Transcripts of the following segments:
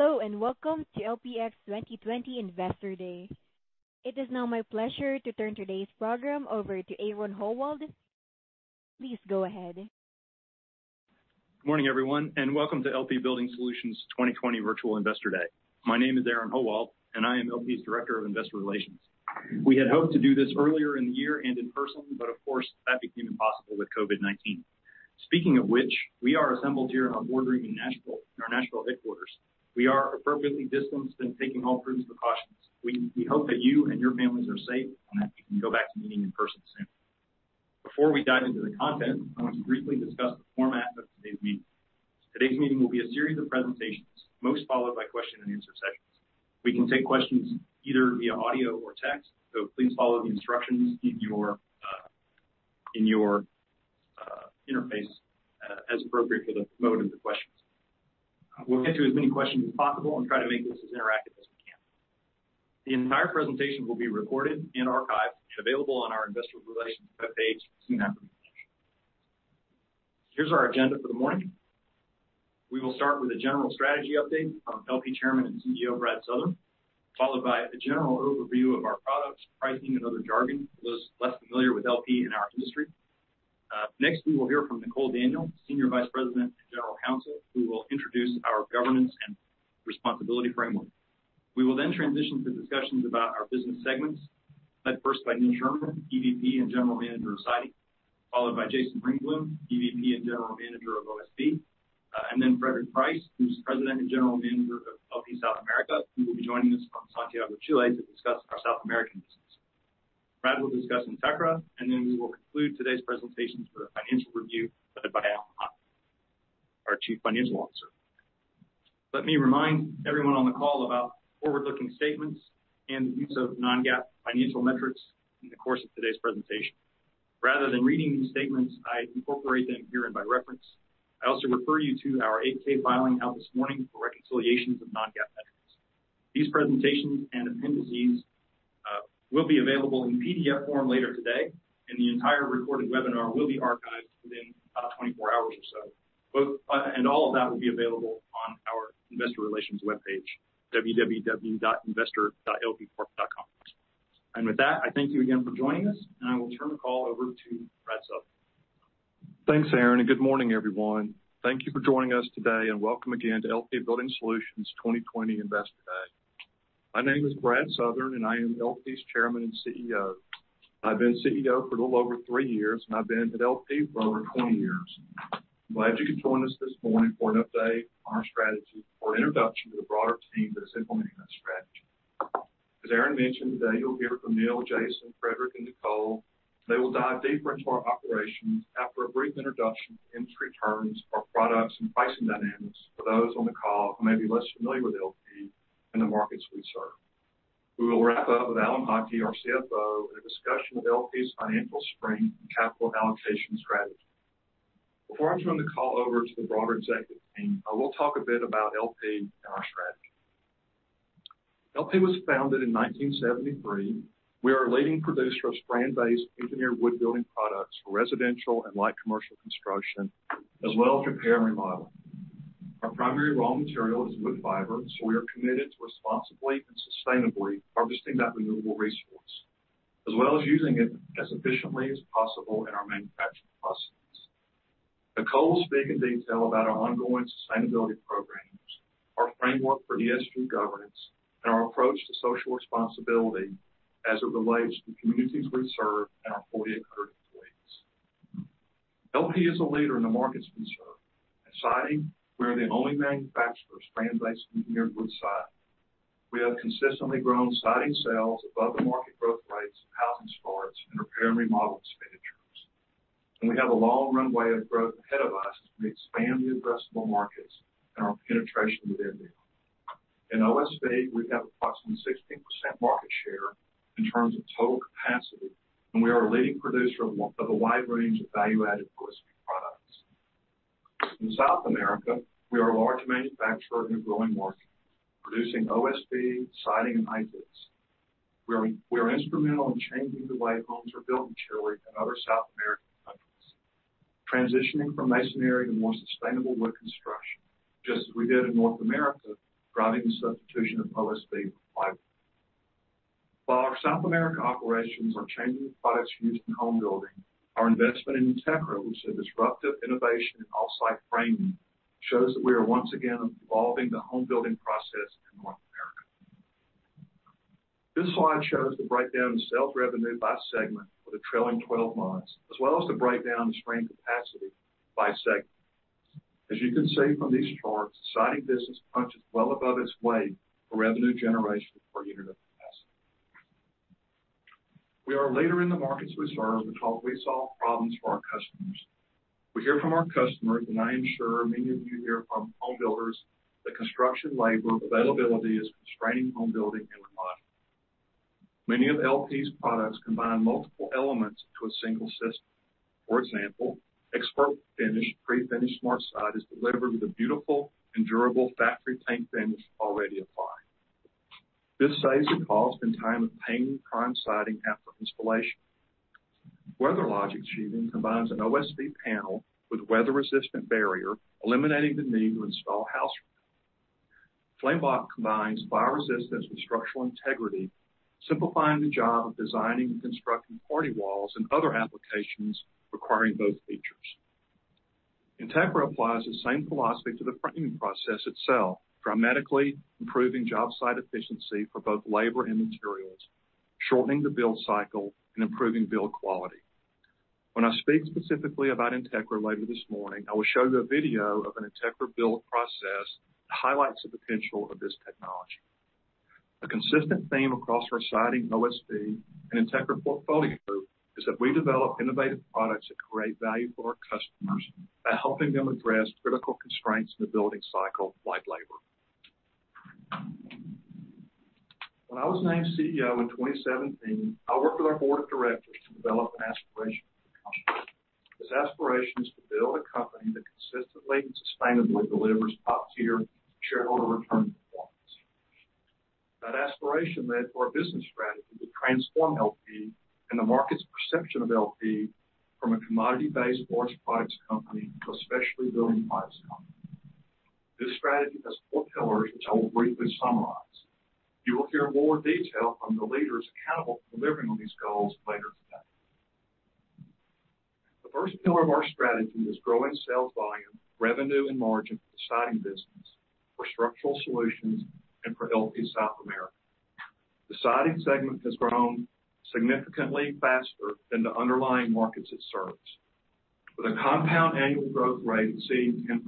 Hello, and welcome to LPX 2020 Investor Day. It is now my pleasure to turn today's program over to Aaron Howald. Please go ahead. Good morning, everyone, and welcome to LP Building Solutions 2020 Virtual Investor Day. My name is Aaron Howald, and I am LP's Director of Investor Relations. We had hoped to do this earlier in the year and in person, but of course, that became impossible with COVID-19. Speaking of which, we are assembled here in our boardroom in Nashville, in our Nashville headquarters. We are appropriately distanced and taking all prudent precautions. We hope that you and your families are safe and that we can go back to meeting in person soon. Before we dive into the content, I want to briefly discuss the format of today's meeting. Today's meeting will be a series of presentations, most followed by question-and-answer sessions. We can take questions either via audio or text, so please follow the instructions in your interface as appropriate for the mode of the questions. We'll get to as many questions as possible and try to make this as interactive as we can. The entire presentation will be recorded and archived and available on our Investor Relations webpage soon after the event. Here's our agenda for the morning. We will start with a general strategy update from LP Chairman and CEO Brad Southern, followed by a general overview of our products, pricing, and other jargon for those less familiar with LP in our industry. Next, we will hear from Nicole Daniel, Senior Vice President and General Counsel, who will introduce our governance and responsibility framework. We will then transition to discussions about our business segments, led first by Neil Sherman, EVP and General Manager of Siding, followed by Jason Ringblom, EVP and General Manager of OSB, and then Frederick Price, who's President and General Manager of LP South America, who will be joining us from Santiago, Chile, to discuss our South American business. Brad will discuss Entegra, and then we will conclude today's presentations with a financial review led by Alan Haughie, our Chief Financial Officer. Let me remind everyone on the call about forward-looking statements and the use of non-GAAP financial metrics in the course of today's presentation. Rather than reading these statements, I incorporate them here in my reference. I also refer you to our 8-K filing out this morning for reconciliations of non-GAAP metrics. These presentations and appendices will be available in PDF form later today, and the entire recorded webinar will be archived within about 24 hours or so. And all of that will be available on our Investor Relations webpage, www.investor.lpcorp.com. And with that, I thank you again for joining us, and I will turn the call over to Brad Southern. Thanks, Aaron, and good morning, everyone. Thank you for joining us today, and welcome again to LP Building Solutions 2020 Investor Day. My name is Brad Southern, and I am LP's Chairman and CEO. I've been CEO for a little over three years, and I've been at LP for over 20 years. I'm glad you could join us this morning for an update on our strategy for an introduction to the broader team that is implementing that strategy. As Aaron mentioned today, you'll hear from Neil, Jason, Frederick, and Nicole. They will dive deeper into our operations after a brief introduction to industry terms, our products, and pricing dynamics for those on the call who may be less familiar with LP and the markets we serve. We will wrap up with Alan Haughie, our CFO, and a discussion of LP's financial strength and capital allocation strategy. Before I turn the call over to the broader executive team, I will talk a bit about LP and our strategy. LP was founded in 1973. We are a leading producer of strand-based engineered wood building products for residential and light commercial construction, as well as repair and remodeling. Our primary raw material is wood fiber, so we are committed to responsibly and sustainably harvesting that renewable resource, as well as using it as efficiently as possible in our manufacturing processes. Nicole will speak in detail about our ongoing sustainability programs, our framework for ESG governance, and our approach to social responsibility as it relates to the communities we serve and our 4,800 employees. LP is a leader in the markets we serve, and siding, we are the only manufacturer of strand-based engineered wood siding. We have consistently grown siding sales above the market growth rates of housing starts and repair and remodel expenditures, and we have a long runway of growth ahead of us as we expand the addressable markets and our penetration within them. In OSB, we have approximately 16% market share in terms of total capacity, and we are a leading producer of a wide range of value-added OSB products. In South America, we are a large manufacturer in a growing market, producing OSB, siding, and I-joists. We are instrumental in changing the way homes are built in Chile and other South American countries, transitioning from masonry to more sustainable wood construction, just as we did in North America, driving the substitution of OSB for fiber. While our South America operations are changing the products used in home building, our investment in Entegra, which is a disruptive innovation in off-site framing, shows that we are once again evolving the home building process in North America. This slide shows the breakdown of sales revenue by segment for the trailing 12 months, as well as the breakdown of strand capacity by segment. As you can see from these charts, the siding business punches well above its weight for revenue generation per unit of capacity. We are a leader in the markets we serve because we solve problems for our customers. We hear from our customers, and I am sure many of you hear from home builders that construction labor availability is constraining home building and remodeling. Many of LP's products combine multiple elements into a single system. For example, ExpertFinish pre-finished SmartSide is delivered with a beautiful and durable factory paint finish already applied. This saves the cost and time of painting prime siding after installation. WeatherLogic Sheathing combines an OSB panel with a weather-resistant barrier, eliminating the need to install house wrap. FlameBlock combines fire resistance with structural integrity, simplifying the job of designing and constructing party walls and other applications requiring both features. Entegra applies the same philosophy to the framing process itself, dramatically improving job site efficiency for both labor and materials, shortening the build cycle, and improving build quality. When I speak specifically about Entegra later this morning, I will show you a video of an Entegra build process that highlights the potential of this technology. A consistent theme across our siding OSB and Entegra portfolio is that we develop innovative products that create value for our customers by helping them address critical constraints in the building cycle, like labor. When I was named CEO in 2017, I worked with our board of directors to develop an aspiration for the company. This aspiration is to build a company that consistently and sustainably delivers top-tier shareholder return performance. That aspiration led to our business strategy to transform LP and the market's perception of LP from a commodity-based lumber products company to a specialty building products company. This strategy has four pillars, which I will briefly summarize. You will hear more detail from the leaders accountable for delivering on these goals later today. The first pillar of our strategy is growing sales volume, revenue, and margin for the siding business, for Structural Solutions, and for LP South America. The siding segment has grown significantly faster than the underlying markets it serves, with a compound annual growth rate exceeding 10%.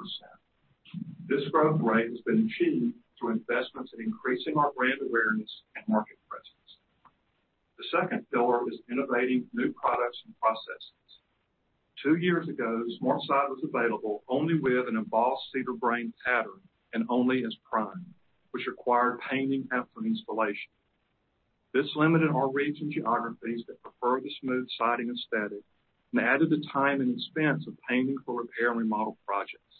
This growth rate has been achieved through investments in increasing our brand awareness and market presence. The second pillar is innovating new products and processes. Two years ago, SmartSide was available only with an embossed cedar grain pattern and only as prime, which required painting after installation. This limited our regional geographies that prefer the smooth siding aesthetic and added the time and expense of painting for repair and remodel projects.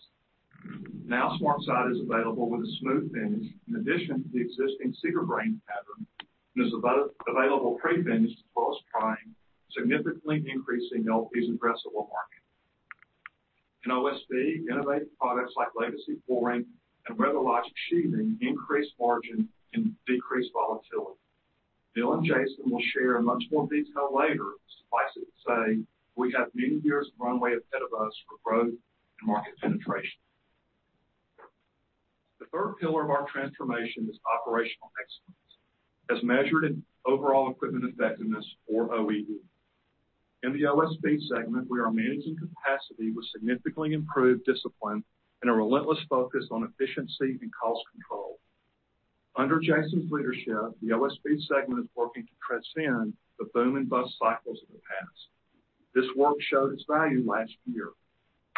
Now, SmartSide is available with a smooth finish in addition to the existing cedar grain pattern and is available pre-finished as well as prime, significantly increasing LP's addressable market. In OSB, innovative products like LP Legacy and LP WeatherLogic sheathing increase margin and decrease volatility. Neil and Jason will share much more detail later as the slides say we have many years of runway ahead of us for growth and market penetration. The third pillar of our transformation is operational excellence, as measured in overall equipment effectiveness, or OEE. In the OSB segment, we are managing capacity with significantly improved discipline and a relentless focus on efficiency and cost control. Under Jason's leadership, the OSB segment is working to transcend the boom and bust cycles of the past. This work showed its value last year.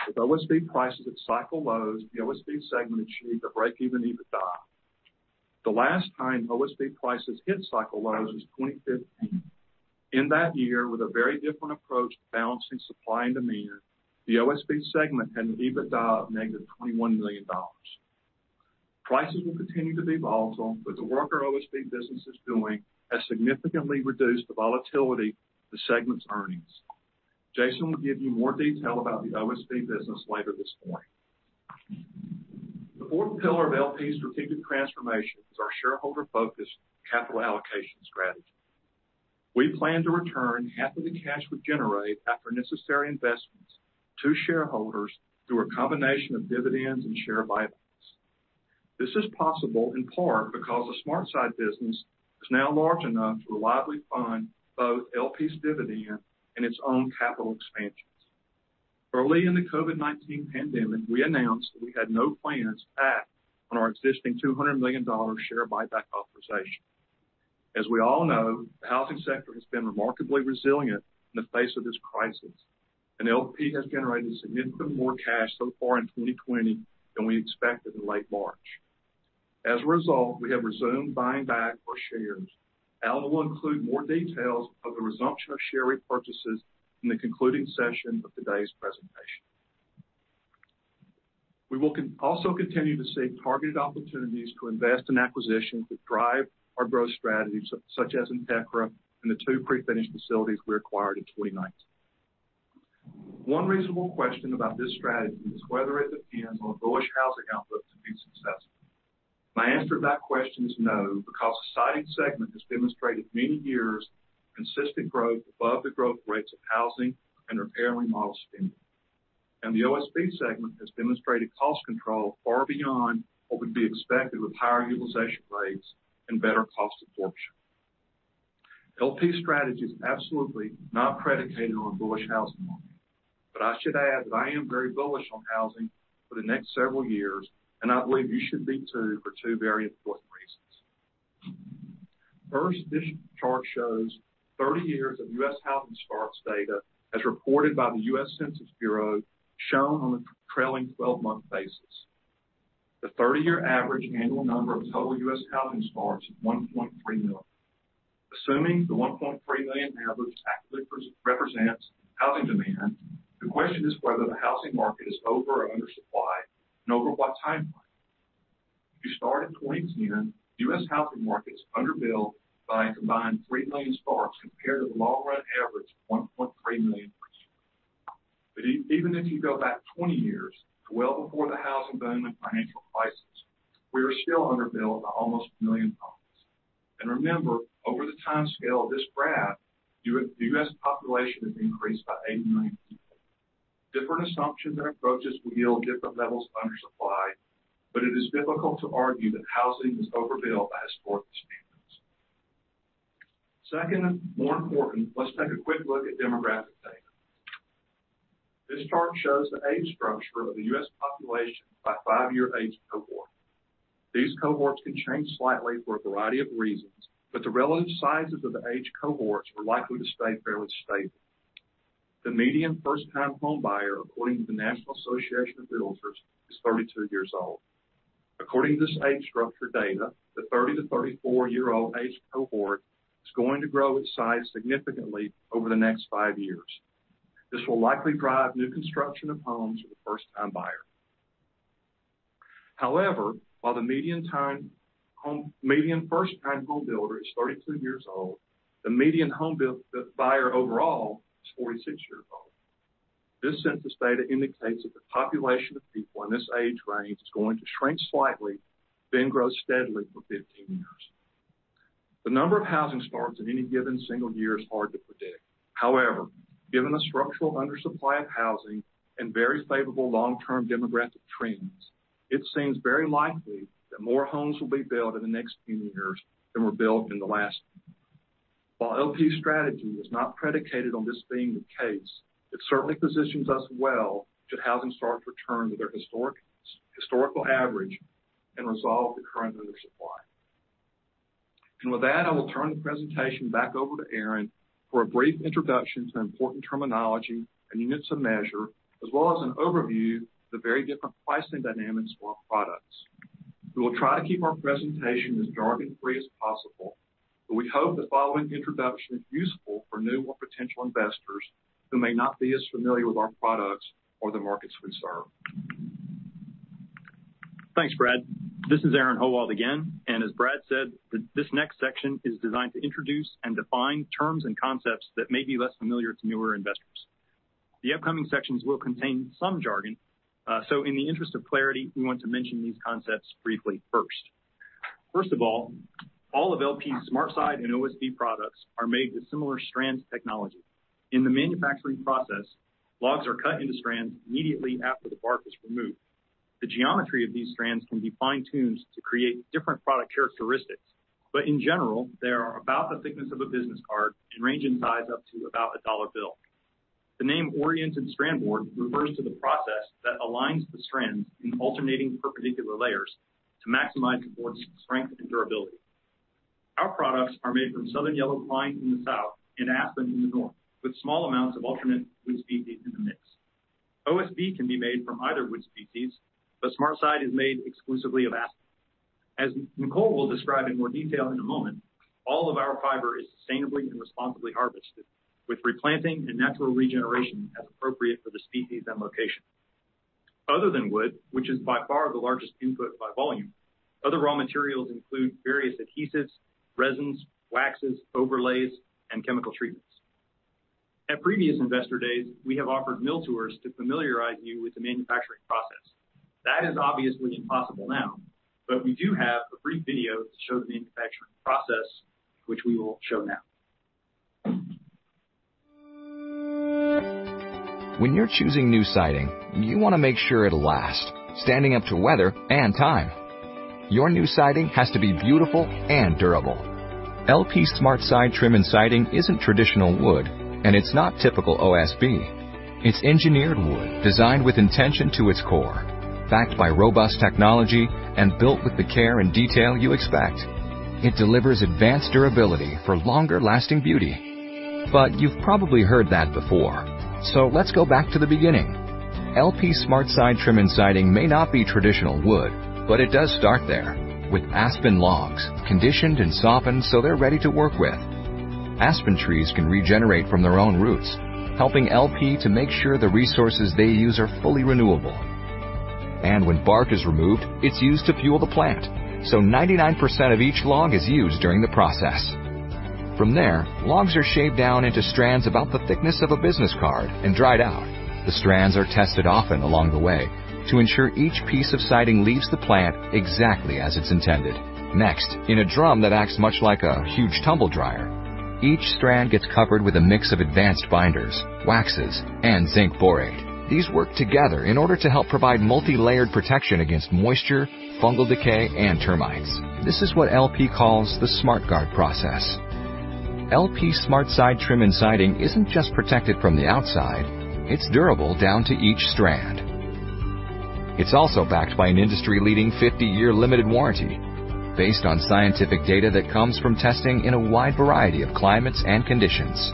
With OSB prices at cycle lows, the OSB segment achieved a break-even EBITDA. The last time OSB prices hit cycle lows was 2015. In that year, with a very different approach to balancing supply and demand, the OSB segment had an EBITDA of negative $21 million. Prices will continue to be volatile, but the work our OSB business is doing has significantly reduced the volatility of the segment's earnings. Jason will give you more detail about the OSB business later this morning. The fourth pillar of LP's strategic transformation is our shareholder-focused capital allocation strategy. We plan to return half of the cash we generate after necessary investments to shareholders through a combination of dividends and share buybacks. This is possible in part because the SmartSide business is now large enough to reliably fund both LP's dividend and its own capital expansions. Early in the COVID-19 pandemic, we announced that we had no plans to act on our existing $200 million share buyback authorization. As we all know, the housing sector has been remarkably resilient in the face of this crisis, and LP has generated significantly more cash so far in 2020 than we expected in late March. As a result, we have resumed buying back our shares. Alan will include more details of the resumption of share repurchases in the concluding session of today's presentation. We will also continue to seek targeted opportunities to invest in acquisitions that drive our growth strategies, such as Entegra and the two pre-finished facilities we acquired in 2019. One reasonable question about this strategy is whether it depends on bullish housing outlook to be successful. My answer to that question is no because the siding segment has demonstrated many years of consistent growth above the growth rates of housing and repair and remodel spending, and the OSB segment has demonstrated cost control far beyond what would be expected with higher utilization rates and better cost absorption. LP's strategy is absolutely not predicated on a bullish housing market, but I should add that I am very bullish on housing for the next several years, and I believe you should be too for two very important reasons. First, this chart shows 30 years of U.S. housing starts data as reported by the U.S. Census Bureau, shown on a trailing 12-month basis. The 30-year average annual number of total U.S. housing starts is 1.3 million. Assuming the 1.3 million average actually represents housing demand, the question is whether the housing market is over or undersupplied and over what timeframe. If you start in 2010, U.S. housing market is underbuilt by a combined three million starts compared to the long-run average of 1.3 million per year. But even if you go back 20 years, well before the housing boom and financial crisis, we are still underbuilt by almost a million starts. And remember, over the time scale of this graph, the U.S. population has increased by eight million people. Different assumptions and approaches will yield different levels of undersupply, but it is difficult to argue that housing is overbuilt by historical standards. Second, more importantly, let's take a quick look at demographic data. This chart shows the age structure of the U.S. population by five-year age cohort. These cohorts can change slightly for a variety of reasons, but the relative sizes of the age cohorts are likely to stay fairly stable. The median first-time home buyer, according to the National Association of Realtors, is 32 years old. According to this age structure data, the 30 to 34-year-old age cohort is going to grow its size significantly over the next five years. This will likely drive new construction of homes for the first-time buyer. However, while the median first-time home buyer is 32 years old, the median home buyer overall is 46 years old. This census data indicates that the population of people in this age range is going to shrink slightly, then grow steadily for 15 years. The number of housing starts in any given single year is hard to predict. However, given the structural undersupply of housing and very favorable long-term demographic trends, it seems very likely that more homes will be built in the next few years than were built in the last year. While LP's strategy is not predicated on this being the case, it certainly positions us well should housing starts return to their historical average and resolve the current undersupply. With that, I will turn the presentation back over to Aaron for a brief introduction to important terminology and units of measure, as well as an overview of the very different pricing dynamics for our products. We will try to keep our presentation as jargon-free as possible, but we hope the following introduction is useful for new or potential investors who may not be as familiar with our products or the markets we serve. Thanks, Brad. This is Aaron Howald again. And as Brad said, this next section is designed to introduce and define terms and concepts that may be less familiar to newer investors. The upcoming sections will contain some jargon, so in the interest of clarity, we want to mention these concepts briefly first. First of all, all of LP's SmartSide and OSB products are made with similar strand technology. In the manufacturing process, logs are cut into strands immediately after the bark is removed. The geometry of these strands can be fine-tuned to create different product characteristics, but in general, they are about the thickness of a business card and range in size up to about a dollar bill. The name oriented strand board refers to the process that aligns the strands in alternating perpendicular layers to maximize the board's strength and durability. Our products are made from Southern Yellow Pine in the south and aspen in the north, with small amounts of alternate wood species in the mix. OSB can be made from either wood species, but SmartSide is made exclusively of aspen. As Nicole will describe in more detail in a moment, all of our fiber is sustainably and responsibly harvested, with replanting and natural regeneration as appropriate for the species and location. Other than wood, which is by far the largest input by volume, other raw materials include various adhesives, resins, waxes, overlays, and chemical treatments. At previous investor days, we have offered mill tours to familiarize you with the manufacturing process. That is obviously impossible now, but we do have a brief video to show the manufacturing process, which we will show now. When you're choosing new siding, you want to make sure it'll last, standing up to weather and time. Your new siding has to be beautiful and durable. LP SmartSide Trim and Siding isn't traditional wood, and it's not typical OSB. It's engineered wood designed with intention to its core, backed by robust technology, and built with the care and detail you expect. It delivers advanced durability for longer-lasting beauty. But you've probably heard that before, so let's go back to the beginning. LP SmartSide Trim and Siding may not be traditional wood, but it does start there, with aspen logs conditioned and softened so they're ready to work with. aspen trees can regenerate from their own roots, helping LP to make sure the resources they use are fully renewable. When bark is removed, it's used to fuel the plant, so 99% of each log is used during the process. From there, logs are shaved down into strands about the thickness of a business card and dried out. The strands are tested often along the way to ensure each piece of siding leaves the plant exactly as it's intended. Next, in a drum that acts much like a huge tumble dryer, each strand gets covered with a mix of advanced binders, waxes, and zinc borate. These work together in order to help provide multi-layered protection against moisture, fungal decay, and termites. This is what LP calls the SmartGuard process. LP SmartSide Trim and Siding isn't just protected from the outside. It's durable down to each strand. It's also backed by an industry-leading 50-year limited warranty based on scientific data that comes from testing in a wide variety of climates and conditions.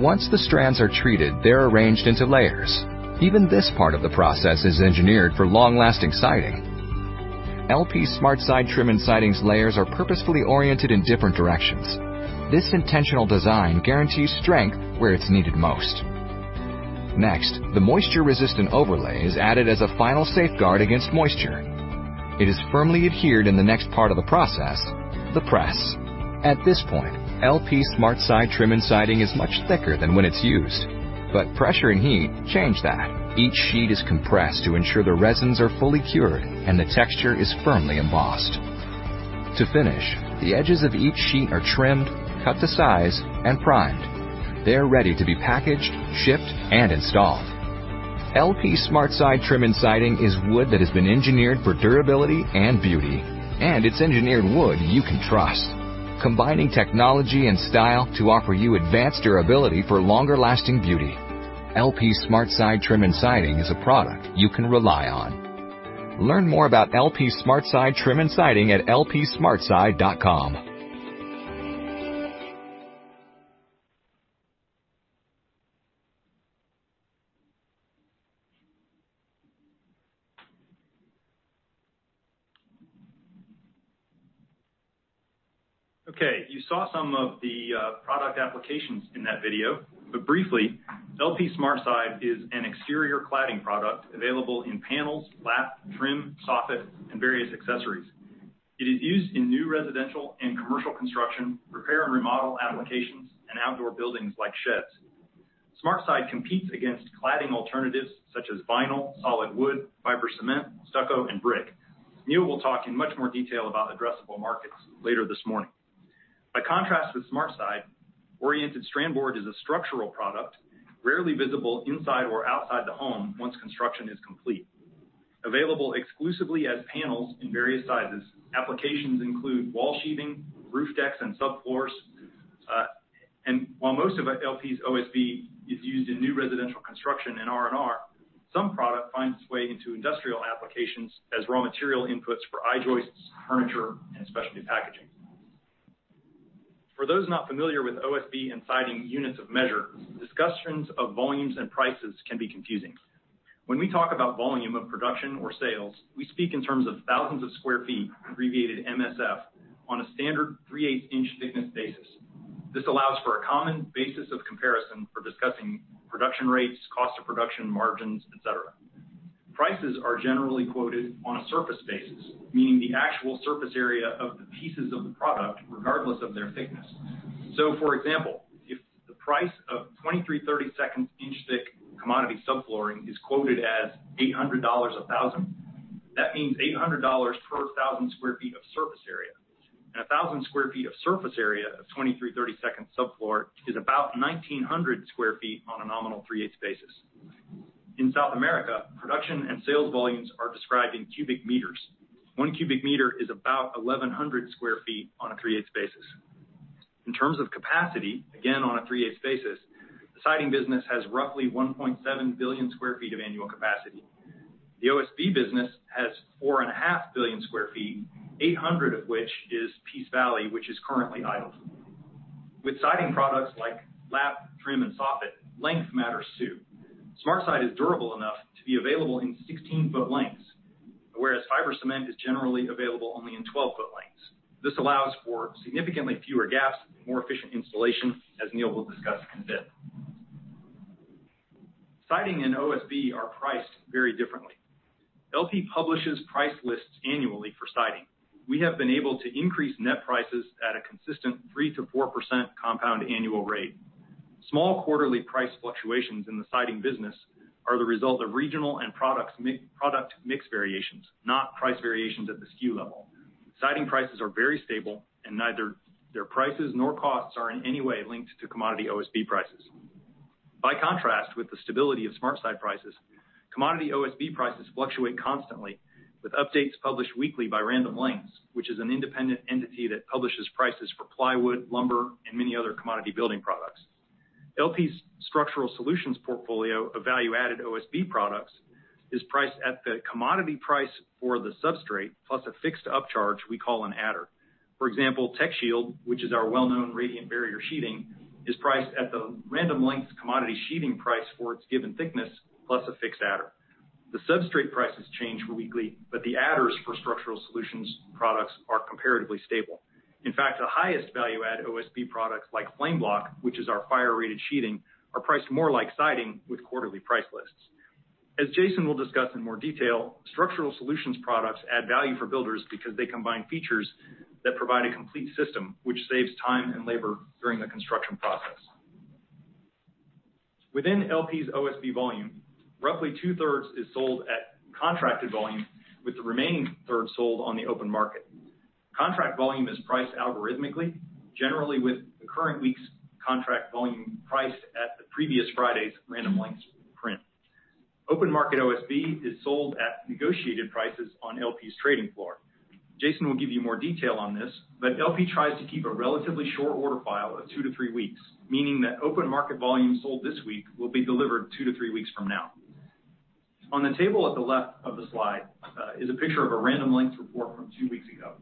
Once the strands are treated, they're arranged into layers. Even this part of the process is engineered for long-lasting siding. LP SmartSide Trim and Siding's layers are purposefully oriented in different directions. This intentional design guarantees strength where it's needed most. Next, the moisture-resistant overlay is added as a final safeguard against moisture. It is firmly adhered in the next part of the process, the press. At this point, LP SmartSide Trim and Siding is much thicker than when it's used, but pressure and heat change that. Each sheet is compressed to ensure the resins are fully cured and the texture is firmly embossed. To finish, the edges of each sheet are trimmed, cut to size, and primed. They're ready to be packaged, shipped, and installed. LP SmartSide Trim and Siding is wood that has been engineered for durability and beauty, and it's engineered wood you can trust, combining technology and style to offer you advanced durability for longer-lasting beauty. LP SmartSide Trim and Siding is a product you can rely on. Learn more about LP SmartSide Trim and Siding at lpsmartside.com. Okay, you saw some of the product applications in that video, but briefly, LP SmartSide is an exterior cladding product available in panels, lap, trim, soffit, and various accessories. It is used in new residential and commercial construction, repair and remodel applications, and outdoor buildings like sheds. SmartSide competes against cladding alternatives such as vinyl, solid wood, fiber cement, stucco, and brick. Neil will talk in much more detail about addressable markets later this morning. By contrast with SmartSide, oriented strand board is a structural product rarely visible inside or outside the home once construction is complete. Available exclusively as panels in various sizes, applications include wall sheathing, roof decks, and subfloors, and while most of LP's OSB is used in new residential construction and R&R, some product finds its way into industrial applications as raw material inputs for I-joists, furniture, and specialty packaging. For those not familiar with OSB and siding units of measure, discussions of volumes and prices can be confusing. When we talk about volume of production or sales, we speak in terms of thousands of square feet, abbreviated MSF, on a standard 3/8-inch thickness basis. This allows for a common basis of comparison for discussing production rates, cost of production margins, etc. Prices are generally quoted on a surface basis, meaning the actual surface area of the pieces of the product, regardless of their thickness, so for example, if the price of 23/32-inch thick commodity subflooring is quoted as $800 a thousand, that means $800 per 1,000 sq ft of surface area, and 1,000 sq ft of surface area of 23/32 subfloor is about 1,900 sq ft on a nominal 3/8 basis. In South America, production and sales volumes are described in cubic meters. One cubic meter is about 1,100 sq ft on a 3/8 basis. In terms of capacity, again on a 3/8 basis, the siding business has roughly 1.7 billion sq ft of annual capacity. The OSB business has 4.5 billion sq ft, 800 of which is Peace Valley, which is currently idle. With siding products like lap, trim, and soffit, length matters too. SmartSide is durable enough to be available in 16-foot lengths, whereas fiber cement is generally available only in 12-foot lengths. This allows for significantly fewer gaps and more efficient installation, as Neil will discuss in a bit. Siding and OSB are priced very differently. LP publishes price lists annually for siding. We have been able to increase net prices at a consistent 3%-4% compound annual rate. Small quarterly price fluctuations in the siding business are the result of regional and product mix variations, not price variations at the SKU level. Siding prices are very stable, and neither their prices nor costs are in any way linked to commodity OSB prices. By contrast, with the stability of SmartSide prices, commodity OSB prices fluctuate constantly, with updates published weekly by Random Lengths, which is an independent entity that publishes prices for plywood, lumber, and many other commodity building products. LP's Structural Solutions portfolio of value-added OSB products is priced at the commodity price for the substrate, plus a fixed upcharge we call an adder. For example, TechShield, which is our well-known radiant barrier sheathing, is priced at the Random Lengths commodity sheathing price for its given thickness, plus a fixed adder. The substrate prices change weekly, but the adders for Structural Solutions products are comparatively stable. In fact, the highest value-add OSB products like FlameBlock, which is our fire-rated sheathing, are priced more like siding with quarterly price lists. As Jason will discuss in more detail, Structural Solutions products add value for builders because they combine features that provide a complete system, which saves time and labor during the construction process. Within LP's OSB volume, roughly two-thirds is sold at contracted volume, with the remaining third sold on the open market. Contract volume is priced algorithmically, generally with the current week's contract volume priced at the previous Friday's Random Lengths print. Open market OSB is sold at negotiated prices on LP's trading floor. Jason will give you more detail on this, but LP tries to keep a relatively short order file of two to three weeks, meaning that open market volume sold this week will be delivered two to three weeks from now. On the table at the left of the slide is a picture of a Random Lengths report from two weeks ago.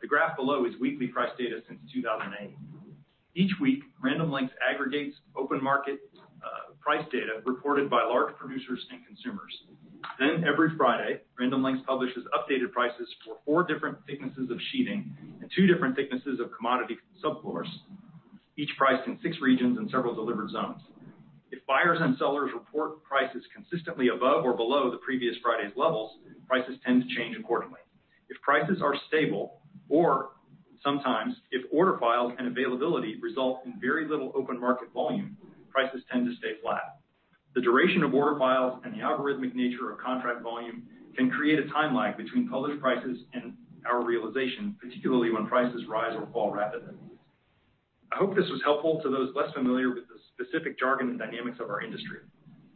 The graph below is weekly price data since 2008. Each week, Random Lengths aggregates open market price data reported by large producers and consumers. Then, every Friday, Random Lengths publishes updated prices for four different thicknesses of sheathing and two different thicknesses of commodity subfloors, each priced in six regions and several delivered zones. If buyers and sellers report prices consistently above or below the previous Friday's levels, prices tend to change accordingly. If prices are stable, or sometimes if order files and availability result in very little open market volume, prices tend to stay flat. The duration of order files and the algorithmic nature of contract volume can create a time lag between published prices and our realization, particularly when prices rise or fall rapidly. I hope this was helpful to those less familiar with the specific jargon and dynamics of our industry.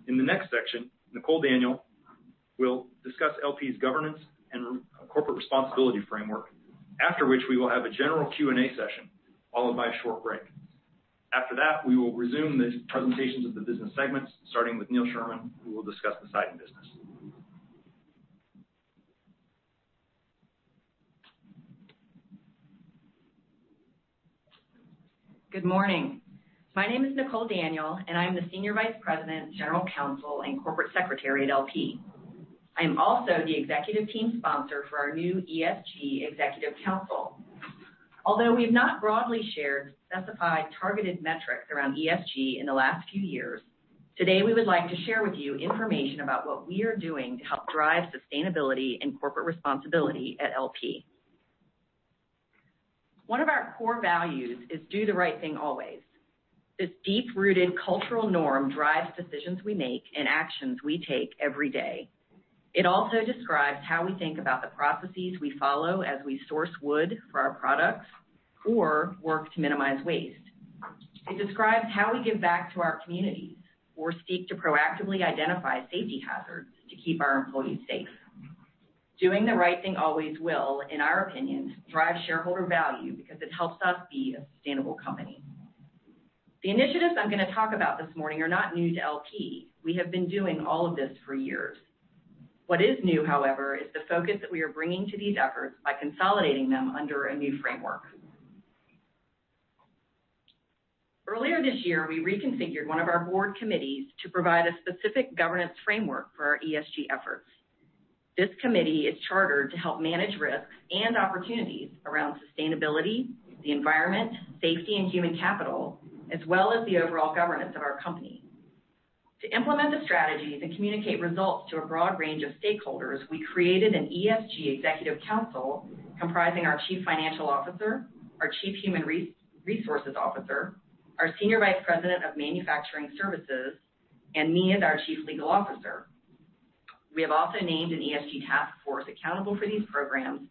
In the next section, Nicole Daniel will discuss LP's governance and corporate responsibility framework, after which we will have a general Q&A session followed by a short break. After that, we will resume the presentations of the business segments, starting with Neil Sherman, who will discuss the siding business. Good morning. My name is Nicole Daniel, and I'm the Senior Vice President, General Counsel, and Corporate Secretary at LP. I am also the executive team sponsor for our new ESG Executive Council. Although we have not broadly shared specified targeted metrics around ESG in the last few years, today we would like to share with you information about what we are doing to help drive sustainability and corporate responsibility at LP. One of our core values is do the right thing always. This deep-rooted cultural norm drives decisions we make and actions we take every day. It also describes how we think about the processes we follow as we source wood for our products or work to minimize waste. It describes how we give back to our communities or seek to proactively identify safety hazards to keep our employees safe. Doing the right thing always will, in our opinion, drive shareholder value because it helps us be a sustainable company. The initiatives I'm going to talk about this morning are not new to LP. We have been doing all of this for years. What is new, however, is the focus that we are bringing to these efforts by consolidating them under a new framework. Earlier this year, we reconfigured one of our board committees to provide a specific governance framework for our ESG efforts. This committee is chartered to help manage risks and opportunities around sustainability, the environment, safety, and human capital, as well as the overall governance of our company. To implement the strategies and communicate results to a broad range of stakeholders, we created an ESG executive counsel comprising our Chief Financial Officer, our Chief Human Resources Officer, our Senior Vice President of Manufacturing Services, and me as our Chief Legal Officer. We have also named an ESG task force accountable for these programs,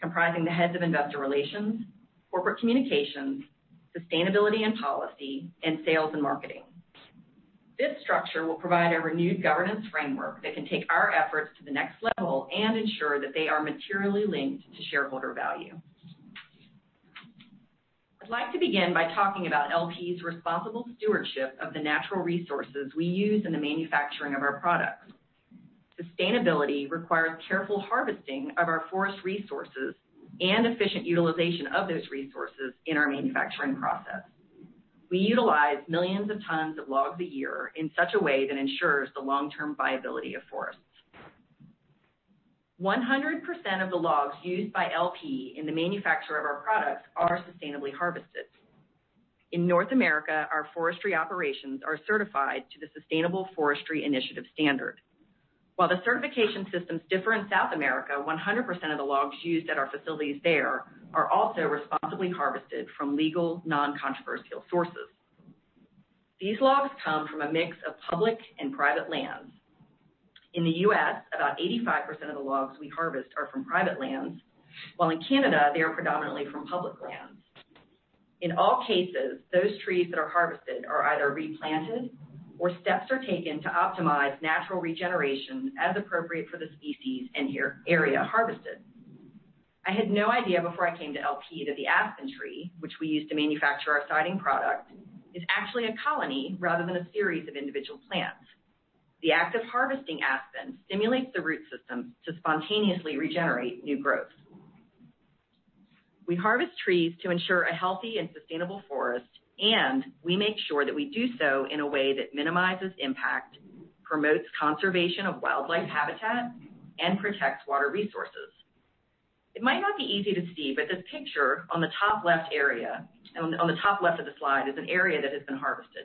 comprising the heads of investor relations, corporate communications, sustainability and policy, and sales and marketing. This structure will provide a renewed governance framework that can take our efforts to the next level and ensure that they are materially linked to shareholder value. I'd like to begin by talking about LP's responsible stewardship of the natural resources we use in the manufacturing of our products. Sustainability requires careful harvesting of our forest resources and efficient utilization of those resources in our manufacturing process. We utilize millions of tons of logs a year in such a way that ensures the long-term viability of forests. 100% of the logs used by LP in the manufacture of our products are sustainably harvested. In North America, our forestry operations are certified to the Sustainable Forestry Initiative standard. While the certification systems differ in South America, 100% of the logs used at our facilities there are also responsibly harvested from legal, non-controversial sources. These logs come from a mix of public and private lands. In the U.S., about 85% of the logs we harvest are from private lands, while in Canada, they are predominantly from public lands. In all cases, those trees that are harvested are either replanted or steps are taken to optimize natural regeneration as appropriate for the species and area harvested. I had no idea before I came to LP that the aspen tree, which we use to manufacture our siding product, is actually a colony rather than a series of individual plants. The act of harvesting aspen stimulates the root systems to spontaneously regenerate new growth. We harvest trees to ensure a healthy and sustainable forest, and we make sure that we do so in a way that minimizes impact, promotes conservation of wildlife habitat, and protects water resources. It might not be easy to see, but this picture on the top left area of the slide is an area that has been harvested.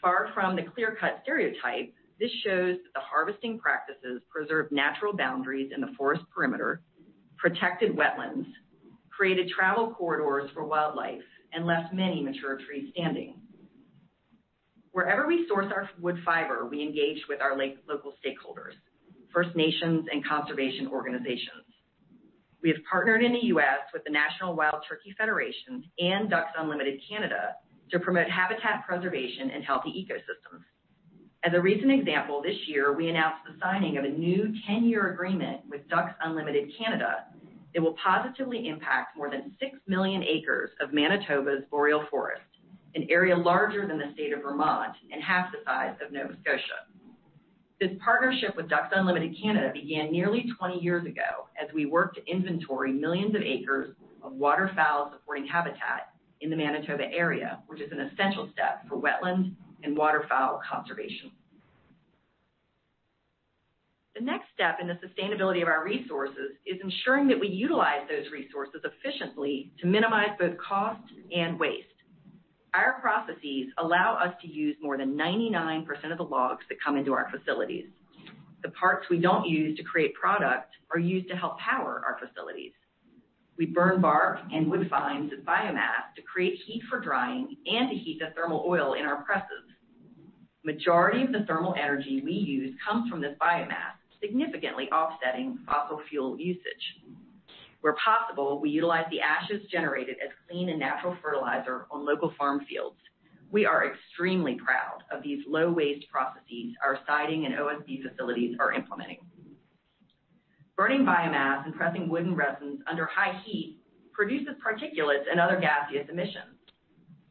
Far from the clear-cut stereotype, this shows that the harvesting practices preserved natural boundaries in the forest perimeter, protected wetlands, created travel corridors for wildlife, and left many mature trees standing. Wherever we source our wood fiber, we engage with our local stakeholders, First Nations and conservation organizations. We have partnered in the U.S. with the National Wild Turkey Federation and Ducks Unlimited Canada to promote habitat preservation and healthy ecosystems. As a recent example, this year, we announced the signing of a new 10-year agreement with Ducks Unlimited Canada that will positively impact more than six million acres of Manitoba's boreal forest, an area larger than the state of Vermont and half the size of Nova Scotia. This partnership with Ducks Unlimited Canada began nearly 20 years ago as we worked to inventory millions of acres of waterfowl-supporting habitat in the Manitoba area, which is an essential step for wetland and waterfowl conservation. The next step in the sustainability of our resources is ensuring that we utilize those resources efficiently to minimize both cost and waste. Our processes allow us to use more than 99% of the logs that come into our facilities. The parts we don't use to create product are used to help power our facilities. We burn bark and wood fines as biomass to create heat for drying and to heat the thermal oil in our presses. The majority of the thermal energy we use comes from this biomass, significantly offsetting fossil fuel usage. Where possible, we utilize the ashes generated as clean and natural fertilizer on local farm fields. We are extremely proud of these low-waste processes our siding and OSB facilities are implementing. Burning biomass and pressing wood and resins under high heat produces particulates and other gaseous emissions,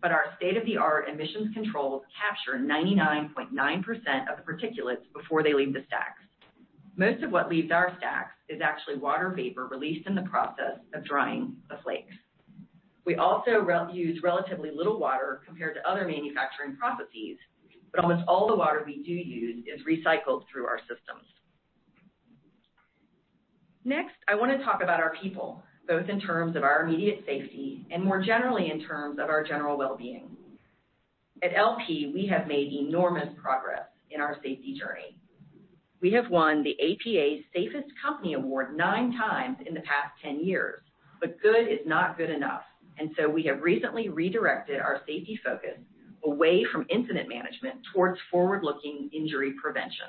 but our state-of-the-art emissions controls capture 99.9% of the particulates before they leave the stacks. Most of what leaves our stacks is actually water vapor released in the process of drying the flakes. We also use relatively little water compared to other manufacturing processes, but almost all the water we do use is recycled through our systems. Next, I want to talk about our people, both in terms of our immediate safety and more generally in terms of our general well-being. At LP, we have made enormous progress in our safety journey. We have won the APA's Safest Company Award nine times in the past 10 years, but good is not good enough, and so we have recently redirected our safety focus away from incident management towards forward-looking injury prevention.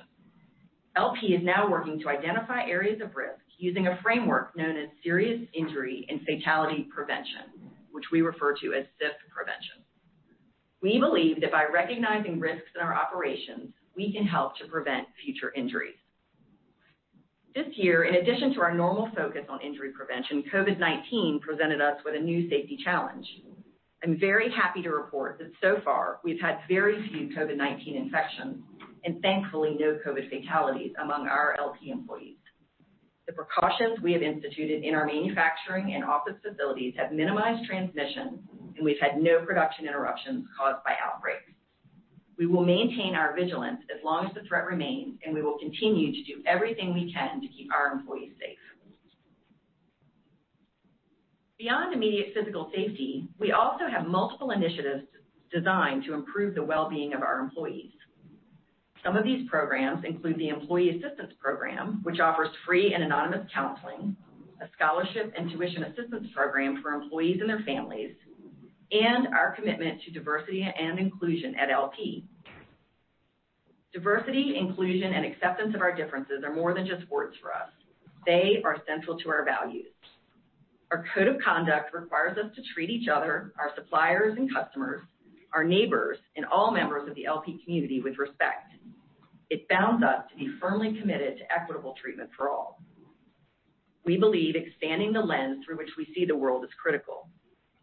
LP is now working to identify areas of risk using a framework known as serious injury and fatality prevention, which we refer to as SIF prevention. We believe that by recognizing risks in our operations, we can help to prevent future injuries. This year, in addition to our normal focus on injury prevention, COVID-19 presented us with a new safety challenge. I'm very happy to report that so far we've had very few COVID-19 infections and thankfully no COVID fatalities among our LP employees. The precautions we have instituted in our manufacturing and office facilities have minimized transmission, and we've had no production interruptions caused by outbreaks. We will maintain our vigilance as long as the threat remains, and we will continue to do everything we can to keep our employees safe. Beyond immediate physical safety, we also have multiple initiatives designed to improve the well-being of our employees. Some of these programs include the Employee Assistance Program, which offers free and anonymous counseling, a scholarship and tuition assistance program for employees and their families, and our commitment to diversity and inclusion at LP. Diversity, inclusion, and acceptance of our differences are more than just words for us. They are central to our values. Our code of conduct requires us to treat each other, our suppliers and customers, our neighbors, and all members of the LP community with respect. It bounds us to be firmly committed to equitable treatment for all. We believe expanding the lens through which we see the world is critical.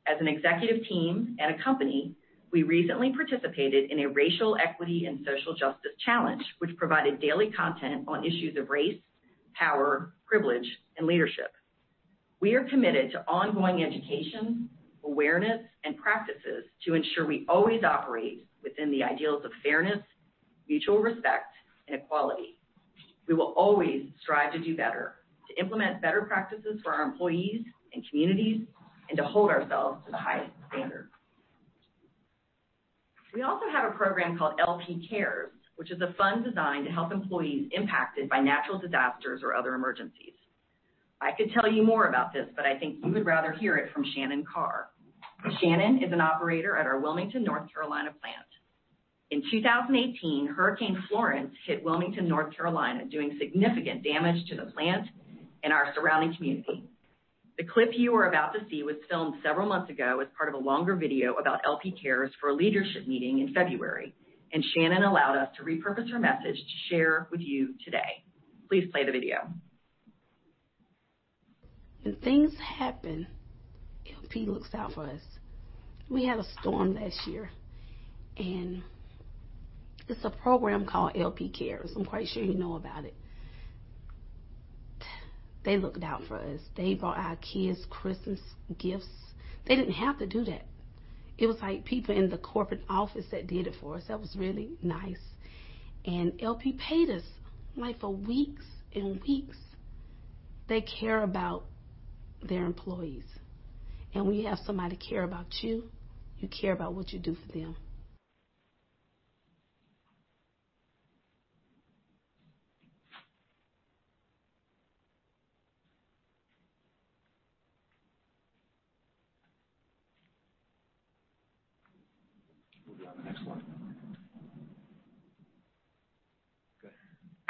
As an executive team and a company, we recently participated in a racial equity and social justice challenge, which provided daily content on issues of race, power, privilege, and leadership. We are committed to ongoing education, awareness, and practices to ensure we always operate within the ideals of fairness, mutual respect, and equality. We will always strive to do better, to implement better practices for our employees and communities, and to hold ourselves to the highest standard. We also have a program called LP Cares, which is a fund designed to help employees impacted by natural disasters or other emergencies. I could tell you more about this, but I think you would rather hear it from Shannon Carr. Shannon is an operator at our Wilmington, North Carolina, plant. In 2018, Hurricane Florence hit Wilmington, North Carolina, doing significant damage to the plant and our surrounding community. The clip you are about to see was filmed several months ago as part of a longer video about LP Cares for a leadership meeting in February, and Shannon allowed us to repurpose her message to share with you today. Please play the video. When things happen, LP looks out for us. We had a storm last year, and it's a program called LP Cares. I'm quite sure you know about it. They looked out for us. They brought our kids Christmas gifts. They didn't have to do that. It was like people in the corporate office that did it for us. That was really nice, and LP paid us for weeks and weeks. They care about their employees. And when you have somebody care about you, you care about what you do for them.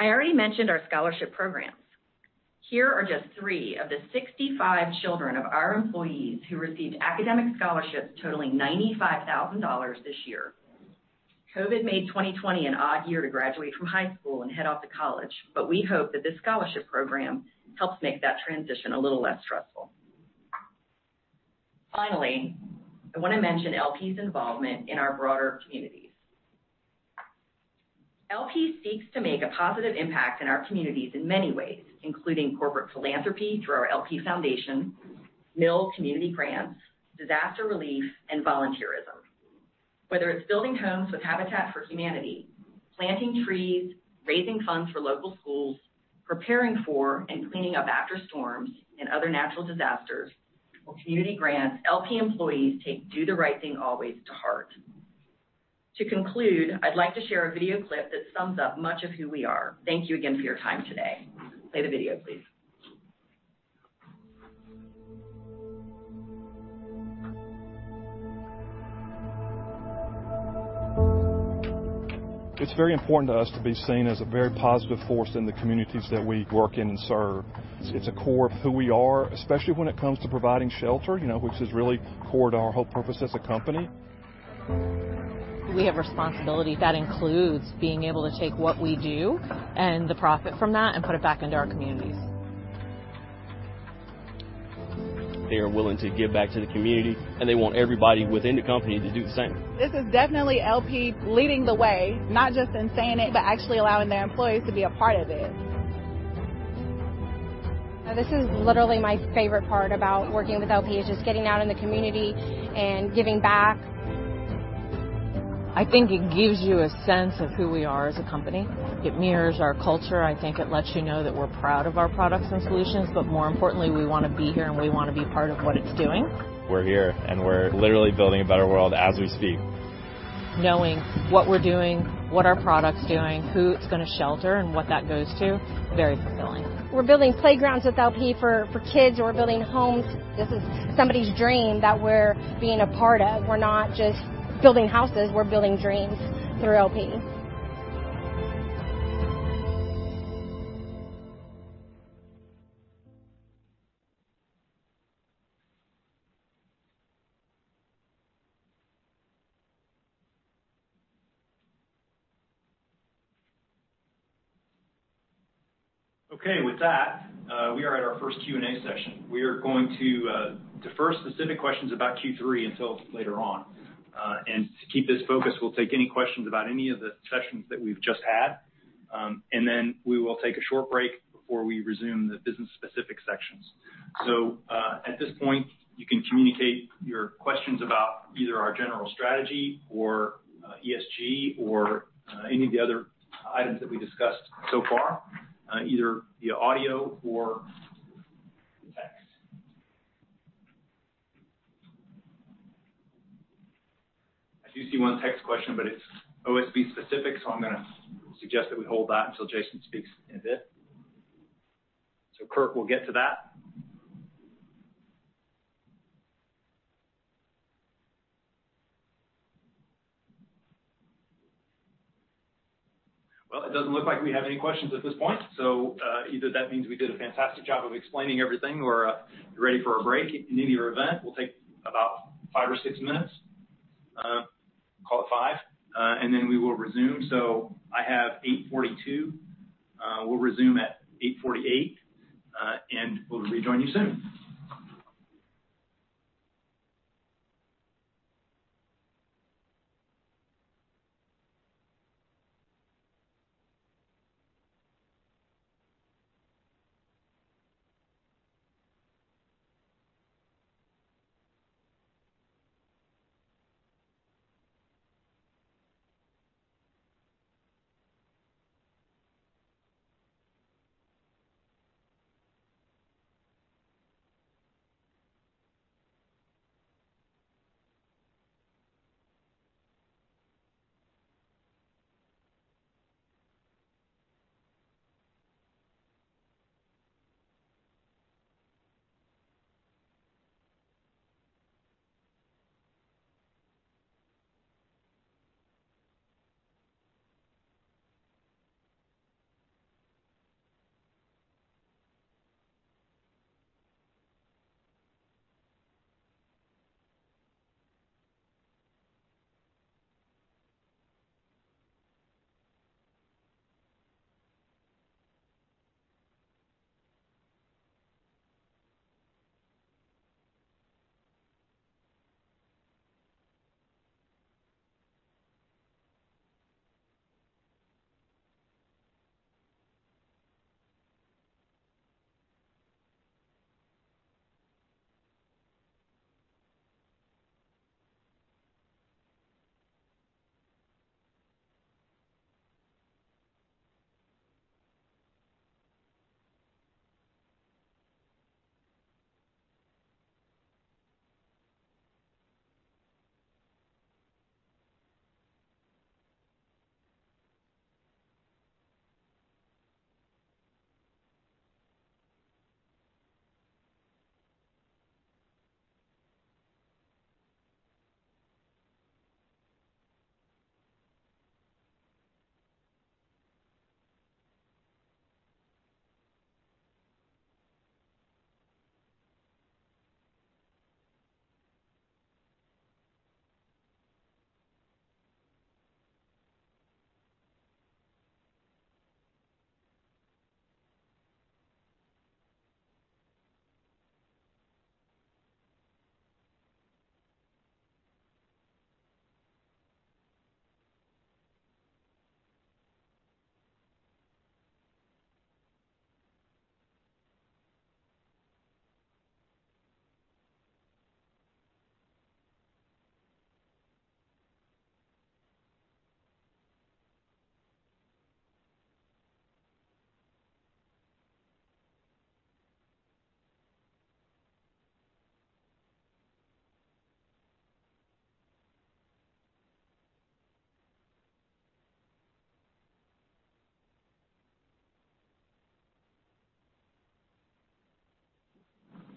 Moving on to the next one. Go ahead. I already mentioned our scholarship programs. Here are just three of the 65 children of our employees who received academic scholarships totaling $95,000 this year. COVID made 2020 an odd year to graduate from high school and head off to college, but we hope that this scholarship program helps make that transition a little less stressful. Finally, I want to mention LP's involvement in our broader communities. LP seeks to make a positive impact in our communities in many ways, including corporate philanthropy through our LP Foundation, mill community grants, disaster relief, and volunteerism. Whether it's building homes with Habitat for Humanity, planting trees, raising funds for local schools, preparing for and cleaning up after storms and other natural disasters, or community grants, LP employees take "Do the Right Thing Always" to heart. To conclude, I'd like to share a video clip that sums up much of who we are. Thank you again for your time today. Play the video, please. It's very important to us to be seen as a very positive force in the communities that we work in and serve. It's a core of who we are, especially when it comes to providing shelter, which is really core to our whole purpose as a company. We have responsibilities that include being able to take what we do and the profit from that and put it back into our communities. They are willing to give back to the community, and they want everybody within the company to do the same. This is definitely LP leading the way, not just in saying it, but actually allowing their employees to be a part of it. This is literally my favorite part about working with LP, is just getting out in the community and giving back. I think it gives you a sense of who we are as a company. It mirrors our culture. I think it lets you know that we're proud of our products and solutions, but more importantly, we want to be here and we want to be part of what it's doing. We're here, and we're literally building a better world as we speak. Knowing what we're doing, what our product's doing, who it's going to shelter, and what that goes to, very fulfilling. We're building playgrounds with LP for kids, or we're building homes. This is somebody's dream that we're being a part of. We're not just building houses. We're building dreams through LP. Okay, with that, we are at our first Q&A session. We are going to defer specific questions about Q3 until later on. To keep this focus, we'll take any questions about any of the sessions that we've just had, and then we will take a short break before we resume the business-specific sections. At this point, you can communicate your questions about either our general strategy or ESG or any of the other items that we discussed so far, either via audio or text. I do see one text question, but it's OSB-specific, so I'm going to suggest that we hold that until Jason speaks in a bit. Kirk will get to that. It doesn't look like we have any questions at this point, so either that means we did a fantastic job of explaining everything or you're ready for a break. In any event, we'll take about five or six minutes, call it five, and then we will resume. I have 8:42 A.M. We'll resume at 8:48 A.M., and we'll rejoin you soon.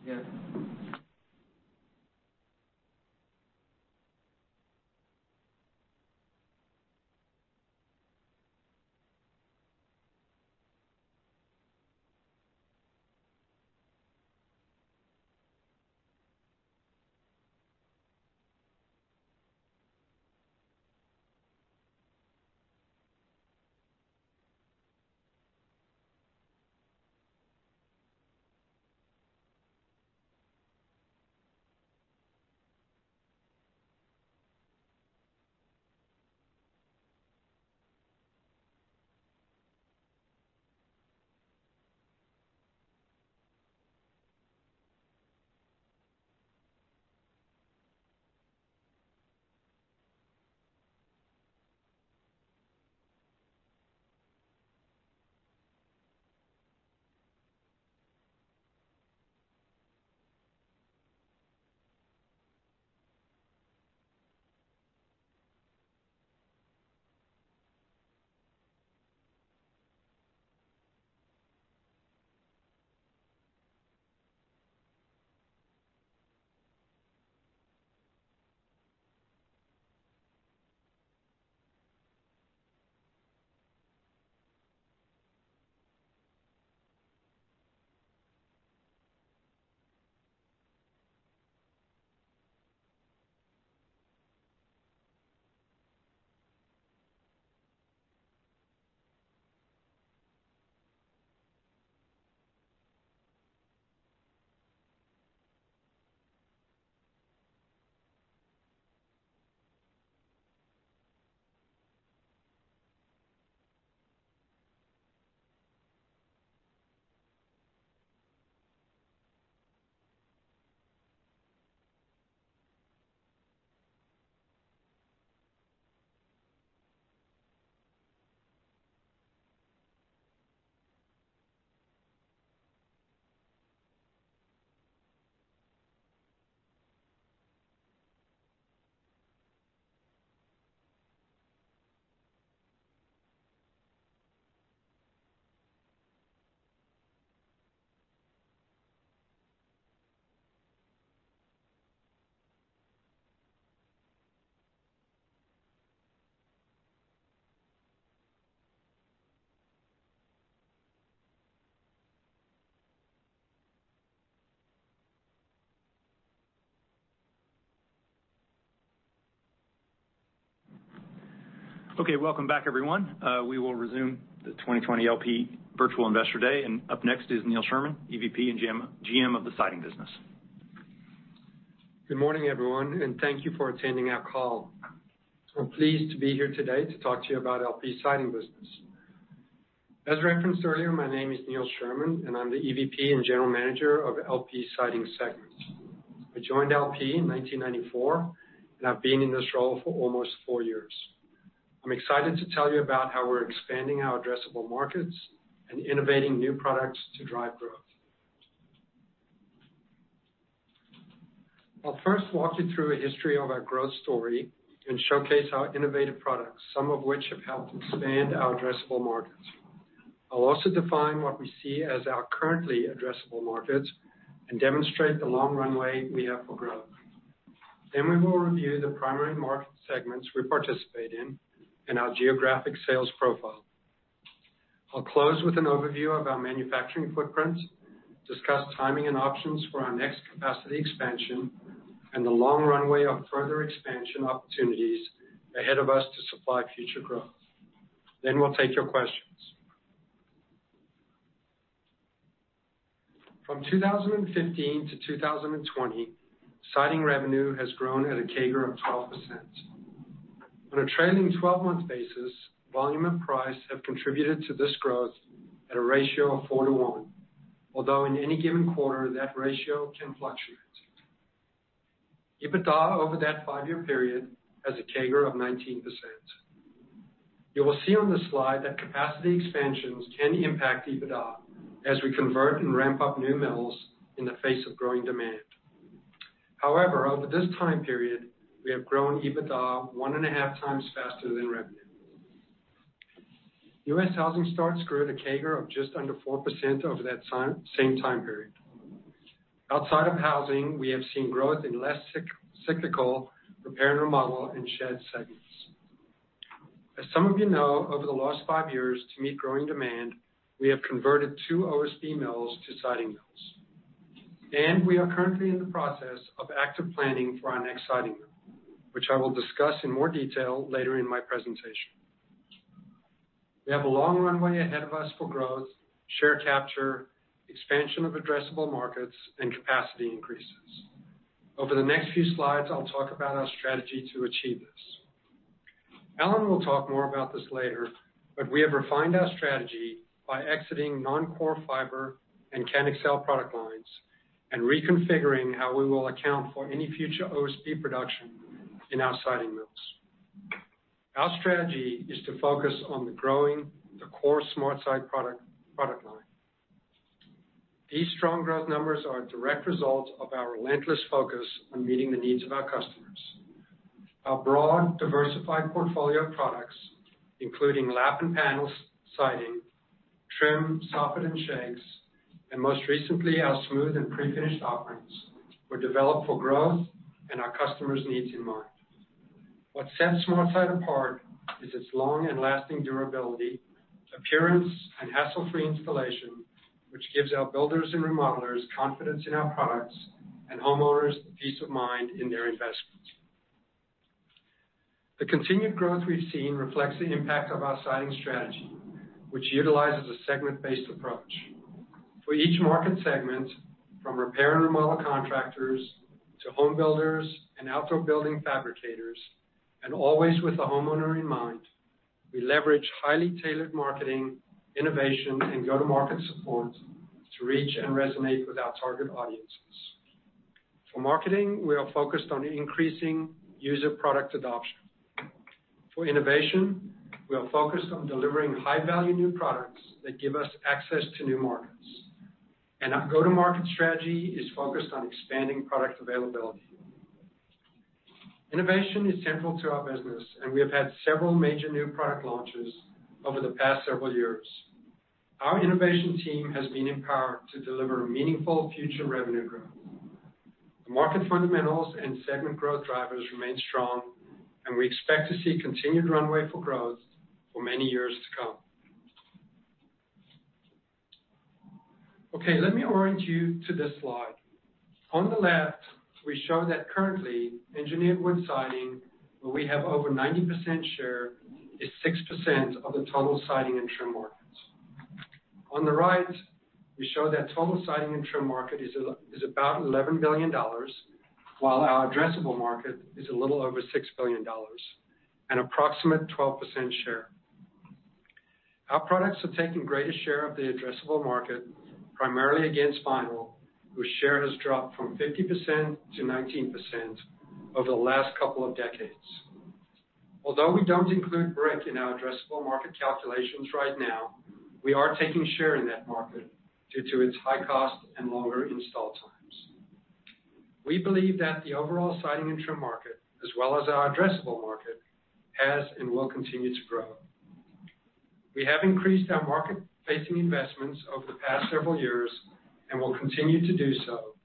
Yeah. Okay, welcome back, everyone. We will resume the 2020 LP Virtual Investor Day, and up next is Neil Sherman, EVP and GM of the Siding Business. Good morning, everyone, and thank you for attending our call. I'm pleased to be here today to talk to you about LP Siding Business. As referenced earlier, my name is Neil Sherman, and I'm the EVP and General Manager of LP Siding Segments. I joined LP in 1994, and I've been in this role for almost four years. I'm excited to tell you about how we're expanding our addressable markets and innovating new products to drive growth. I'll first walk you through a history of our growth story and showcase our innovative products, some of which have helped expand our addressable markets. I'll also define what we see as our currently addressable markets and demonstrate the long runway we have for growth. Then we will review the primary market segments we participate in and our geographic sales profile. I'll close with an overview of our manufacturing footprints, discuss timing and options for our next capacity expansion, and the long runway of further expansion opportunities ahead of us to supply future growth. Then we'll take your questions. From 2015 to 2020, siding revenue has grown at a CAGR of 12%. On a trailing 12-month basis, volume and price have contributed to this growth at a ratio of 4:1, although in any given quarter, that ratio can fluctuate. EBITDA over that five-year period has a CAGR of 19%. You will see on the slide that capacity expansions can impact EBITDA as we convert and ramp up new mills in the face of growing demand. However, over this time period, we have grown EBITDA one and a half times faster than revenue. U.S. housing starts grew at a CAGR of just under 4% over that same time period. Outside of housing, we have seen growth in less cyclical repair and remodel and shed segments. As some of you know, over the last five years, to meet growing demand, we have converted two OSB mills to siding mills, and we are currently in the process of active planning for our next siding mill, which I will discuss in more detail later in my presentation. We have a long runway ahead of us for growth, share capture, expansion of addressable markets, and capacity increases. Over the next few slides, I'll talk about our strategy to achieve this. Alan will talk more about this later, but we have refined our strategy by exiting non-core fiber and CanExel product lines and reconfiguring how we will account for any future OSB production in our siding mills. Our strategy is to focus on the core SmartSide product line. These strong growth numbers are a direct result of our relentless focus on meeting the needs of our customers. Our broad, diversified portfolio of products, including lap and panel siding, trim, soffit, and shakes, and most recently, our smooth and pre-finished offerings, were developed for growth and our customers' needs in mind. What sets SmartSide apart is its long and lasting durability, appearance, and hassle-free installation, which gives our builders and remodelers confidence in our products and homeowners the peace of mind in their investments. The continued growth we've seen reflects the impact of our siding strategy, which utilizes a segment-based approach. For each market segment, from repair and remodel contractors to home builders and outdoor building fabricators, and always with the homeowner in mind, we leverage highly tailored marketing, innovation, and go-to-market support to reach and resonate with our target audiences. For marketing, we are focused on increasing user product adoption. For innovation, we are focused on delivering high-value new products that give us access to new markets. And our go-to-market strategy is focused on expanding product availability. Innovation is central to our business, and we have had several major new product launches over the past several years. Our innovation team has been empowered to deliver meaningful future revenue growth. The market fundamentals and segment growth drivers remain strong, and we expect to see continued runway for growth for many years to come. Okay, let me orient you to this slide. On the left, we show that currently, engineered wood siding, where we have over 90% share, is 6% of the total siding and trim markets. On the right, we show that total siding and trim market is about $11 billion, while our addressable market is a little over $6 billion and approximate 12% share. Our products are taking greater share of the addressable market, primarily against vinyl, whose share has dropped from 50% to 19% over the last couple of decades. Although we don't include brick in our addressable market calculations right now, we are taking share in that market due to its high cost and longer install times. We believe that the overall siding and trim market, as well as our addressable market, has and will continue to grow. We have increased our market-facing investments over the past several years and will continue to do so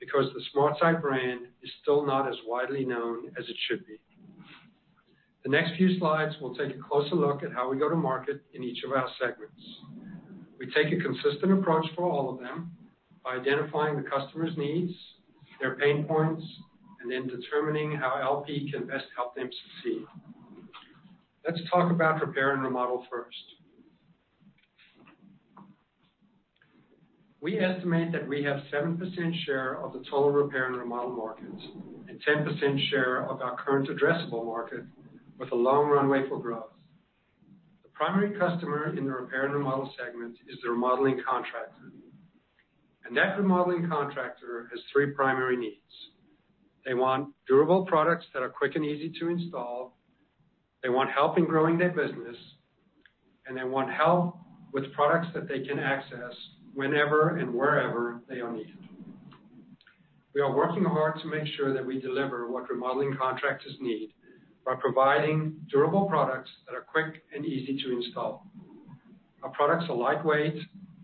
because the SmartSide brand is still not as widely known as it should be. The next few slides will take a closer look at how we go to market in each of our segments. We take a consistent approach for all of them by identifying the customer's needs, their pain points, and then determining how LP can best help them succeed. Let's talk about repair and remodel first. We estimate that we have 7% share of the total repair and remodel market and 10% share of our current addressable market with a long runway for growth. The primary customer in the repair and remodel segment is the remodeling contractor, and that remodeling contractor has three primary needs. They want durable products that are quick and easy to install. They want help in growing their business, and they want help with products that they can access whenever and wherever they are needed. We are working hard to make sure that we deliver what remodeling contractors need by providing durable products that are quick and easy to install. Our products are lightweight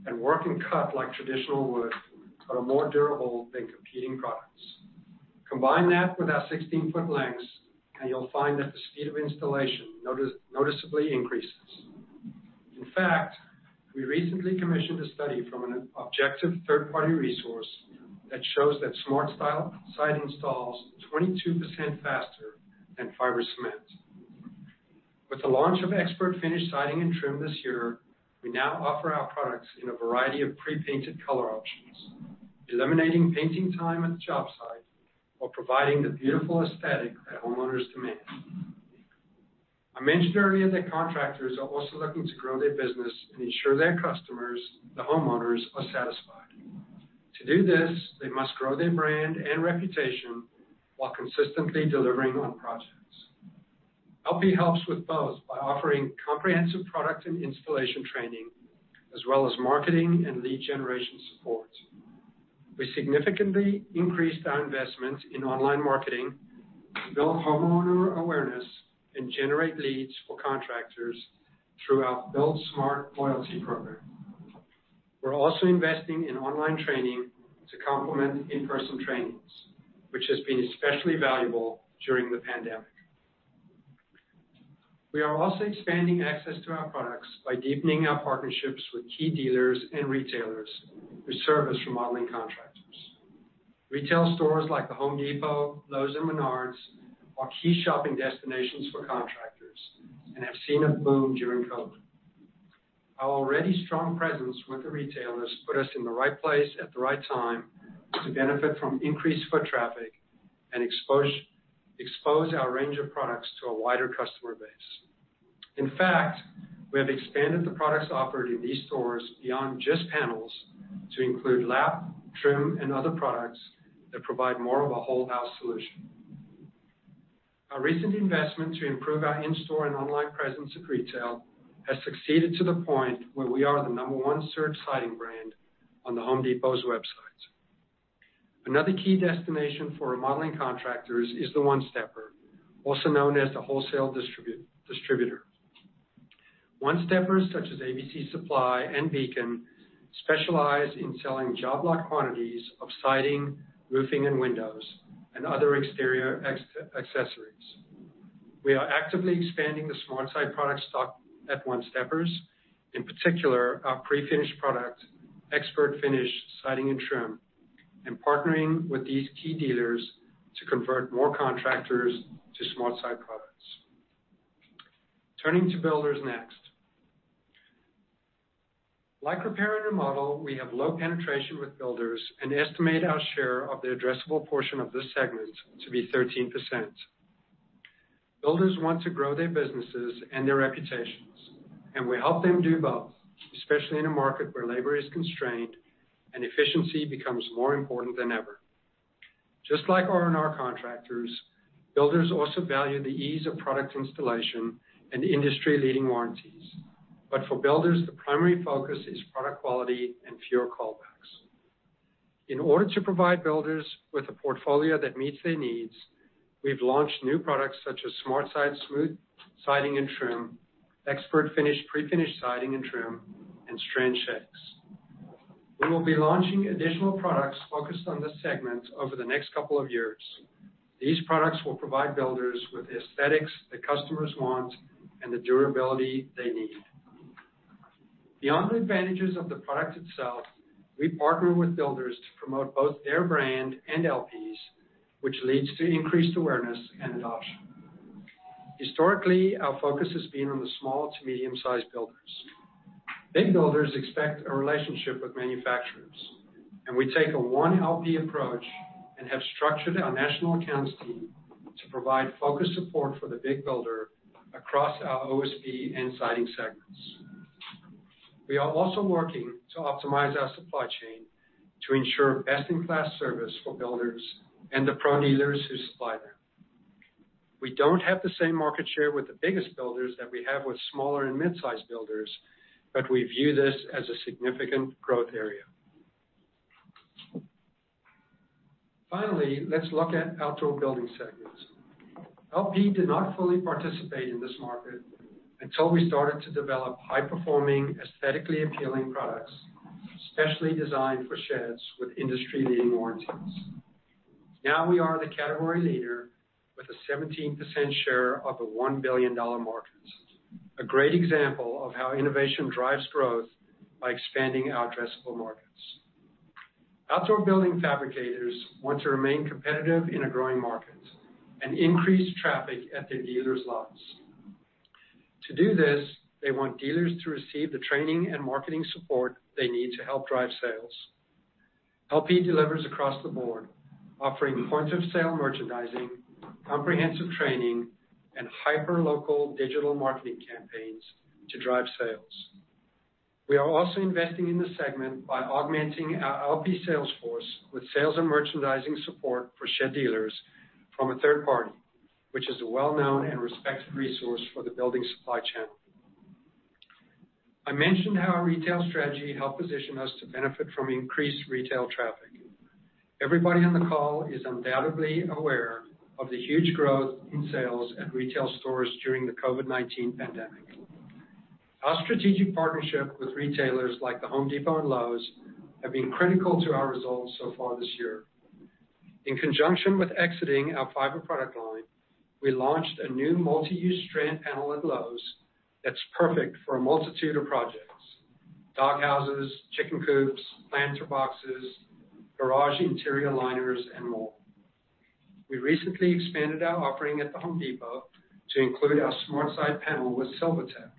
and work and cut like traditional wood, but are more durable than competing products. Combine that with our 16-foot lengths, and you'll find that the speed of installation noticeably increases. In fact, we recently commissioned a study from an objective third-party resource that shows that SmartSide installs 22% faster than fiber cement. With the launch of ExpertFinish siding and trim this year, we now offer our products in a variety of pre-painted color options, eliminating painting time at the job site while providing the beautiful aesthetic that homeowners demand. I mentioned earlier that contractors are also looking to grow their business and ensure their customers, the homeowners, are satisfied. To do this, they must grow their brand and reputation while consistently delivering on projects. LP helps with both by offering comprehensive product and installation training, as well as marketing and lead generation support. We significantly increased our investments in online marketing to build homeowner awareness and generate leads for contractors throughout BuildSmart loyalty program. We're also investing in online training to complement in-person trainings, which has been especially valuable during the pandemic. We are also expanding access to our products by deepening our partnerships with key dealers and retailers who service remodeling contractors. Retail stores like The Home Depot, Lowe's, and Menards are key shopping destinations for contractors and have seen a boom during COVID. Our already strong presence with the retailers put us in the right place at the right time to benefit from increased foot traffic and expose our range of products to a wider customer base. In fact, we have expanded the products offered in these stores beyond just panels to include lap, trim, and other products that provide more of a whole-house solution. Our recent investment to improve our in-store and online presence at retail has succeeded to the point where we are the number one searched siding brand on the Home Depot's website. Another key destination for remodeling contractors is the one-stepper, also known as the wholesale distributor. One-steppers such as ABC Supply and Beacon specialize in selling job lot quantities of siding, roofing, and windows, and other exterior accessories. We are actively expanding the SmartSide product stock at one-steppers, in particular our pre-finished product, ExpertFinish siding and trim, and partnering with these key dealers to convert more contractors to SmartSide products. Turning to builders next. Like repair and remodel, we have low penetration with builders and estimate our share of the addressable portion of this segment to be 13%. Builders want to grow their businesses and their reputations, and we help them do both, especially in a market where labor is constrained and efficiency becomes more important than ever. Just like R&R contractors, builders also value the ease of product installation and industry-leading warranties. But for builders, the primary focus is product quality and fewer callbacks. In order to provide builders with a portfolio that meets their needs, we've launched new products such as SmartSide smooth siding and trim, ExpertFinish pre-finished siding and trim, and strand shakes. We will be launching additional products focused on this segment over the next couple of years. These products will provide builders with the aesthetics that customers want and the durability they need. Beyond the advantages of the product itself, we partner with builders to promote both their brand and LP's, which leads to increased awareness and adoption. Historically, our focus has been on the small to medium-sized builders. Big builders expect a relationship with manufacturers, and we take a one-LP approach and have structured our national accounts team to provide focused support for the big builder across our OSB and siding segments. We are also working to optimize our supply chain to ensure best-in-class service for builders and the pro dealers who supply them. We don't have the same market share with the biggest builders that we have with smaller and mid-sized builders, but we view this as a significant growth area. Finally, let's look at outdoor building segments. LP did not fully participate in this market until we started to develop high-performing, aesthetically appealing products specially designed for sheds with industry-leading warranties. Now we are the category leader with a 17% share of the $1 billion markets, a great example of how innovation drives growth by expanding our addressable markets. Outdoor building fabricators want to remain competitive in a growing market and increase traffic at their dealer's lots. To do this, they want dealers to receive the training and marketing support they need to help drive sales. LP delivers across the board, offering point-of-sale merchandising, comprehensive training, and hyper-local digital marketing campaigns to drive sales. We are also investing in the segment by augmenting our LP sales force with sales and merchandising support for shed dealers from a third party, which is a well-known and respected resource for the building supply chain. I mentioned how our retail strategy helped position us to benefit from increased retail traffic. Everybody on the call is undoubtedly aware of the huge growth in sales at retail stores during the COVID-19 pandemic. Our strategic partnership with retailers like The Home Depot and Lowe's has been critical to our results so far this year. In conjunction with exiting our fiber product line, we launched a new multi-use strand panel at Lowe's that's perfect for a multitude of projects: doghouses, chicken coops, planter boxes, garage interior liners, and more. We recently expanded our offering at The Home Depot to include our SmartSide panel with SilverTech.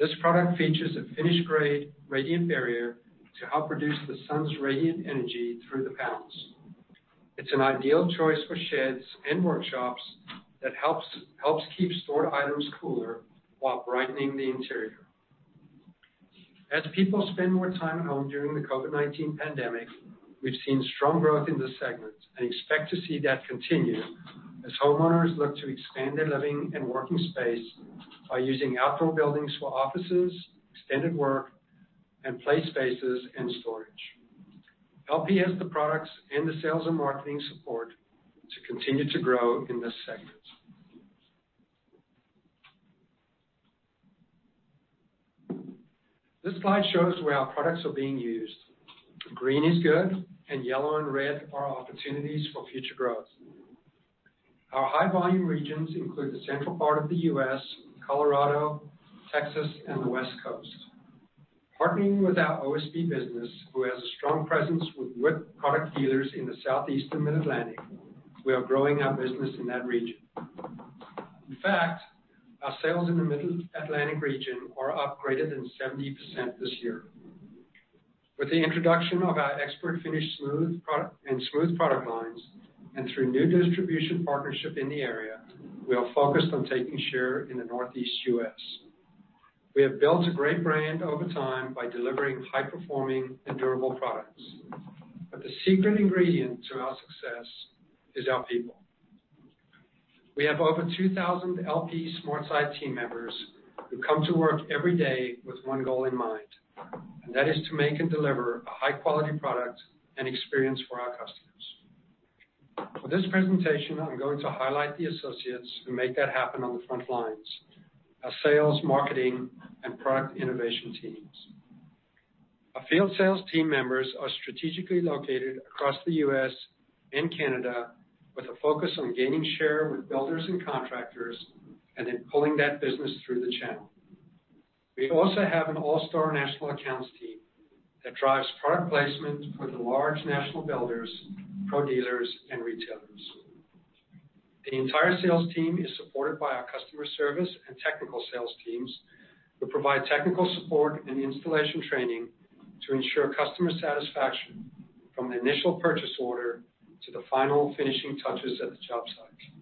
This product features a finish-grade radiant barrier to help reduce the sun's radiant energy through the panels. It's an ideal choice for sheds and workshops that helps keep stored items cooler while brightening the interior. As people spend more time at home during the COVID-19 pandemic, we've seen strong growth in this segment and expect to see that continue as homeowners look to expand their living and working space by using outdoor buildings for offices, extended work, and play spaces and storage. LP has the products and the sales and marketing support to continue to grow in this segment. This slide shows where our products are being used. Green is good, and yellow and red are opportunities for future growth. Our high-volume regions include the central part of the U.S., Colorado, Texas, and the West Coast. Partnering with our OSB business, who has a strong presence with wood product dealers in the southeastern Mid-Atlantic, we are growing our business in that region. In fact, our sales in the Mid-Atlantic region are up greater than 70% this year. With the introduction of our ExpertFinish smooth and smooth product lines and through new distribution partnership in the area, we are focused on taking share in the Northeast U.S. We have built a great brand over time by delivering high-performing and durable products. But the secret ingredient to our success is our people. We have over 2,000 LP SmartSide team members who come to work every day with one goal in mind, and that is to make and deliver a high-quality product and experience for our customers. For this presentation, I'm going to highlight the associates who make that happen on the front lines, our sales, marketing, and product innovation teams. Our field sales team members are strategically located across the U.S. and Canada with a focus on gaining share with builders and contractors and then pulling that business through the channel. We also have an all-star national accounts team that drives product placement for the large national builders, pro dealers, and retailers. The entire sales team is supported by our customer service and technical sales teams who provide technical support and installation training to ensure customer satisfaction from the initial purchase order to the final finishing touches at the job site.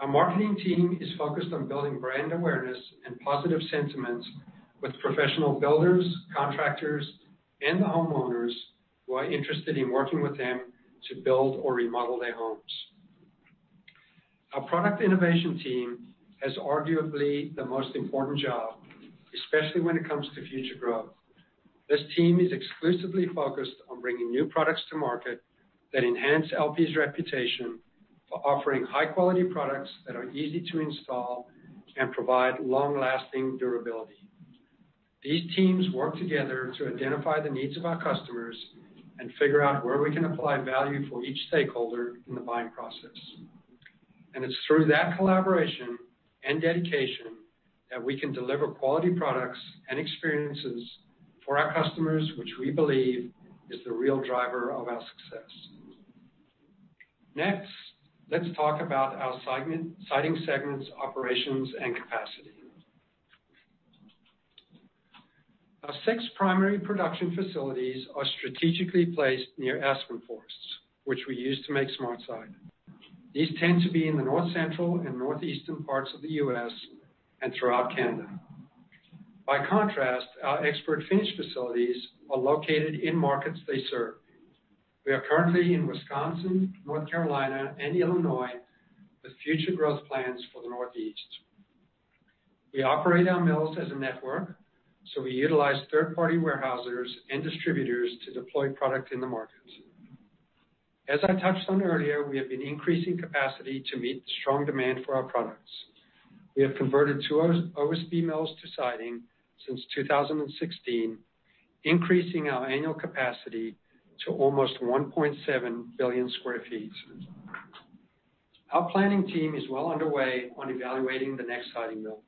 Our marketing team is focused on building brand awareness and positive sentiments with professional builders, contractors, and the homeowners who are interested in working with them to build or remodel their homes. Our product innovation team has arguably the most important job, especially when it comes to future growth. This team is exclusively focused on bringing new products to market that enhance LP's reputation for offering high-quality products that are easy to install and provide long-lasting durability. These teams work together to identify the needs of our customers and figure out where we can apply value for each stakeholder in the buying process, and it's through that collaboration and dedication that we can deliver quality products and experiences for our customers, which we believe is the real driver of our success. Next, let's talk about our siding segments, operations, and capacity. Our six primary production facilities are strategically placed near aspen forests, which we use to make SmartSide. These tend to be in the north-central and northeastern parts of the U.S. and throughout Canada. By contrast, our ExpertFinish facilities are located in markets they serve. We are currently in Wisconsin, North Carolina, and Illinois with future growth plans for the Northeast. We operate our mills as a network, so we utilize third-party warehousers and distributors to deploy product in the markets. As I touched on earlier, we have been increasing capacity to meet the strong demand for our products. We have converted two OSB mills to siding since 2016, increasing our annual capacity to almost 1.7 billion sq ft. Our planning team is well underway on evaluating the next siding mill.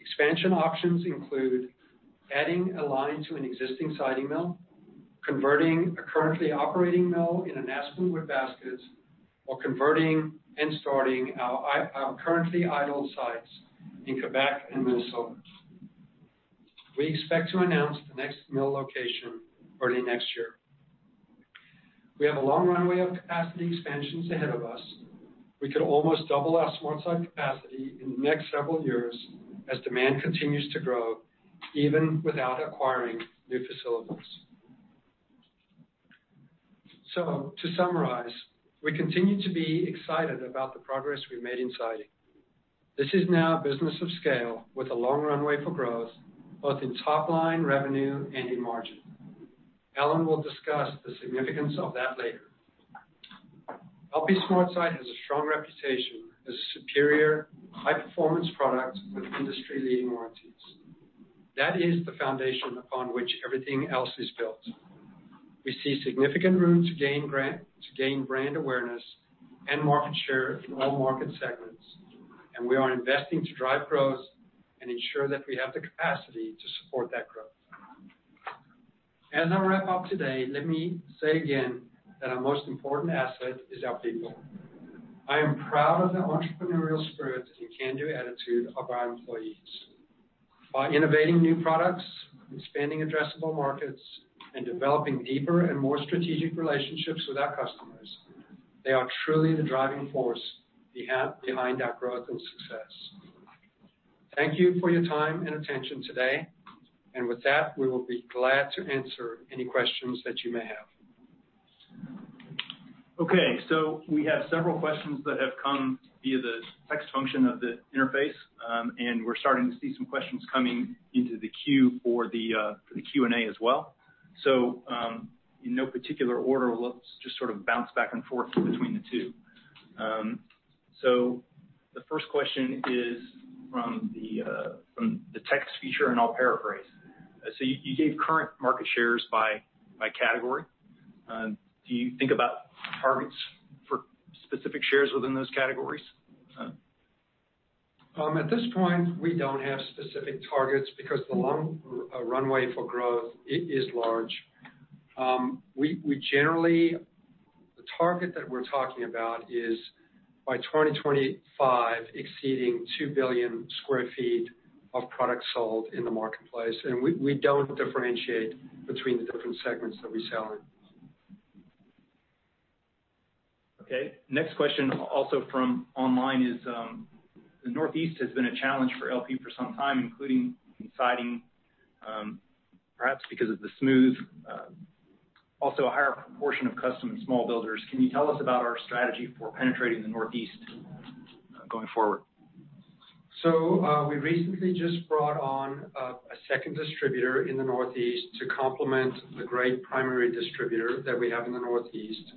Expansion options include adding a line to an existing siding mill, converting a currently operating mill in an Aspen wood basket, or converting and starting our currently idle sites in Quebec and Minnesota. We expect to announce the next mill location early next year. We have a long runway of capacity expansions ahead of us. We could almost double our SmartSide capacity in the next several years as demand continues to grow, even without acquiring new facilities. To summarize, we continue to be excited about the progress we've made in siding. This is now a business of scale with a long runway for growth, both in top-line revenue and in margin. Alan will discuss the significance of that later. LP SmartSide has a strong reputation as a superior, high-performance product with industry-leading warranties. That is the foundation upon which everything else is built. We see significant room to gain brand awareness and market share in all market segments, and we are investing to drive growth and ensure that we have the capacity to support that growth. As I wrap up today, let me say again that our most important asset is our people. I am proud of the entrepreneurial spirit and can-do attitude of our employees. By innovating new products, expanding addressable markets, and developing deeper and more strategic relationships with our customers, they are truly the driving force behind our growth and success. Thank you for your time and attention today, and with that, we will be glad to answer any questions that you may have. Okay, so we have several questions that have come via the text function of the interface, and we're starting to see some questions coming into the queue for the Q&A as well, so in no particular order, let's just sort of bounce back and forth between the two, so the first question is from the text feature, and I'll paraphrase. So, you gave current market shares by category. Do you think about targets for specific shares within those categories? At this point, we don't have specific targets because the long runway for growth is large. We generally, the target that we're talking about is by 2025 exceeding 2 billion sq ft of product sold in the marketplace, and we don't differentiate between the different segments that we sell in. Okay, next question also from online is the Northeast has been a challenge for LP for some time, including siding, perhaps because of the smooth, also a higher proportion of custom and small builders. Can you tell us about our strategy for penetrating the Northeast going forward? So, we recently just brought on a second distributor in the Northeast to complement the great primary distributor that we have in the Northeast,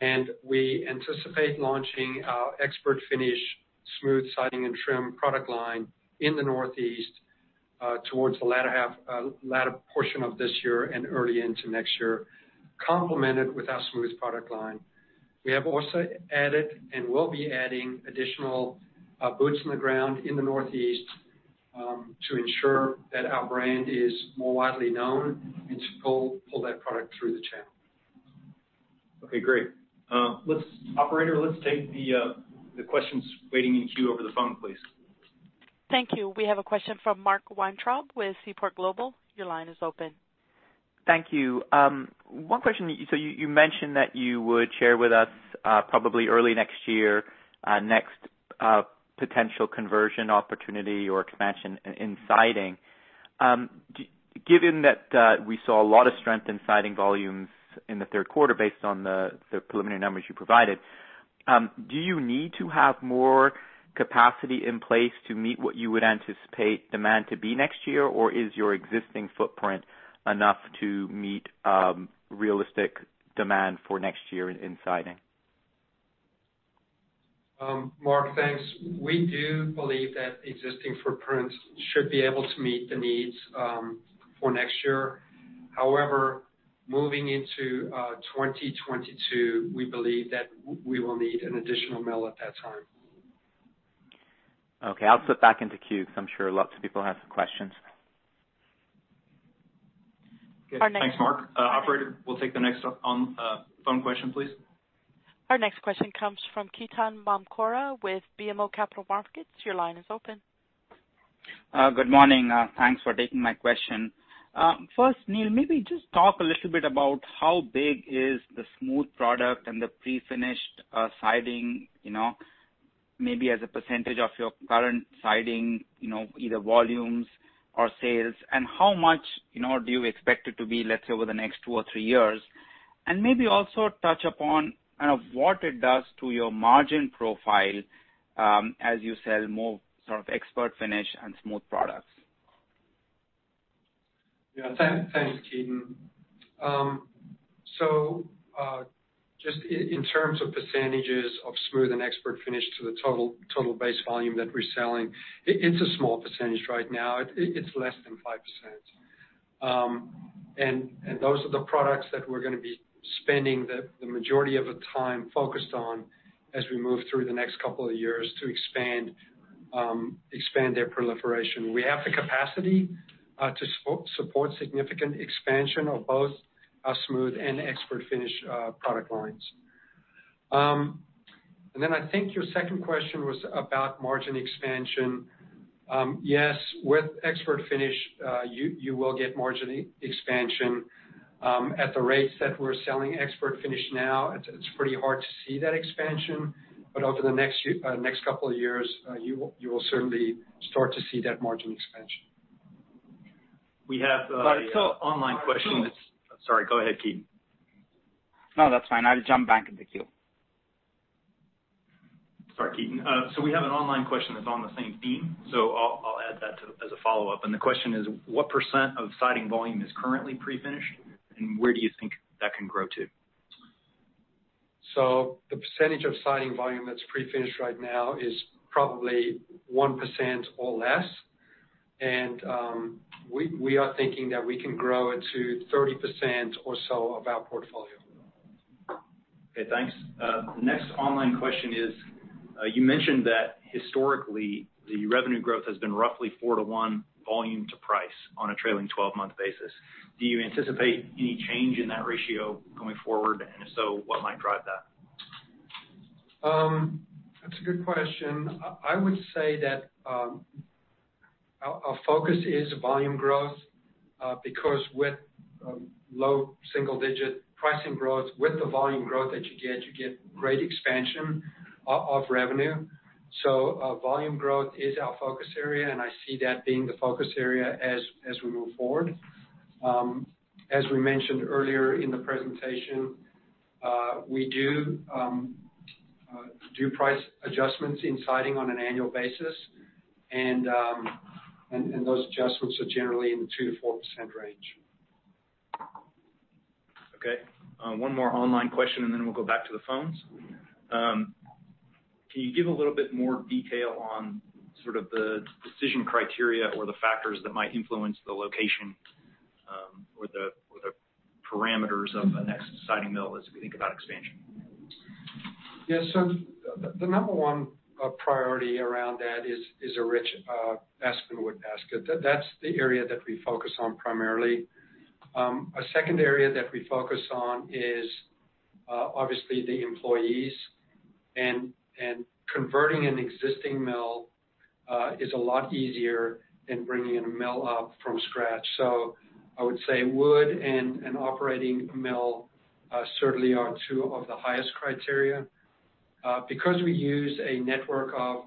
and we anticipate launching our ExpertFinish smooth siding and trim product line in the Northeast towards the latter portion of this year and early into next year, complemented with our smooth product line. We have also added and will be adding additional boots on the ground in the Northeast to ensure that our brand is more widely known and to pull that product through the channel. Okay, great. Operator, let's take the questions waiting in queue over the phone, please. Thank you. We have a question from Mark Weintraub with Seaport Global. Your line is open. Thank you. One question: so you mentioned that you would share with us probably early next year a next potential conversion opportunity or expansion in siding. Given that we saw a lot of strength in siding volumes in the third quarter based on the preliminary numbers you provided, do you need to have more capacity in place to meet what you would anticipate demand to be next year, or is your existing footprint enough to meet realistic demand for next year in siding? Mark, thanks. We do believe that existing footprints should be able to meet the needs for next year. However, moving into 2022, we believe that we will need an additional mill at that time. Okay, I'll slip back into queue because I'm sure lots of people have some questions. Thanks, Mark. Operator, we'll take the next phone question, please. Our next question comes from Ketan Mamtora with BMO Capital Markets. Your line is open. Good morning. Thanks for taking my question. First, Neil, maybe just talk a little bit about how big is the smooth product and the pre-finished siding, maybe as a percentage of your current siding, either volumes or sales, and how much do you expect it to be, let's say, over the next two or three years? And maybe also touch upon kind of what it does to your margin profile as you sell more sort of ExpertFinish and smooth products. Yeah, thanks, Ketan. So, just in terms of percentages of smooth and ExpertFinish to the total base volume that we're selling, it's a small percentage right now. It's less than 5%. And those are the products that we're going to be spending the majority of our time focused on as we move through the next couple of years to expand their proliferation. We have the capacity to support significant expansion of both our smooth and ExpertFinish product lines. And then I think your second question was about margin expansion. Yes, with ExpertFinish, you will get margin expansion. At the rates that we're selling ExpertFinish now, it's pretty hard to see that expansion, but over the next couple of years, you will certainly start to see that margin expansion. Sorry, sorry, go ahead, Ketan. No, that's fine. I'll jump back into queue. Sorry, Ketan. So, we have an online question that's on the same theme, so I'll add that as a follow-up. And the question is, what % of siding volume is currently pre-finished, and where do you think that can grow to? So, the percentage of siding volume that's pre-finished right now is probably 1% or less, and we are thinking that we can grow it to 30% or so of our portfolio. Okay, thanks. The next online question is, you mentioned that historically the revenue growth has been roughly 4 to 1 volume to price on a trailing 12-month basis. Do you anticipate any change in that ratio going forward, and if so, what might drive that? That's a good question. I would say that our focus is volume growth because with low single-digit pricing growth, with the volume growth that you get, you get great expansion of revenue. So, volume growth is our focus area, and I see that being the focus area as we move forward. As we mentioned earlier in the presentation, we do do price adjustments in siding on an annual basis, and those adjustments are generally in the 2%-4% range. Okay, one more online question, and then we'll go back to the phones. Can you give a little bit more detail on sort of the decision criteria or the factors that might influence the location or the parameters of a next siding mill as we think about expansion? Yes, so the number one priority around that is a rich Aspen wood basket. That's the area that we focus on primarily. A second area that we focus on is obviously the employees, and converting an existing mill is a lot easier than bringing a mill up from scratch. So, I would say wood and an operating mill certainly are two of the highest criteria. Because we use a network of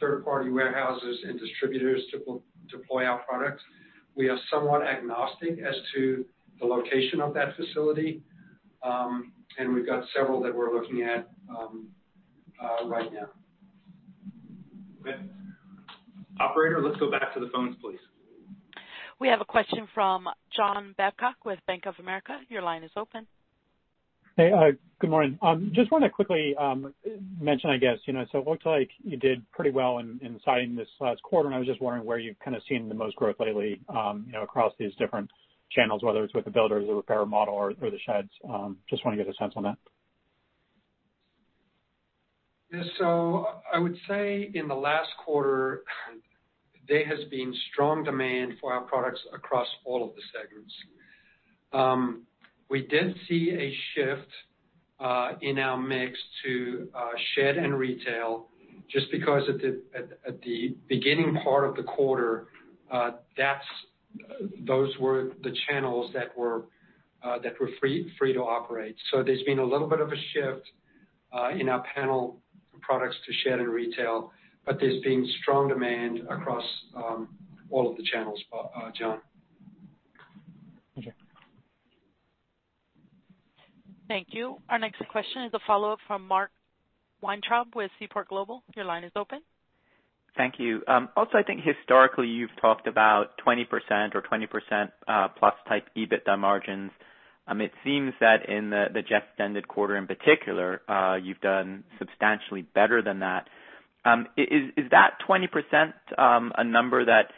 third-party warehouses and distributors to deploy our products, we are somewhat agnostic as to the location of that facility, and we've got several that we're looking at right now. Okay, Operator, let's go back to the phones, please. We have a question from John Babcock with Bank of America. Your line is open. Hey, good morning. Just want to quickly mention, I guess, so it looked like you did pretty well in siding this last quarter, and I was just wondering where you've kind of seen the most growth lately across these different channels, whether it's with the builders, the repair model, or the sheds. Just want to get a sense on that. Yes, so I would say in the last quarter, there has been strong demand for our products across all of the segments. We did see a shift in our mix to shed and retail just because at the beginning part of the quarter, those were the channels that were free to operate. So, there's been a little bit of a shift in our panel products to shed and retail, but there's been strong demand across all of the channels, John. Okay. Thank you. Our next question is a follow-up from Mark Weintraub with Seaport Global. Your line is open. Thank you. Also, I think historically you've talked about 20% or 20% plus type EBITDA margins. It seems that in the just ended quarter in particular, you've done substantially better than that. Is that 20% a number that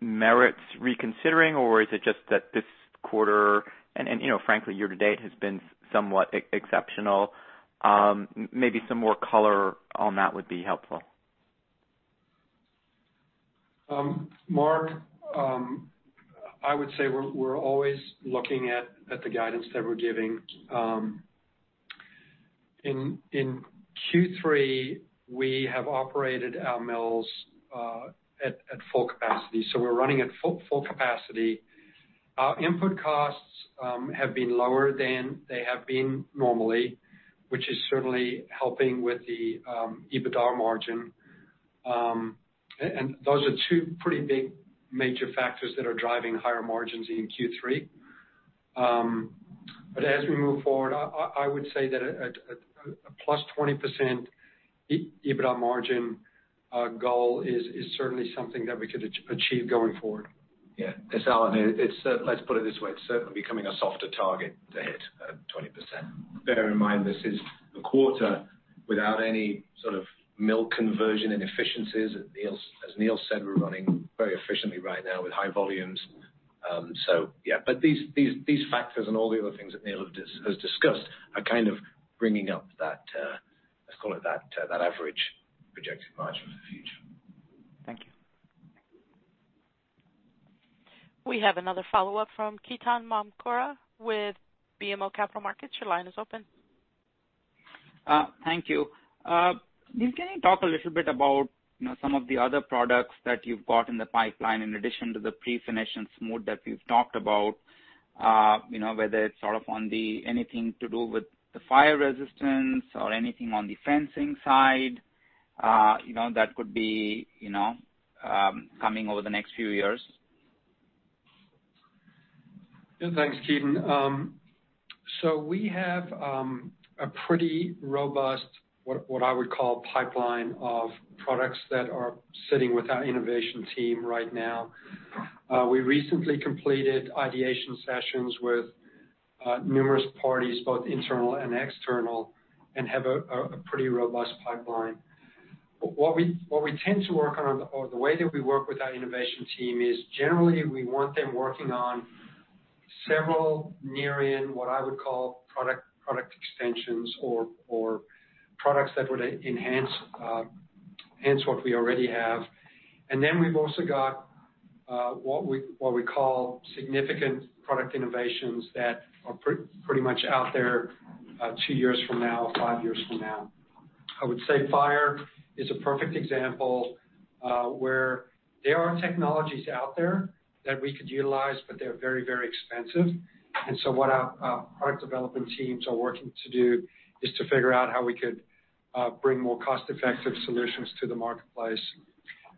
merits reconsidering, or is it just that this quarter, and frankly, year to date, has been somewhat exceptional? Maybe some more color on that would be helpful. Mark, I would say we're always looking at the guidance that we're giving. In Q3, we have operated our mills at full capacity, so we're running at full capacity. Our input costs have been lower than they have been normally, which is certainly helping with the EBITDA margin. And those are two pretty big major factors that are driving higher margins in Q3. But as we move forward, I would say that a plus 20% EBITDA margin goal is certainly something that we could achieve going forward. Yeah, let's put it this way. It's certainly becoming a softer target to hit 20%. Bear in mind, this is a quarter without any sort of mill conversion inefficiencies. As Neil said, we're running very efficiently right now with high volumes. So, yeah, but these factors and all the other things that Neil has discussed are kind of bringing up that, let's call it that, average projected margin for the future. Thank you. We have another follow-up from Ketan Mamtora with BMO Capital Markets. Your line is open. Thank you. Neil, can you talk a little bit about some of the other products that you've got in the pipeline in addition to the pre-finished and smooth that we've talked about, whether it's sort of on the anything to do with the fire resistance or anything on the fencing side that could be coming over the next few years? Yeah, thanks, Ketan. So, we have a pretty robust, what I would call, pipeline of products that are sitting with our innovation team right now. We recently completed ideation sessions with numerous parties, both internal and external, and have a pretty robust pipeline. What we tend to work on, or the way that we work with our innovation team, is generally we want them working on several near-in, what I would call, product extensions or products that would enhance what we already have. And then we've also got what we call significant product innovations that are pretty much out there two years from now, five years from now. I would say fire is a perfect example where there are technologies out there that we could utilize, but they're very, very expensive. And so what our product development teams are working to do is to figure out how we could bring more cost-effective solutions to the marketplace.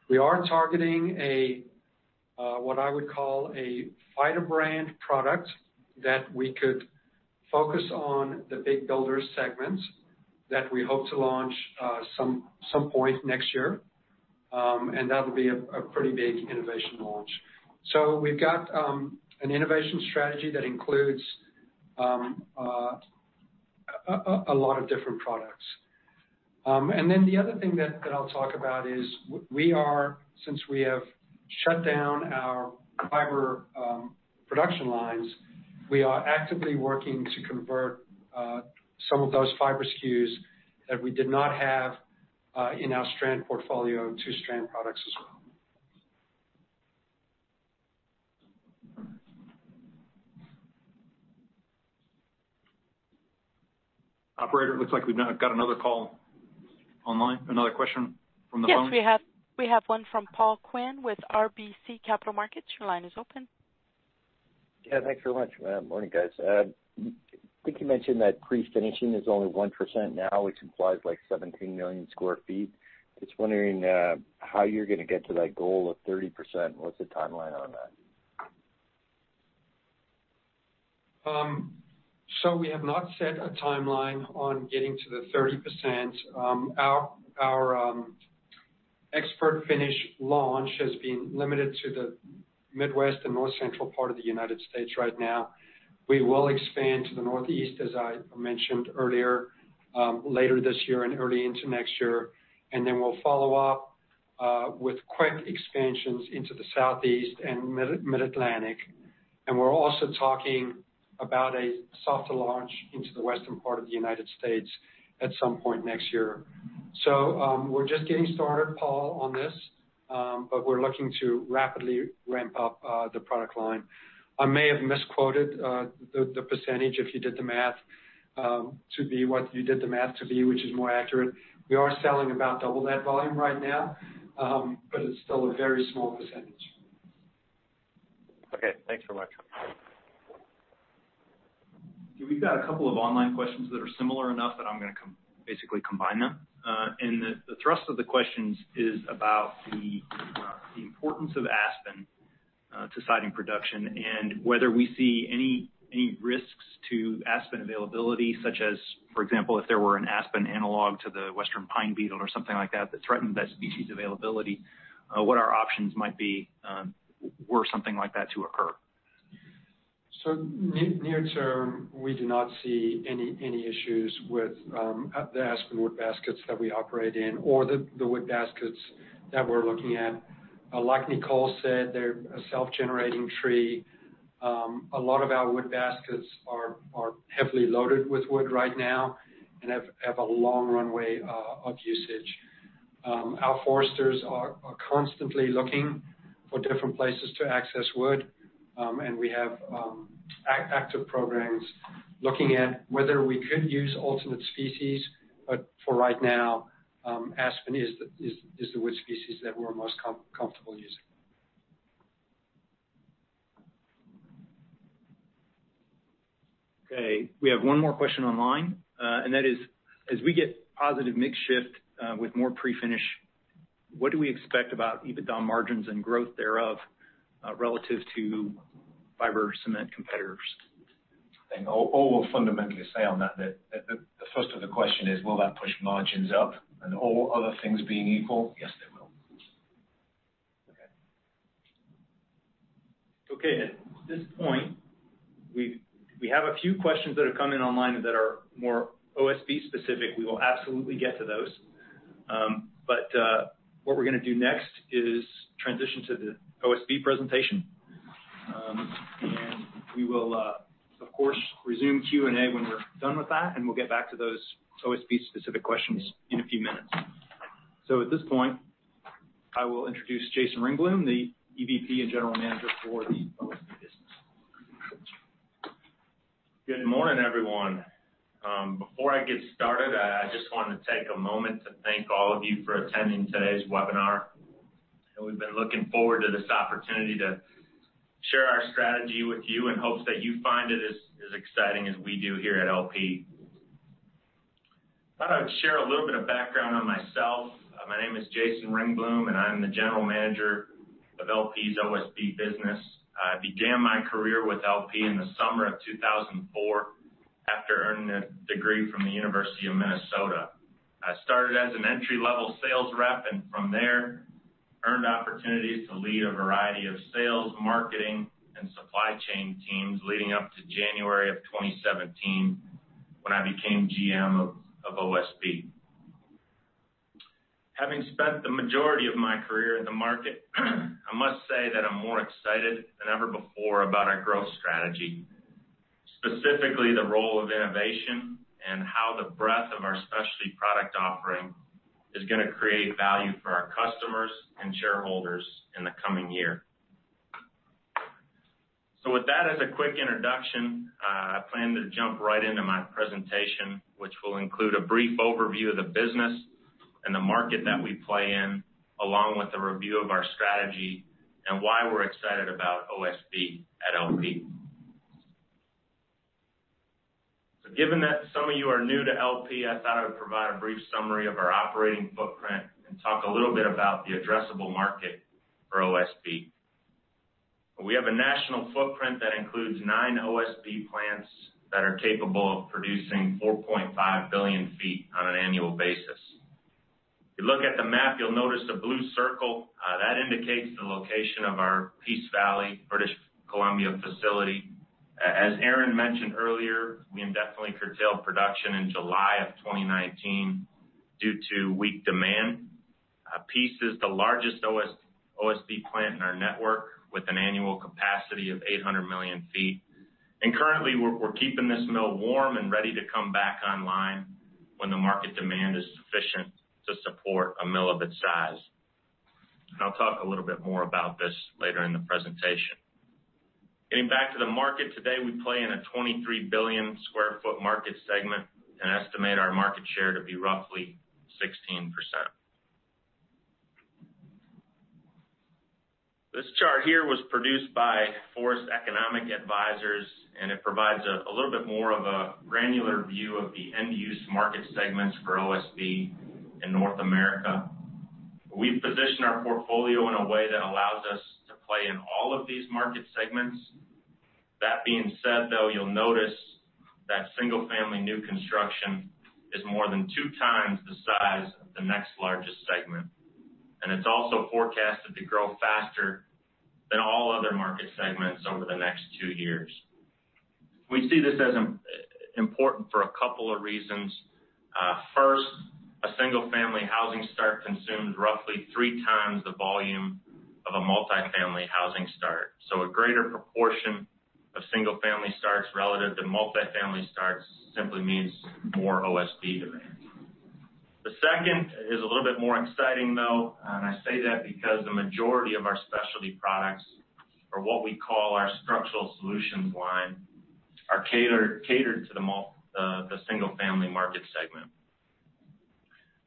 We are targeting what I would call a fighter brand product that we could focus on the big builder segments that we hope to launch some point next year, and that'll be a pretty big innovation launch. We've got an innovation strategy that includes a lot of different products. And then the other thing that I'll talk about is, since we have shut down our fiber production lines, we are actively working to convert some of those fiber SKUs that we did not have in our strand portfolio to strand products as well. Operator, it looks like we've got another call online, another question from the phone. Yes, we have one from Paul Quinn with RBC Capital Markets. Your line is open. Yeah, thanks very much. Morning, guys. I think you mentioned that pre-finishing is only 1% now, which implies like 17 million sq ft. Just wondering how you're going to get to that goal of 30%. What's the timeline on that? We have not set a timeline on getting to the 30%. Our expert finish launch has been limited to the Midwest and North Central part of the United States right now. We will expand to the Northeast, as I mentioned earlier, later this year and early into next year, and then we'll follow up with quick expansions into the Southeast and Mid-Atlantic, and we're also talking about a soft launch into the Western part of the United States at some point next year, so we're just getting started, Paul, on this, but we're looking to rapidly ramp up the product line. I may have misquoted the percentage if you did the math to be what you did the math to be, which is more accurate. We are selling about double that volume right now, but it's still a very small percentage. Okay, thanks very much. We've got a couple of online questions that are similar enough that I'm going to basically combine them. And the thrust of the questions is about the importance of Aspen to siding production and whether we see any risks to Aspen availability, such as, for example, if there were an Aspen analog to the Western pine beetle or something like that that threatened that species availability, what our options might be were something like that to occur. So, near term, we do not see any issues with the Aspen wood baskets that we operate in or the wood baskets that we're looking at. Like Nicole said, they're a self-generating tree. A lot of our wood baskets are heavily loaded with wood right now and have a long runway of usage. Our foresters are constantly looking for different places to access wood, and we have active programs looking at whether we could use alternate species, but for right now, aspen is the wood species that we're most comfortable using. Okay, we have one more question online, and that is, as we get positive mix shift with more pre-finish, what do we expect about EBITDA margins and growth thereof relative to fiber cement competitors? And all will fundamentally say on that that the first of the question is, will that push margins up? And all other things being equal, yes, they will. Okay. Okay, at this point, we have a few questions that are coming online that are more OSB specific. We will absolutely get to those. But what we're going to do next is transition to the OSB presentation. We will, of course, resume Q&A when we're done with that, and we'll get back to those OSB specific questions in a few minutes. At this point, I will introduce Jason Ringblom, the EVP and general manager for the OSB business. Good morning, everyone. Before I get started, I just wanted to take a moment to thank all of you for attending today's webinar. We've been looking forward to this opportunity to share our strategy with you in hopes that you find it as exciting as we do here at LP. I thought I'd share a little bit of background on myself. My name is Jason Ringblum, and I'm the general manager of LP's OSB business. I began my career with LP in the summer of 2004 after earning a degree from the University of Minnesota. I started as an entry-level sales rep and from there earned opportunities to lead a variety of sales, marketing, and supply chain teams leading up to January of 2017 when I became GM of OSB. Having spent the majority of my career in the market, I must say that I'm more excited than ever before about our growth strategy, specifically the role of innovation and how the breadth of our specialty product offering is going to create value for our customers and shareholders in the coming year. So, with that as a quick introduction, I plan to jump right into my presentation, which will include a brief overview of the business and the market that we play in, along with a review of our strategy and why we're excited about OSB at LP. Given that some of you are new to LP, I thought I would provide a brief summary of our operating footprint and talk a little bit about the addressable market for OSB. We have a national footprint that includes nine OSB plants that are capable of producing 4.5 billion feet on an annual basis. If you look at the map, you'll notice a blue circle. That indicates the location of our Peace Valley, British Columbia facility. As Aaron mentioned earlier, we indefinitely curtailed production in July of 2019 due to weak demand. Peace is the largest OSB plant in our network with an annual capacity of 800 million feet. Currently, we're keeping this mill warm and ready to come back online when the market demand is sufficient to support a mill of its size. I'll talk a little bit more about this later in the presentation. Getting back to the market, today we play in a 23 billion sq ft market segment and estimate our market share to be roughly 16%. This chart here was produced by Forest Economic Advisors, and it provides a little bit more of a granular view of the end-use market segments for OSB in North America. We've positioned our portfolio in a way that allows us to play in all of these market segments. That being said, though, you'll notice that single-family new construction is more than two times the size of the next largest segment, and it's also forecasted to grow faster than all other market segments over the next two years. We see this as important for a couple of reasons. First, a single-family housing start consumes roughly three times the volume of a multi-family housing start. A greater proportion of single-family starts relative to multi-family starts simply means more OSB demand. The second is a little bit more exciting, though. And I say that because the majority of our specialty products are what we call our Structural Solutions line, are catered to the single-family market segment.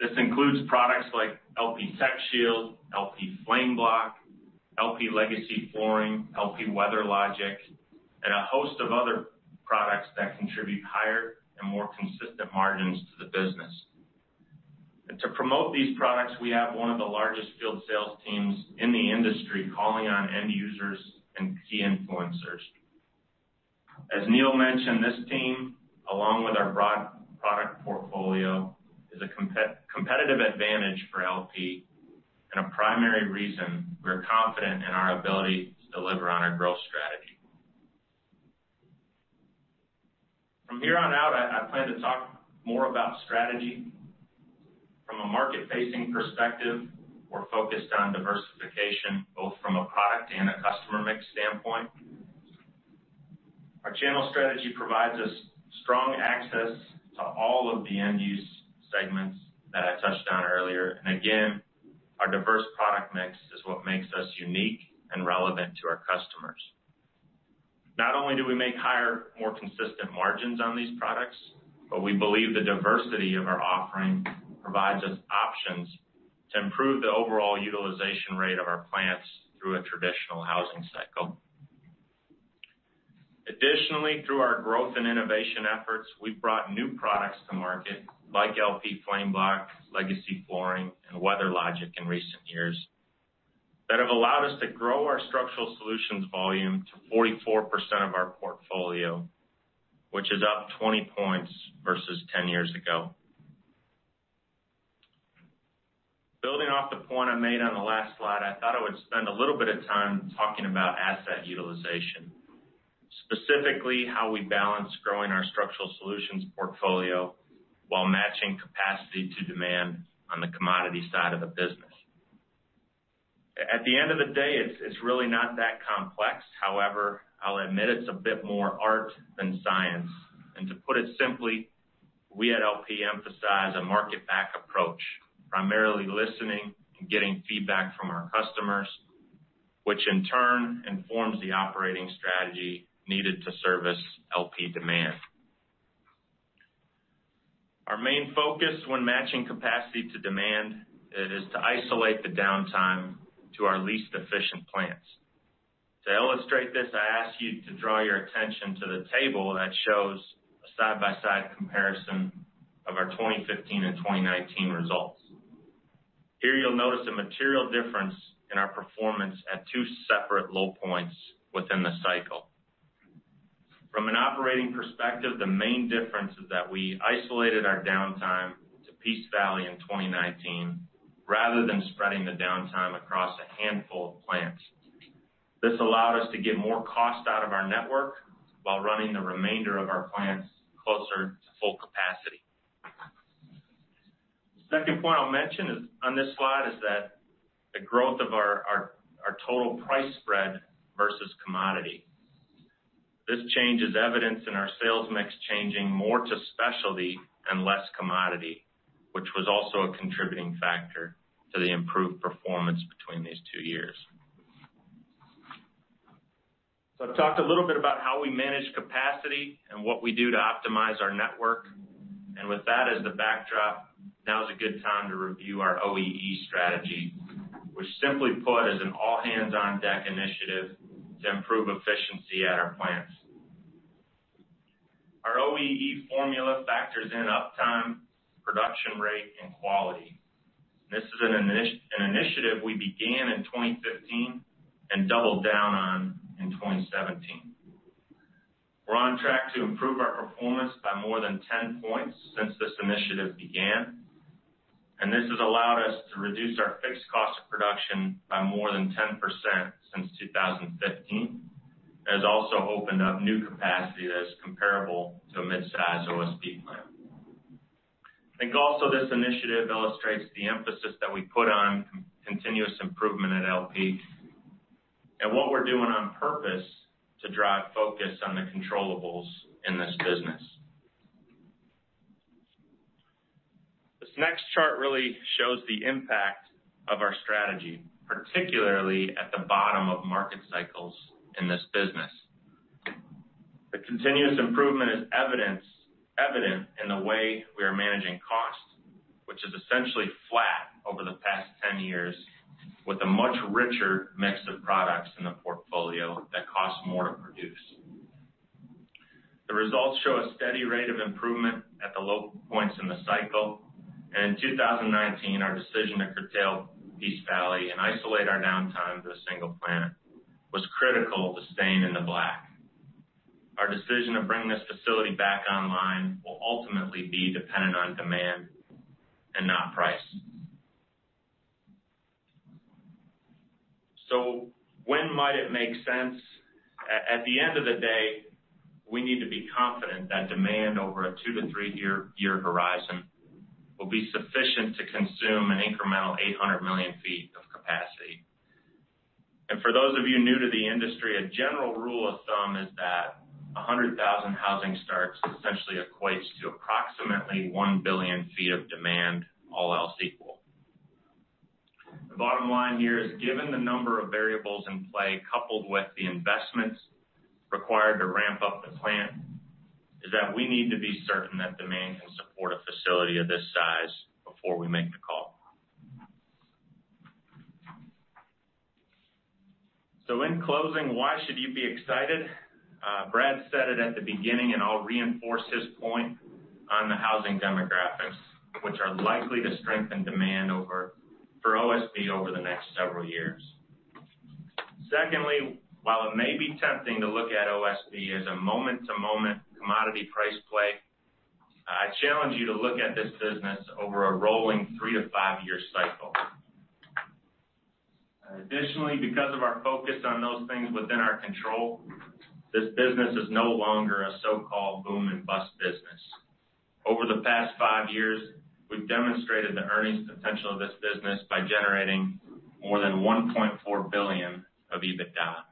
This includes products like LP TechShield, LP FlameBlock, LP Legacy Flooring, LP WeatherLogic, and a host of other products that contribute higher and more consistent margins to the business. And to promote these products, we have one of the largest field sales teams in the industry calling on end users and key influencers. As Neil mentioned, this team, along with our broad product portfolio, is a competitive advantage for LP and a primary reason we're confident in our ability to deliver on our growth strategy. From here on out, I plan to talk more about strategy. From a market-facing perspective, we're focused on diversification, both from a product and a customer mix standpoint. Our channel strategy provides us strong access to all of the end-use segments that I touched on earlier, and again, our diverse product mix is what makes us unique and relevant to our customers. Not only do we make higher, more consistent margins on these products, but we believe the diversity of our offering provides us options to improve the overall utilization rate of our plants through a traditional housing cycle. Additionally, through our growth and innovation efforts, we've brought new products to market like LP FlameBlock, LP Legacy, and LP WeatherLogic in recent years that have allowed us to grow our structural solutions volume to 44% of our portfolio, which is up 20 points versus 10 years ago. Building off the point I made on the last slide, I thought I would spend a little bit of time talking about asset utilization, specifically how we balance growing our Structural Solutions portfolio while matching capacity to demand on the commodity side of the business. At the end of the day, it's really not that complex. However, I'll admit it's a bit more art than science, and to put it simply, we at LP emphasize a market-backed approach, primarily listening and getting feedback from our customers, which in turn informs the operating strategy needed to service LP demand. Our main focus when matching capacity to demand is to isolate the downtime to our least efficient plants. To illustrate this, I ask you to draw your attention to the table that shows a side-by-side comparison of our 2015 and 2019 results. Here, you'll notice a material difference in our performance at two separate low points within the cycle. From an operating perspective, the main difference is that we isolated our downtime to Peace Valley in 2019 rather than spreading the downtime across a handful of plants. This allowed us to get more cost out of our network while running the remainder of our plants closer to full capacity. The second point I'll mention on this slide is that the growth of our total price spread versus commodity. This change is evidenced in our sales mix changing more to specialty and less commodity, which was also a contributing factor to the improved performance between these two years. So, I've talked a little bit about how we manage capacity and what we do to optimize our network. With that as the backdrop, now is a good time to review our OEE strategy, which simply put is an all-hands-on-deck initiative to improve efficiency at our plants. Our OEE formula factors in uptime, production rate, and quality. This is an initiative we began in 2015 and doubled down on in 2017. We're on track to improve our performance by more than 10 points since this initiative began. And this has allowed us to reduce our fixed cost of production by more than 10% since 2015. It has also opened up new capacity that is comparable to a mid-size OSB plant. I think also this initiative illustrates the emphasis that we put on continuous improvement at LP and what we're doing on purpose to drive focus on the controllable in this business. This next chart really shows the impact of our strategy, particularly at the bottom of market cycles in this business. The continuous improvement is evident in the way we are managing cost, which is essentially flat over the past 10 years with a much richer mix of products in the portfolio that costs more to produce. The results show a steady rate of improvement at the low points in the cycle, and in 2019, our decision to curtail Peace Valley and isolate our downtime to a single plant was critical to staying in the black. Our decision to bring this facility back online will ultimately be dependent on demand and not price, so when might it make sense? At the end of the day, we need to be confident that demand over a two to three-year horizon will be sufficient to consume an incremental 800 million feet of capacity. And for those of you new to the industry, a general rule of thumb is that 100,000 housing starts essentially equates to approximately 1 billion feet of demand, all else equal. The bottom line here is, given the number of variables in play coupled with the investments required to ramp up the plant, is that we need to be certain that demand can support a facility of this size before we make the call. So, in closing, why should you be excited? Brad said it at the beginning, and I'll reinforce his point on the housing demographics, which are likely to strengthen demand for OSB over the next several years. Secondly, while it may be tempting to look at OSB as a moment-to-moment commodity price play, I challenge you to look at this business over a rolling three- to five-year cycle. Additionally, because of our focus on those things within our control, this business is no longer a so-called boom and bust business. Over the past five years, we've demonstrated the earnings potential of this business by generating more than $1.4 billion of EBITDA.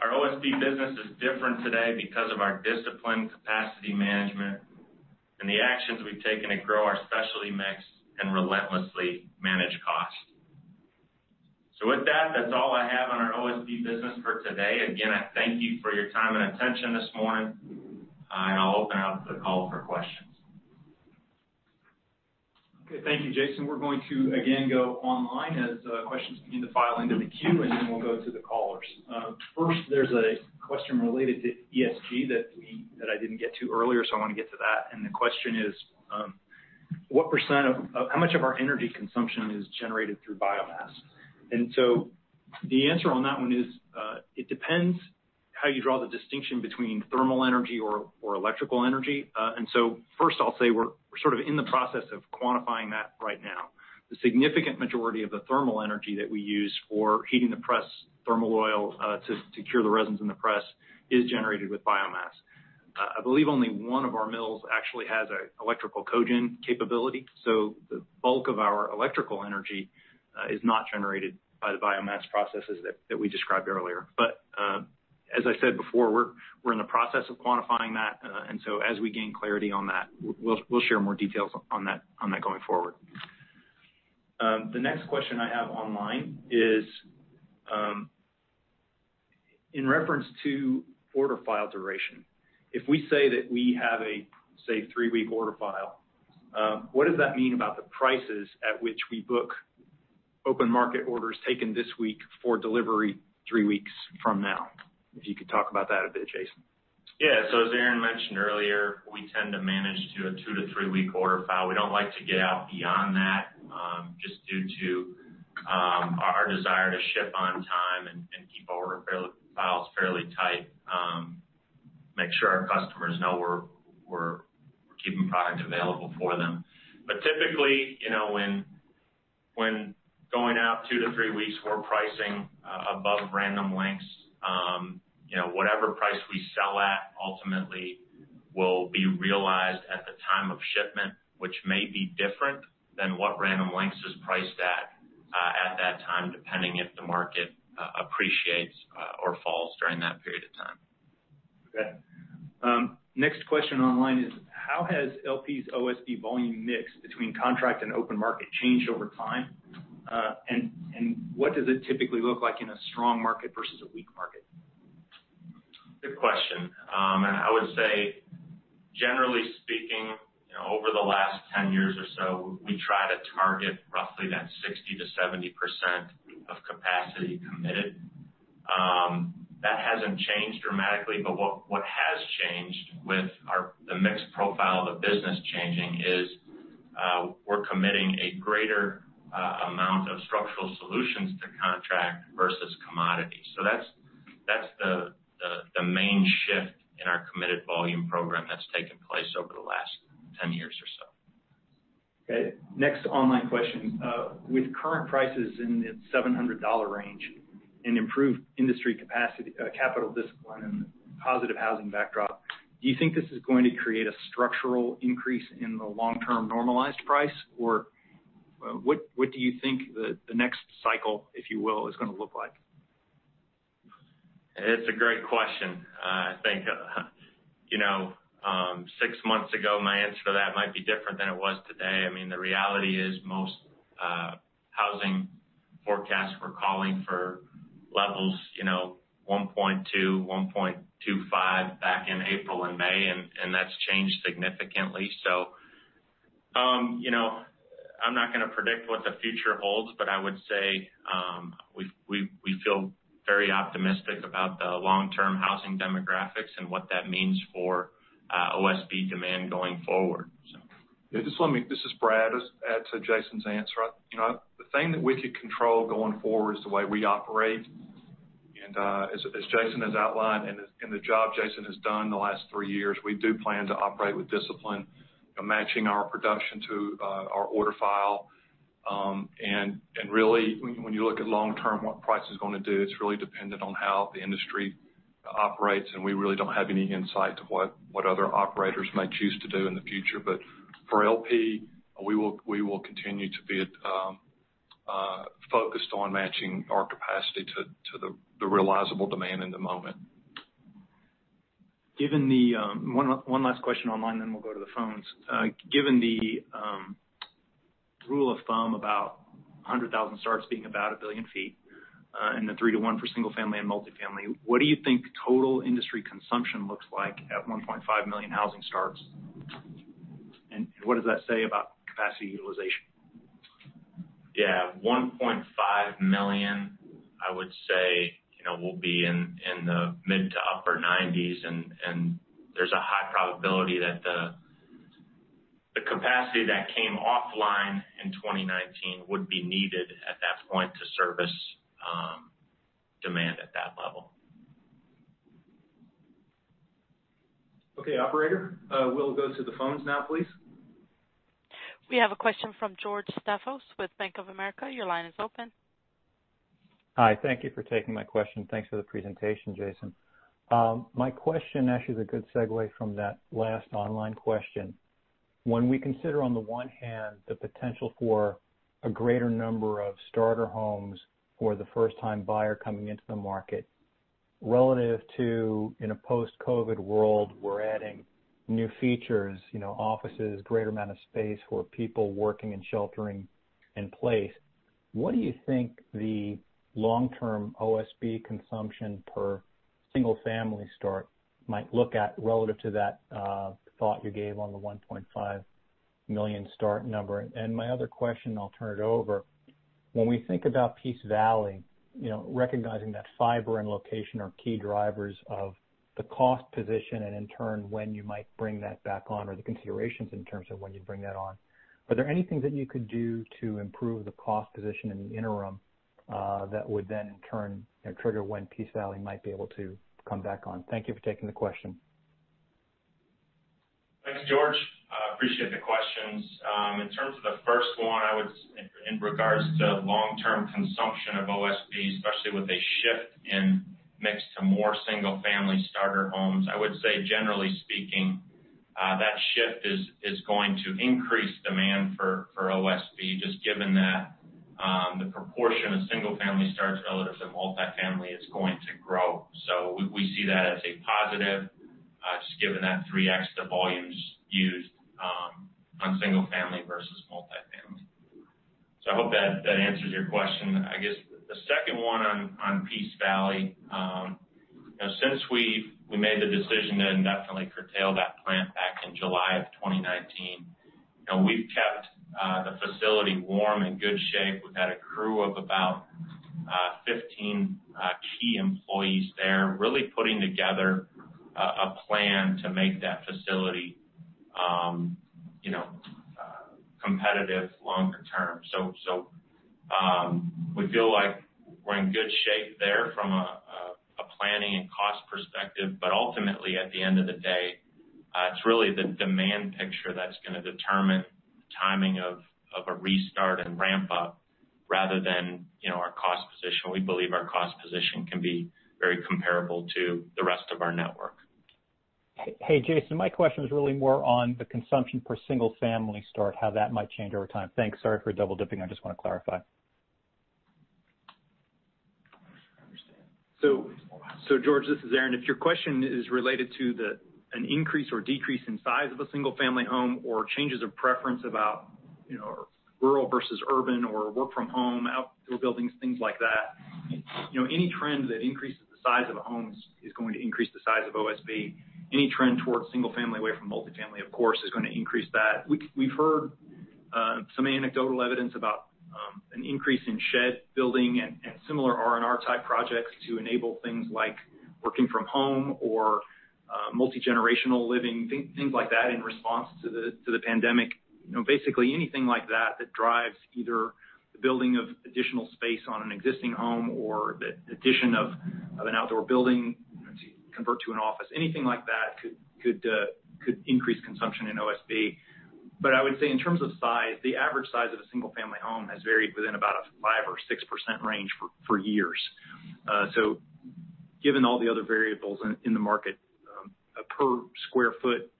Our OSB business is different today because of our disciplined capacity management and the actions we've taken to grow our specialty mix and relentlessly manage cost. So, with that, that's all I have on our OSB business for today. Again, I thank you for your time and attention this morning, and I'll open it up to the call for questions. Okay. Thank you, Jason. We're going to, again, go online as questions begin to file into the queue, and then we'll go to the callers. First, there's a question related to ESG that I didn't get to earlier, so I want to get to that. And the question is, what % of how much of our energy consumption is generated through biomass? And so the answer on that one is, it depends how you draw the distinction between thermal energy or electrical energy. And so first, I'll say we're sort of in the process of quantifying that right now. The significant majority of the thermal energy that we use for heating the press, thermal oil to cure the resins in the press, is generated with biomass. I believe only one of our mills actually has an electrical cogen capability. The bulk of our electrical energy is not generated by the biomass processes that we described earlier. As I said before, we're in the process of quantifying that. As we gain clarity on that, we'll share more details on that going forward. The next question I have online is, in reference to order file duration, if we say that we have a, say, three-week order file, what does that mean about the prices at which we book open market orders taken this week for delivery three weeks from now? If you could talk about that a bit, Jason. Yeah. So, as Aaron mentioned earlier, we tend to manage to a two- to three-week order file. We don't like to get out beyond that just due to our desire to ship on time and keep our order files fairly tight, make sure our customers know we're keeping product available for them. But typically, when going out two to three weeks, we're pricing above Random Lengths. Whatever price we sell at ultimately will be realized at the time of shipment, which may be different than what Random Lengths is priced at at that time, depending if the market appreciates or falls during that period of time. Okay. Next question online is, how has LP's OSB volume mix between contract and open market changed over time? And what does it typically look like in a strong market versus a weak market? Good question. I would say, generally speaking, over the last 10 years or so, we try to target roughly that 60%-70% of capacity committed. That hasn't changed dramatically. But what has changed with the mixed profile of the business changing is we're committing a greater amount of Structural Solutions to contract versus commodity. So that's the main shift in our committed volume program that's taken place over the last 10 years or so. Okay. Next online question. With current prices in the $700 range and improved industry capital discipline and positive housing backdrop, do you think this is going to create a structural increase in the long-term normalized price? Or what do you think the next cycle, if you will, is going to look like? It's a great question. I think six months ago, my answer to that might be different than it was today. I mean, the reality is most housing forecasts were calling for levels 1.2, 1.25 back in April and May, and that's changed significantly. So I'm not going to predict what the future holds, but I would say we feel very optimistic about the long-term housing demographics and what that means for OSB demand going forward, so. Yeah. This is Brad. Add to Jason's answer. The thing that we could control going forward is the way we operate. And as Jason has outlined and the job Jason has done the last three years, we do plan to operate with discipline, matching our production to our order file. And really, when you look at long-term, what price is going to do, it's really dependent on how the industry operates. And we really don't have any insight to what other operators might choose to do in the future. But for LP, we will continue to be focused on matching our capacity to the realizable demand in the moment. One last question online, then we'll go to the phones. Given the rule of thumb about 100,000 starts being about a billion feet and the three to one for single-family and multifamily, what do you think total industry consumption looks like at 1.5 million housing starts? And what does that say about capacity utilization? Yeah. 1.5 million, I would say, will be in the mid to upper 90s. And there's a high probability that the capacity that came offline in 2019 would be needed at that point to service demand at that level. Okay. Operator, we'll go to the phones now, please. We have a question from George Staphos with Bank of America. Your line is open. Hi. Thank you for taking my question. Thanks for the presentation, Jason. My question actually is a good segue from that last online question. When we consider, on the one hand, the potential for a greater number of starter homes for the first-time buyer coming into the market relative to, in a post-COVID world, we're adding new features, offices, greater amount of space for people working and sheltering in place, what do you think the long-term OSB consumption per single-family start might look at relative to that thought you gave on the 1.5 million start number? And my other question, I'll turn it over. When we think about Peace Valley, recognizing that fiber and location are key drivers of the cost position and, in turn, when you might bring that back on or the considerations in terms of when you bring that on, are there any things that you could do to improve the cost position in the interim that would then, in turn, trigger when Peace Valley might be able to come back on? Thank you for taking the question. Thanks, George. I appreciate the questions. In terms of the first one, in regards to long-term consumption of OSB, especially with a shift in mix to more single-family starter homes, I would say, generally speaking, that shift is going to increase demand for OSB just given that the proportion of single-family starts relative to multifamily is going to grow. So we see that as a positive just given that 3X the volumes used on single-family versus multifamily. So I hope that answers your question. I guess the second one on Peace Valley, since we made the decision to indefinitely curtail that plant back in July of 2019, we've kept the facility warm and in good shape. We've had a crew of about 15 key employees there really putting together a plan to make that facility competitive longer term. So we feel like we're in good shape there from a planning and cost perspective. But ultimately, at the end of the day, it's really the demand picture that's going to determine the timing of a restart and ramp-up rather than our cost position. We believe our cost position can be very comparable to the rest of our network. Hey, Jason, my question was really more on the consumption per single-family start, how that might change over time. Thanks. Sorry for double-dipping. I just want to clarify. So, George, this is Aaron. If your question is related to an increase or decrease in size of a single-family home or changes of preference about rural versus urban or work-from-home, outdoor buildings, things like that, any trend that increases the size of a home is going to increase the size of OSB. Any trend towards single-family away from multifamily, of course, is going to increase that. We've heard some anecdotal evidence about an increase in shed building and similar R&R-type projects to enable things like working from home or multi-generational living, things like that in response to the pandemic. Basically, anything like that that drives either the building of additional space on an existing home or the addition of an outdoor building to convert to an office, anything like that could increase consumption in OSB. But I would say, in terms of size, the average size of a single-family home has varied within about a 5% or 6% range for years. So given all the other variables in the market, a per-square-foot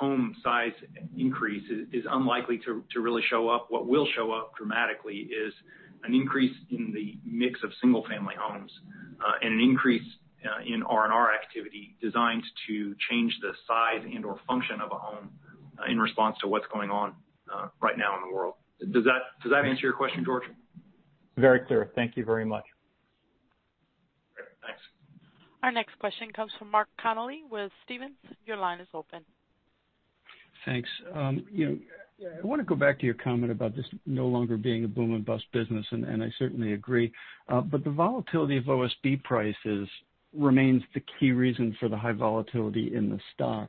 home size increase is unlikely to really show up. What will show up dramatically is an increase in the mix of single-family homes and an increase in R&R activity designed to change the size and/or function of a home in response to what's going on right now in the world. Does that answer your question, George? Very clear. Thank you very much. Great. Thanks. Our next question comes from Mark Connelly with Stephens. Your line is open. Thanks. I want to go back to your comment about this no longer being a boom and bust business, and I certainly agree. But the volatility of OSB prices remains the key reason for the high volatility in the stock.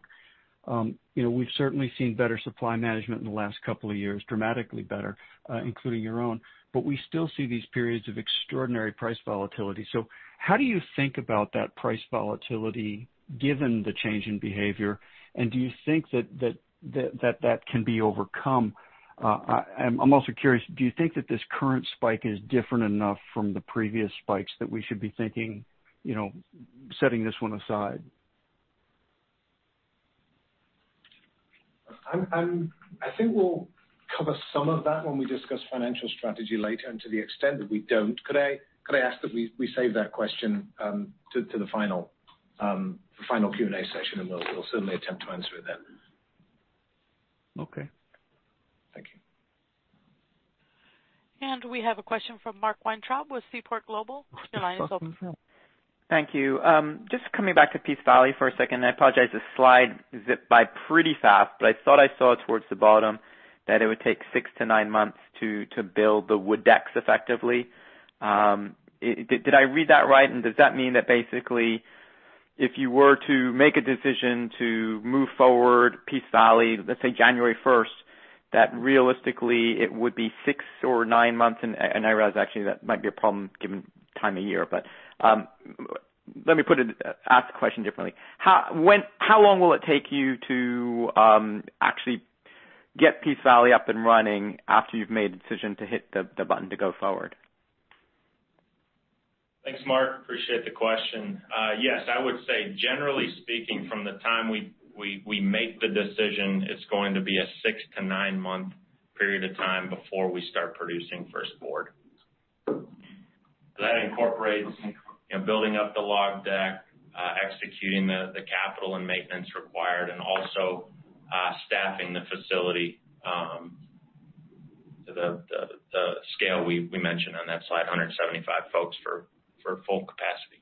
We've certainly seen better supply management in the last couple of years, dramatically better, including your own. But we still see these periods of extraordinary price volatility. So how do you think about that price volatility given the change in behavior? And do you think that that can be overcome? I'm also curious, do you think that this current spike is different enough from the previous spikes that we should be thinking setting this one aside? I think we'll cover some of that when we discuss financial strategy later, and to the extent that we don't, could I ask that we save that question to the final Q&A session, and we'll certainly attempt to answer it then? Okay. Thank you. And we have a question from Mark Weintraub with Seaport Global. Your line is open. Thank you. Just coming back to Peace Valley for a second. I apologize. The slide zipped by pretty fast, but I thought I saw towards the bottom that it would take six-to-nine months to build the wood decks effectively. Did I read that right? And does that mean that, basically, if you were to make a decision to move forward Peace Valley, let's say January 1st, that realistically it would be six or nine months? And I realize, actually, that might be a problem given time of year. But let me ask the question differently. How long will it take you to actually get Peace Valley up and running after you've made a decision to hit the button to go forward? Thanks, Mark. Appreciate the question. Yes. I would say, generally speaking, from the time we make the decision, it's going to be a six- to nine-month period of time before we start producing first board. That incorporates building up the log deck, executing the capital and maintenance required, and also staffing the facility to the scale we mentioned on that slide, 175 folks for full capacity.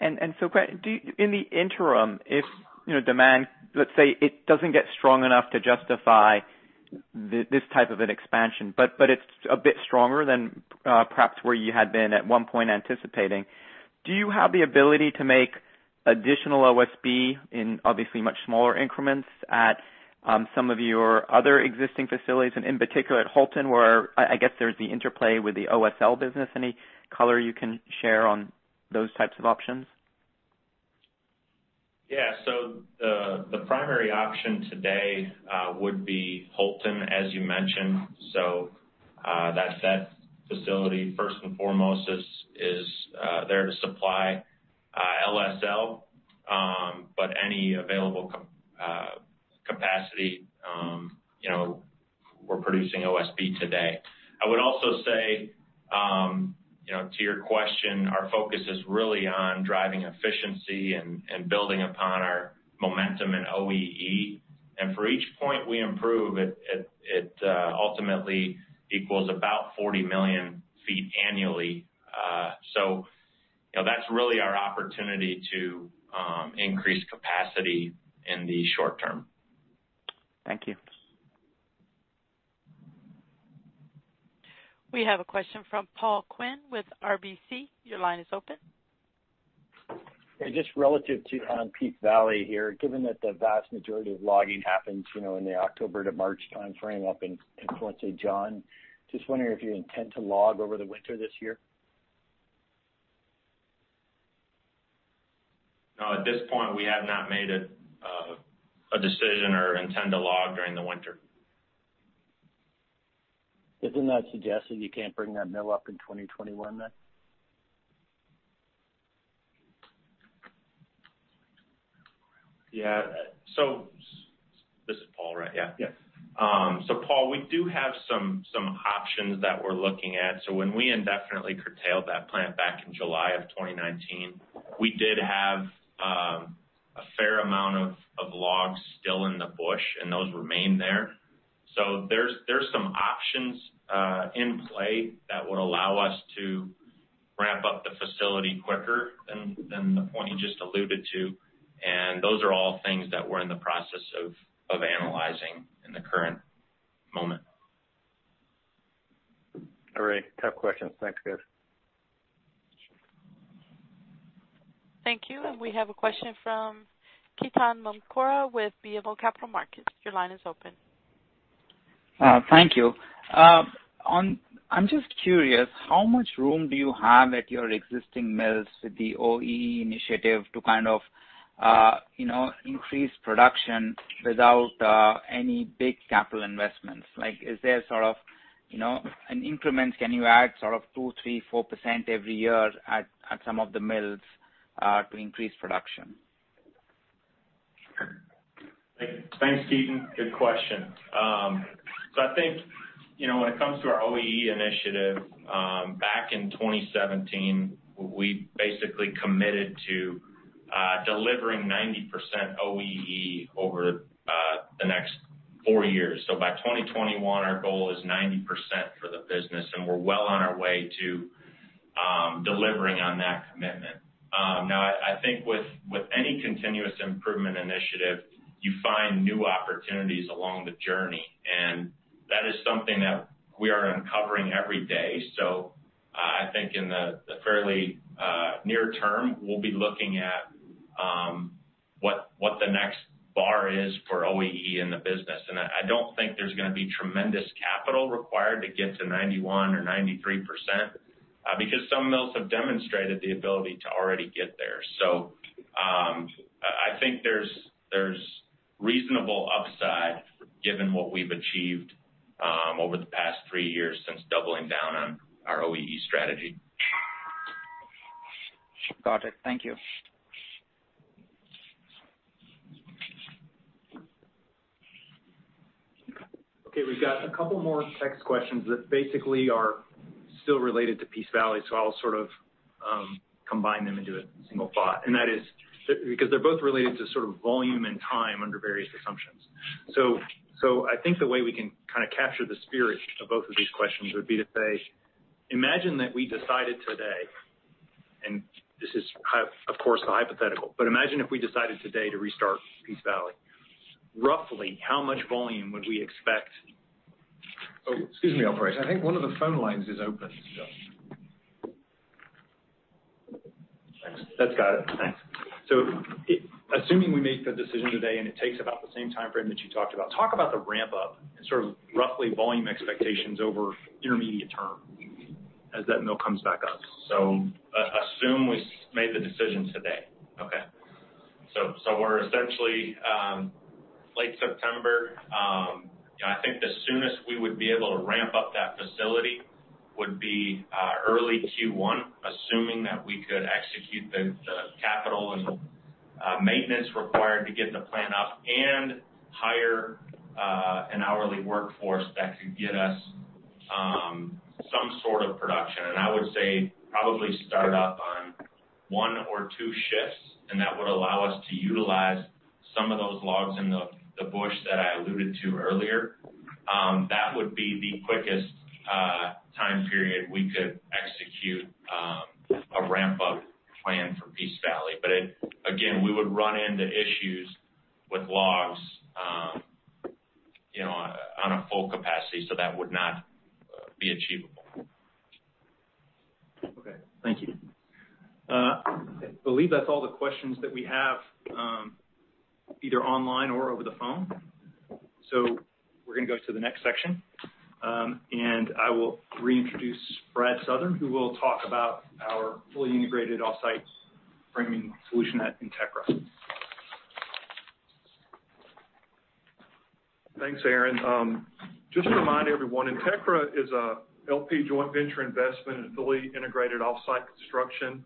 And so, in the interim, if demand, let's say, it doesn't get strong enough to justify this type of an expansion, but it's a bit stronger than perhaps where you had been at one point anticipating, do you have the ability to make additional OSB in, obviously, much smaller increments at some of your other existing facilities, and in particular at Houlton where, I guess, there's the interplay with the LSL business? Any color you can share on those types of options? Yeah. So the primary option today would be Houlton, as you mentioned. So that facility, first and foremost, is there to supply LSL, but any available capacity, we're producing OSB today. I would also say, to your question, our focus is really on driving efficiency and building upon our momentum in OEE. And for each point we improve, it ultimately equals about 40 million feet annually. So that's really our opportunity to increase capacity in the short term. Thank you. We have a question from Paul Quinn with RBC. Your line is open. Just relative to Peace Valley here, given that the vast majority of logging happens in the October to March timeframe up in Fort St. John, just wondering if you intend to log over the winter this year? No. At this point, we have not made a decision or intend to log during the winter. Doesn't that suggest that you can't bring that mill up in 2021 then? Yeah. So this is Paul, right? Yeah. Yes. So, Paul, we do have some options that we're looking at. So, when we indefinitely curtailed that plant back in July of 2019, we did have a fair amount of logs still in the bush, and those remained there. So, there's some options in play that would allow us to ramp up the facility quicker than the point you just alluded to. And those are all things that we're in the process of analyzing in the current moment. All right. Tough questions. Thanks, guys. Thank you. And we have a question from Ketan Mamtora with BMO Capital Markets. Your line is open. Thank you. I'm just curious, how much room do you have at your existing mills with the OEE initiative to kind of increase production without any big capital investments? Is there sort of an increment? Can you add sort of 2, 3, 4% every year at some of the mills to increase production? Thanks, Ketan. Good question. So I think when it comes to our OEE initiative, back in 2017, we basically committed to delivering 90% OEE over the next four years. So by 2021, our goal is 90% for the business, and we're well on our way to delivering on that commitment. Now, I think with any continuous improvement initiative, you find new opportunities along the journey. And that is something that we are uncovering every day. So I think in the fairly near term, we'll be looking at what the next bar is for OEE in the business. And I don't think there's going to be tremendous capital required to get to 91% or 93% because some mills have demonstrated the ability to already get there. So I think there's reasonable upside given what we've achieved over the past three years since doubling down on our OEE strategy. Got it. Thank you. Okay. We've got a couple more text questions that basically are still related to Peace Valley, so I'll sort of combine them into a single thought. And that is because they're both related to sort of volume and time under various assumptions. So I think the way we can kind of capture the spirit of both of these questions would be to say, imagine that we decided today, and this is, of course, a hypothetical, but imagine if we decided today to restart Peace Valley. Roughly, how much volume would we expect? Oh, excuse me, I'll phrase. I think one of the phone lines is open. Thanks. That's got it. Thanks. So assuming we make the decision today and it takes about the same timeframe that you talked about, talk about the ramp-up and sort of roughly volume expectations over intermediate term as that mill comes back up? So assume we made the decision today. Okay. So we're essentially late September. I think the soonest we would be able to ramp up that facility would be early Q1, assuming that we could execute the capital and maintenance required to get the plant up and hire an hourly workforce that could get us some sort of production. And I would say probably start up on one or two shifts, and that would allow us to utilize some of those logs in the bush that I alluded to earlier. That would be the quickest time period we could execute a ramp-up plan for Peace Valley. But again, we would run into issues with logs on a full capacity, so that would not be achievable. Okay. Thank you. I believe that's all the questions that we have either online or over the phone. So we're going to go to the next section, and I will reintroduce Brad Southern, who will talk about our fully integrated off-site framing solution at Entegra. Thanks, Aaron. Just to remind everyone, Entegra is a LP joint venture investment in fully integrated off-site construction.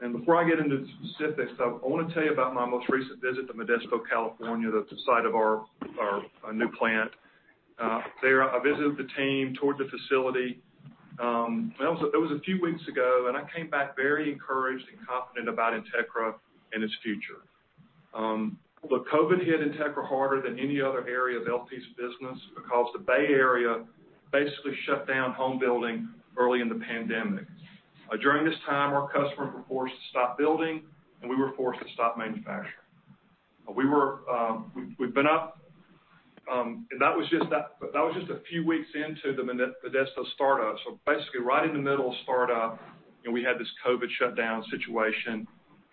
And before I get into the specifics, I want to tell you about my most recent visit to Modesto, California, the site of our new plant. There, I visited the team tour of the facility. It was a few weeks ago, and I came back very encouraged and confident about Entegra and its future. But COVID hit Entegra harder than any other area of LP's business because the Bay Area basically shut down home building early in the pandemic. During this time, our customers were forced to stop building, and we were forced to stop manufacturing. We've been up—that was just a few weeks into the Modesto startup. So basically, right in the middle of startup, we had this COVID shutdown situation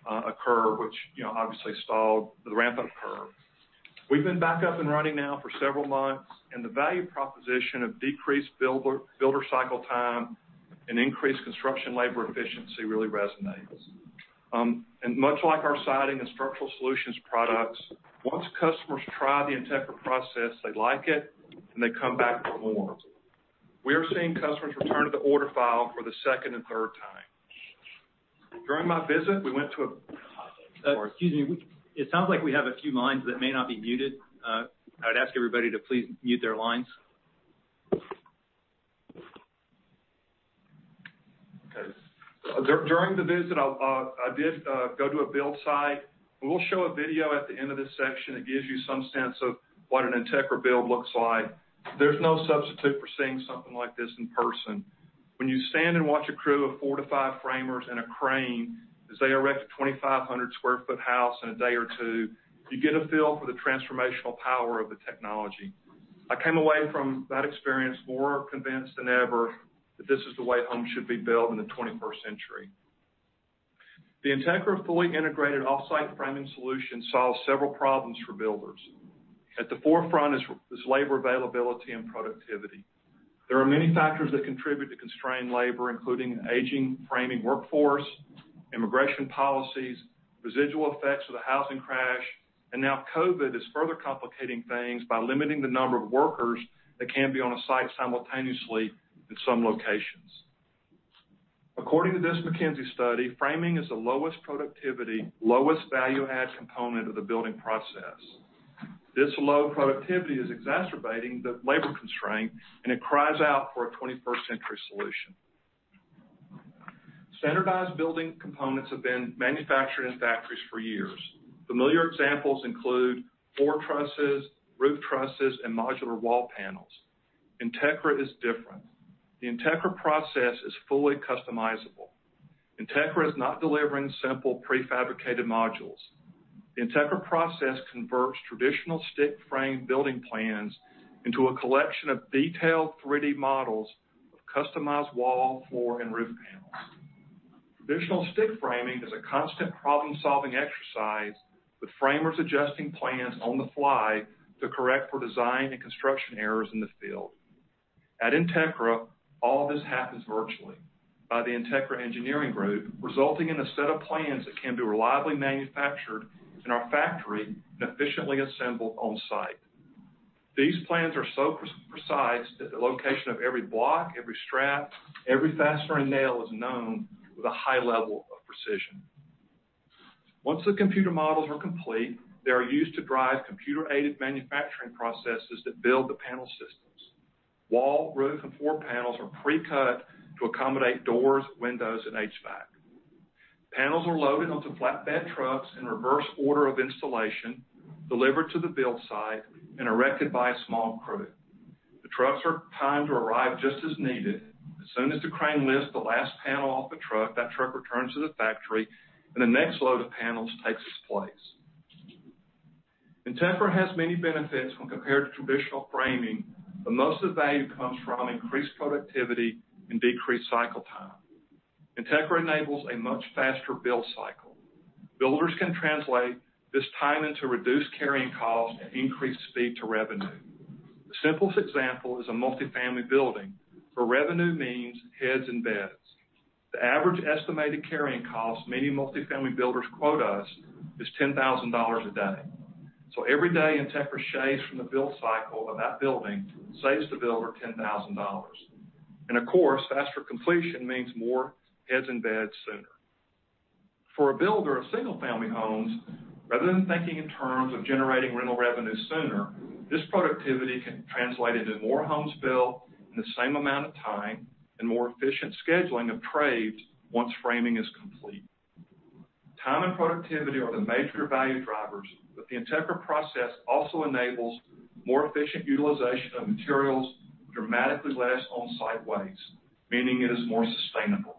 occur, which obviously stalled the ramp-up curve. We've been back up and running now for several months, and the value proposition of decreased builder cycle time and increased construction labor efficiency really resonates. And much like our Siding and Structural Solutions products, once customers try the Entegra process, they like it, and they come back for more. We are seeing customers return to the order file for the second and third time. During my visit, we went to a... Excuse me. It sounds like we have a few lines that may not be muted. I would ask everybody to please mute their lines. Okay. During the visit, I did go to a build site. We'll show a video at the end of this section that gives you some sense of what an Entegra build looks like. There's no substitute for seeing something like this in person. When you stand and watch a crew of four to five framers and a crane as they erect a 2,500 sq ft house in a day or two, you get a feel for the transformational power of the technology. I came away from that experience more convinced than ever that this is the way homes should be built in the 21st century. The Entegra fully integrated off-site framing solution solves several problems for builders. At the forefront is labor availability and productivity. There are many factors that contribute to constrained labor, including an aging framing workforce, immigration policies, residual effects of the housing crash, and now COVID is further complicating things by limiting the number of workers that can be on a site simultaneously in some locations. According to this McKinsey study, framing is the lowest productivity, lowest value-add component of the building process. This low productivity is exacerbating the labor constraint, and it cries out for a 21st-century solution. Standardized building components have been manufactured in factories for years. Familiar examples include floor trusses, roof trusses, and modular wall panels. Entegra is different. The Entegra process is fully customizable. Entegra is not delivering simple prefabricated modules. The Entegra process converts traditional stick frame building plans into a collection of detailed 3D models of customized wall, floor, and roof panels. Traditional stick framing is a constant problem-solving exercise with framers adjusting plans on the fly to correct for design and construction errors in the field. At Entegra, all this happens virtually by the Entegra engineering group, resulting in a set of plans that can be reliably manufactured in our factory and efficiently assembled on-site. These plans are so precise that the location of every block, every strap, every fastener and nail is known with a high level of precision. Once the computer models are complete, they are used to drive computer-aided manufacturing processes that build the panel systems. Wall, roof, and floor panels are pre-cut to accommodate doors, windows, and HVAC. Panels are loaded onto flatbed trucks in reverse order of installation, delivered to the build site, and erected by a small crew. The trucks are timed to arrive just as needed. As soon as the crane lifts the last panel off the truck, that truck returns to the factory, and the next load of panels takes its place. Entegra has many benefits when compared to traditional framing, but most of the value comes from increased productivity and decreased cycle time. Entegra enables a much faster build cycle. Builders can translate this time into reduced carrying costs and increased speed to revenue. The simplest example is a multifamily building, where revenue means heads and beds. The average estimated carrying cost many multifamily builders quote us is $10,000 a day. Every day, Entegra shaves from the build cycle of that building, saves the builder $10,000. Of course, faster completion means more heads and beds sooner. For a builder of single-family homes, rather than thinking in terms of generating rental revenue sooner, this productivity can translate into more homes built in the same amount of time and more efficient scheduling of trades once framing is complete. Time and productivity are the major value drivers, but the Entegra process also enables more efficient utilization of materials, dramatically less on-site waste, meaning it is more sustainable.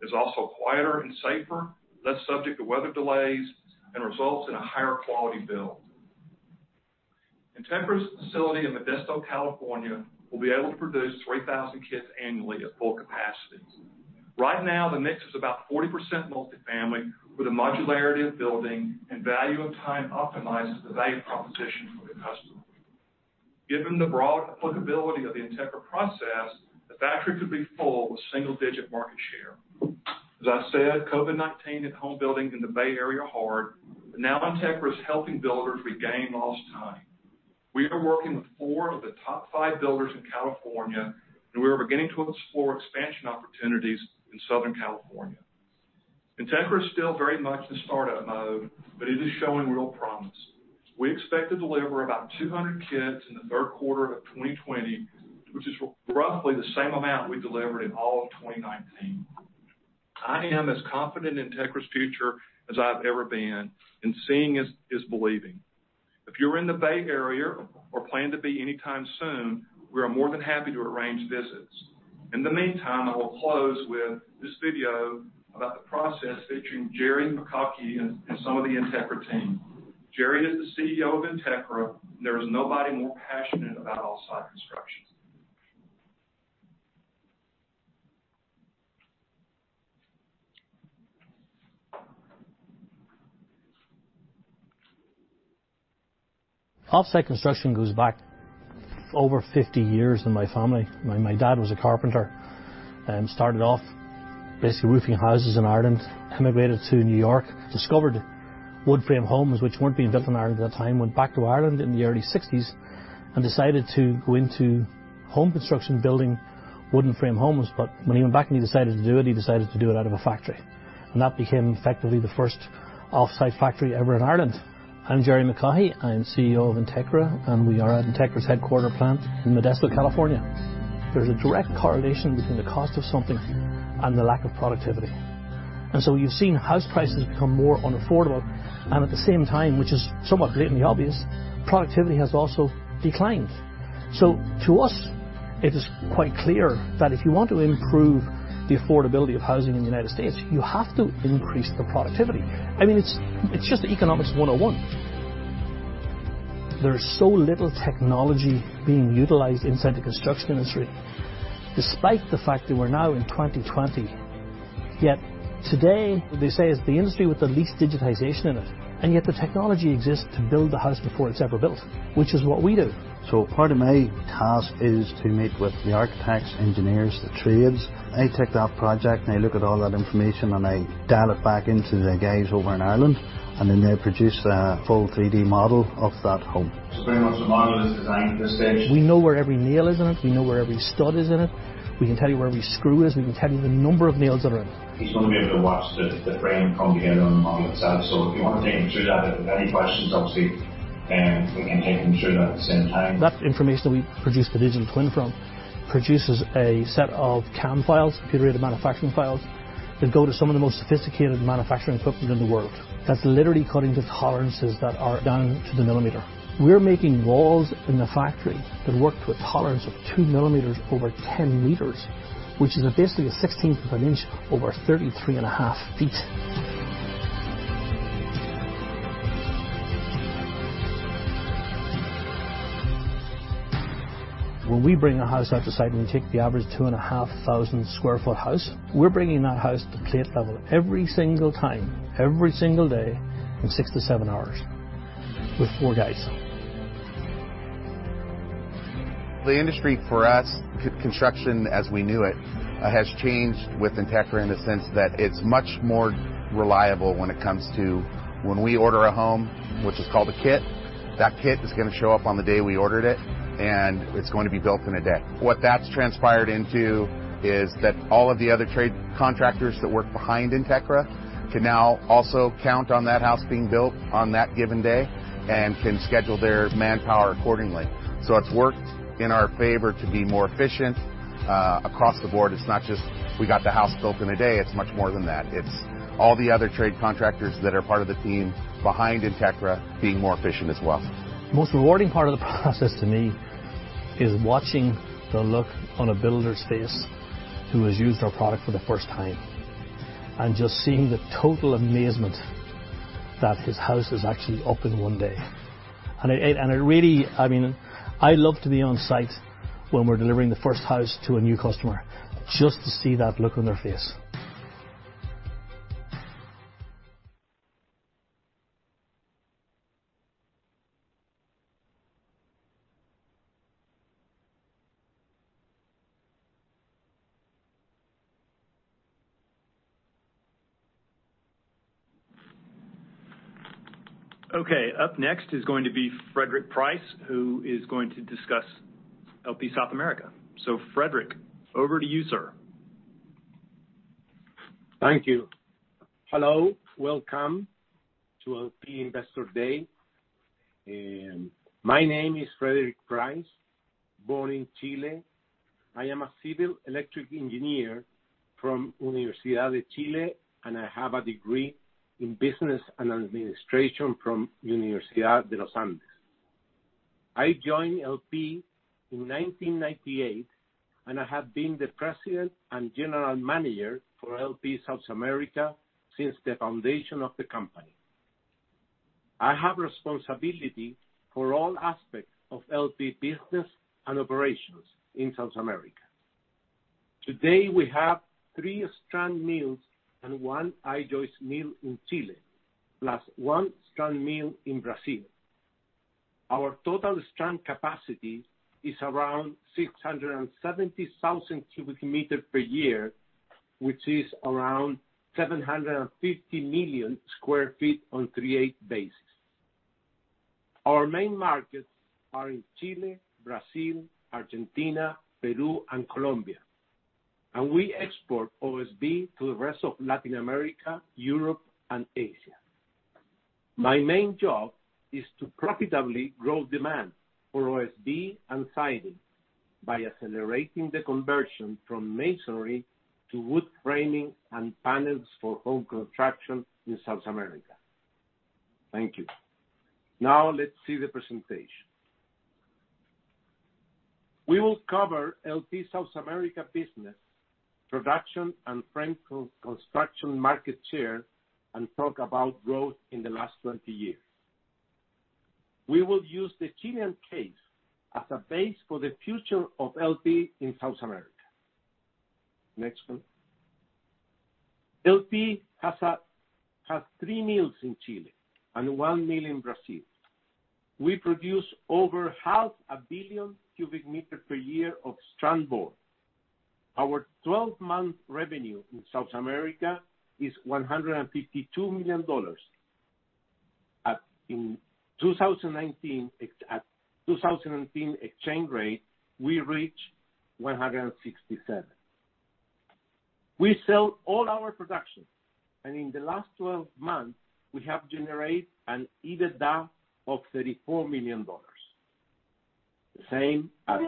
It's also quieter and safer, less subject to weather delays, and results in a higher quality build. Entegra's facility in Modesto, California, will be able to produce 3,000 kits annually at full capacity. Right now, the mix is about 40% multifamily, with a modularity of building and value of time optimizes the value proposition for the customer. Given the broad applicability of the Entegra process, the factory could be full with single-digit market share. As I said, COVID-19 hit home building in the Bay Area hard, but now Entegra is helping builders regain lost time. We are working with four of the top five builders in California, and we are beginning to explore expansion opportunities in Southern California. Entegra is still very much in startup mode, but it is showing real promise. We expect to deliver about 200 kits in the third quarter of 2020, which is roughly the same amount we delivered in all of 2019. I am as confident in Entegra's future as I've ever been, and seeing is believing. If you're in the Bay Area or plan to be anytime soon, we are more than happy to arrange visits. In the meantime, I will close with this video about the process featuring Gerry McCaughey and some of the Entegra team. Gerry is the CEO of Entegra, and there is nobody more passionate about off-site construction. Off-site construction goes back over 50 years in my family. My dad was a carpenter and started off basically roofing houses in Ireland, emigrated to New York, discovered woodframe homes which weren't being built in Ireland at that time, went back to Ireland in the early '60s, and decided to go into home construction, building wooden frame homes. But when he went back and he decided to do it, he decided to do it out of a factory. And that became effectively the first off-site factory ever in Ireland. I'm Gerry McCaughey. I'm CEO of Entegra, and we are at Entegra's headquarters plant in Modesto, California. There's a direct correlation between the cost of something and the lack of productivity. And so you've seen house prices become more unaffordable, and at the same time, which is somewhat greatly obvious, productivity has also declined. So to us, it is quite clear that if you want to improve the affordability of housing in the United States, you have to increase the productivity. I mean, it's just economics 101. There's so little technology being utilized inside the construction industry, despite the fact that we're now in 2020. Yet today, they say it's the industry with the least digitization in it, and yet the technology exists to build the house before it's ever built, which is what we do. So part of my task is to meet with the architects, engineers, the trades. They take that project, and they look at all that information, and I dial it back into the guys over in Ireland, and then they produce a full 3D model of that home. So pretty much the model is designed for this stage. We know where every nail is in it. We know where every stud is in it. We can tell you where every screw is. We can tell you the number of nails that are in it. He's going to be able to watch the frame come together on the model itself. So if you want to take him through that, if you have any questions, obviously, we can take him through that at the same time. That information that we produce the digital twin from produces a set of CAM files, computer-aided manufacturing files, that go to some of the most sophisticated manufacturing equipment in the world. That's literally cutting to tolerances that are down to the millimeter. We're making walls in the factory that work to a tolerance of 2 millimeters over 10 meters, which is basically a 16th of an inch over 33 and a half feet. When we bring a house out to site and we take the average 2,500 sq ft house, we're bringing that house to plate level every single time, every single day, in six to seven hours with four guys. The industry for us, construction as we knew it, has changed with Entegra in the sense that it's much more reliable when it comes to when we order a home, which is called a kit. That kit is going to show up on the day we ordered it, and it's going to be built in a day. What that's transpired into is that all of the other trade contractors that work behind Entegra can now also count on that house being built on that given day and can schedule their manpower accordingly, so it's worked in our favor to be more efficient across the board. It's not just we got the house built in a day. It's much more than that. It's all the other trade contractors that are part of the team behind Entegra being more efficient as well. Most rewarding part of the process to me is watching the look on a builder's face who has used our product for the first time and just seeing the total amazement that his house is actually up in one day, and it really, I mean, I love to be on site when we're delivering the first house to a new customer just to see that look on their face. Okay. Up next is going to be Frederick Price, who is going to discuss LP South America, so Frederick, over to you, sir. Thank you. Hello. Welcome to LP Investor Day. My name is Frederick Price, born in Chile. I am a civil electric engineer from Universidad de Chile, and I have a degree in business and administration from Universidad de los Andes. I joined LP in 1998, and I have been the President and General Manager for LP South America since the foundation of the company. I have responsibility for all aspects of LP business and operations in South America. Today, we have three strand mills and one I-joist mill in Chile, plus one strand mill in Brazil. Our total strand capacity is around 670,000 cubic meters per year, which is around 750 million sq ft on a 3/8 basis. Our main markets are in Chile, Brazil, Argentina, Peru, and Colombia, and we export OSB to the rest of Latin America, Europe, and Asia. My main job is to profitably grow demand for OSB and siding by accelerating the conversion from masonry to wood framing and panels for home construction in South America. Thank you. Now, let's see the presentation. We will cover LP South America business, production, and frame construction market share, and talk about growth in the last 20 years. We will use the Chilean case as a base for the future of LP in South America. Next one. LP has three mills in Chile and one mill in Brazil. We produce over 500 million cubic meters per year of strand board. Our 12-month revenue in South America is $152 million. In 2019 exchange rate, we reached $167 million. We sell all our production, and in the last 12 months, we have generated an EBITDA of $34 million. The same as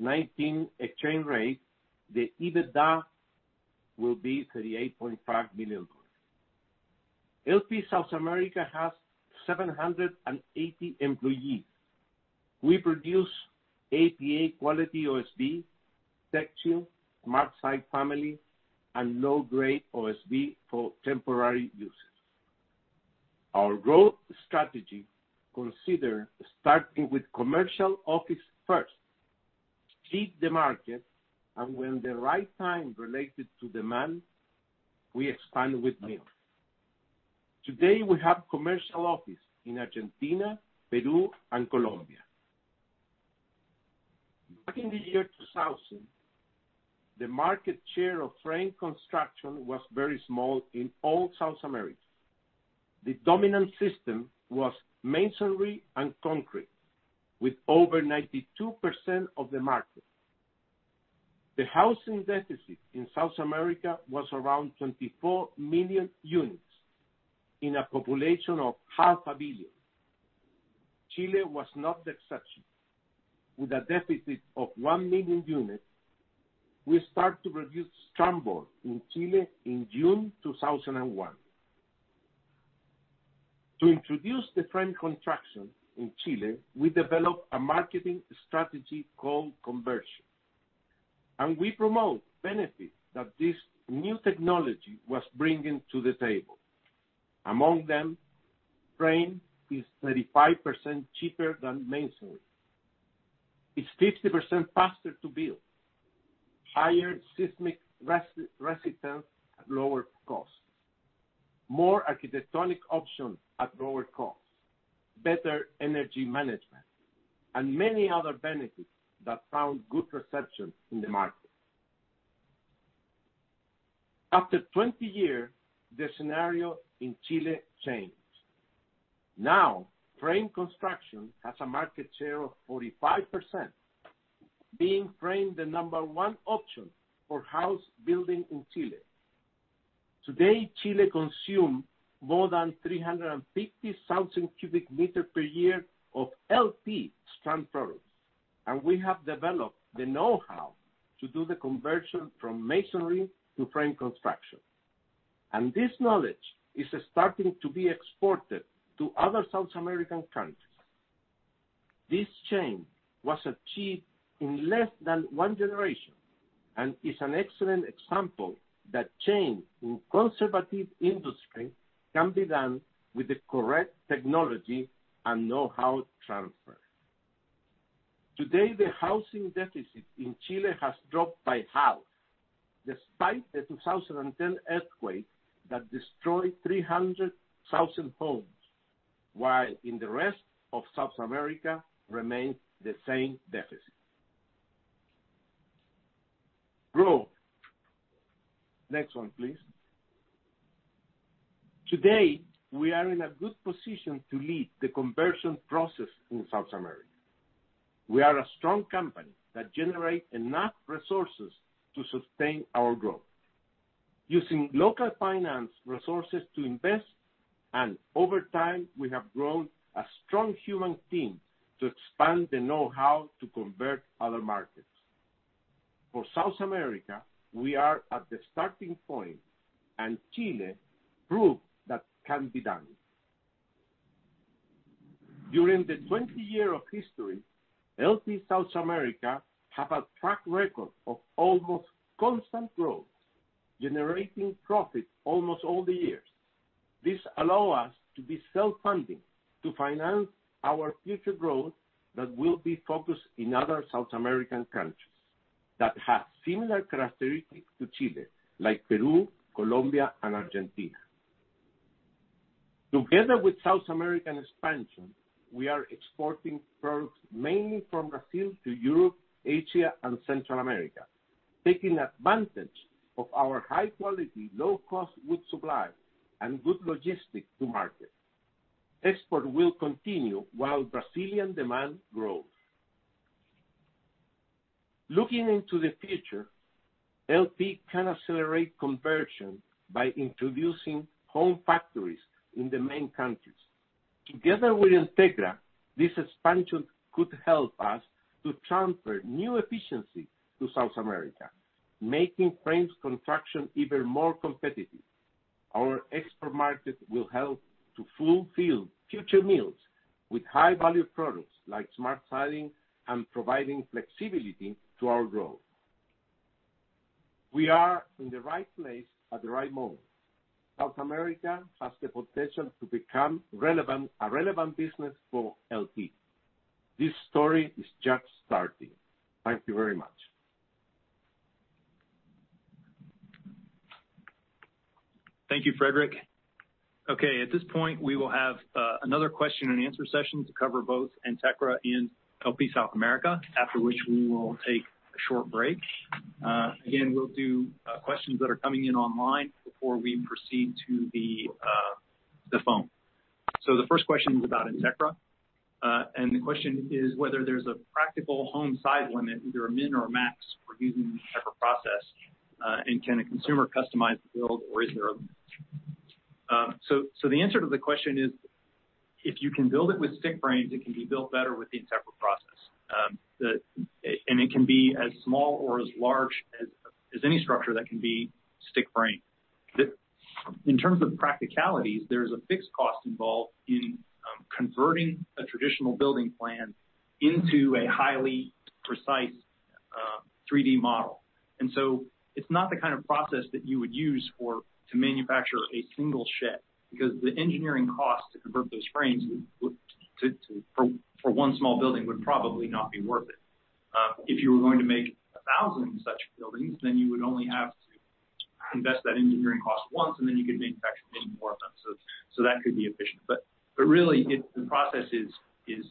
2019 exchange rate, the EBITDA will be $38.5 million. LP South America has 780 employees. We produce APA quality OSB, textured, marked-sided family, and low-grade OSB for temporary use. Our growth strategy considers starting with commercial office first, hit the market, and when the right time related to demand, we expand with mills. Today, we have commercial office in Argentina, Peru, and Colombia. Back in the year 2000, the market share of frame construction was very small in all South America. The dominant system was masonry and concrete, with over 92% of the market. The housing deficit in South America was around 24 million units in a population of half a billion. Chile was not the exception. With a deficit of 1 million units, we started to produce strand board in Chile in June 2001. To introduce the frame construction in Chile, we developed a marketing strategy called conversion, and we promote benefits that this new technology was bringing to the table. Among them, frame is 35% cheaper than masonry. It's 50% faster to build, higher seismic resistance at lower costs, more architectonic options at lower costs, better energy management, and many other benefits that found good reception in the market. After 20 years, the scenario in Chile changed. Now, frame construction has a market share of 45%, being framed the number one option for house building in Chile. Today, Chile consumes more than 350,000 cubic meters per year of LP strand products, and we have developed the know-how to do the conversion from masonry to frame construction, and this knowledge is starting to be exported to other South American countries. This change was achieved in less than one generation and is an excellent example that change in conservative industry can be done with the correct technology and know-how transfer. Today, the housing deficit in Chile has dropped by half, despite the 2010 earthquake that destroyed 300,000 homes, while in the rest of South America remains the same deficit. Growth. Next one, please. Today, we are in a good position to lead the conversion process in South America. We are a strong company that generates enough resources to sustain our growth, using local finance resources to invest, and over time, we have grown a strong human team to expand the know-how to convert other markets. For South America, we are at the starting point, and Chile proved that can be done. During the 20-year history, LP South America has a track record of almost constant growth, generating profit almost all the years. This allows us to be self-funding to finance our future growth that will be focused in other South American countries that have similar characteristics to Chile, like Peru, Colombia, and Argentina. Together with South American expansion, we are exporting products mainly from Brazil to Europe, Asia, and Central America, taking advantage of our high-quality, low-cost wood supply and good logistics to market. Export will continue while Brazilian demand grows. Looking into the future, LP can accelerate conversion by introducing home factories in the main countries. Together with Entegra, this expansion could help us to transfer new efficiency to South America, making frame construction even more competitive. Our export market will help to fulfill future mills with high-value products like SmartSide and providing flexibility to our growth. We are in the right place at the right moment. South America has the potential to become a relevant business for LP. This story is just starting. Thank you very much. Thank you, Frederick. Okay. At this point, we will have another question and answer session to cover both Entegra and LP South America, after which we will take a short break. Again, we'll do questions that are coming in online before we proceed to the phone. So the first question is about Entegra, and the question is whether there's a practical home size limit, either a min or a max for using the Entegra process, and can a consumer customize the build, or is there a limit? So the answer to the question is, if you can build it with stick frames, it can be built better with the Entegra process, and it can be as small or as large as any structure that can be stick framed. In terms of practicalities, there is a fixed cost involved in converting a traditional building plan into a highly precise 3D model. And so it's not the kind of process that you would use to manufacture a single shed because the engineering cost to convert those frames for one small building would probably not be worth it. If you were going to make 1,000 such buildings, then you would only have to invest that engineering cost once, and then you could manufacture many more of them. So that could be efficient. But really, the process is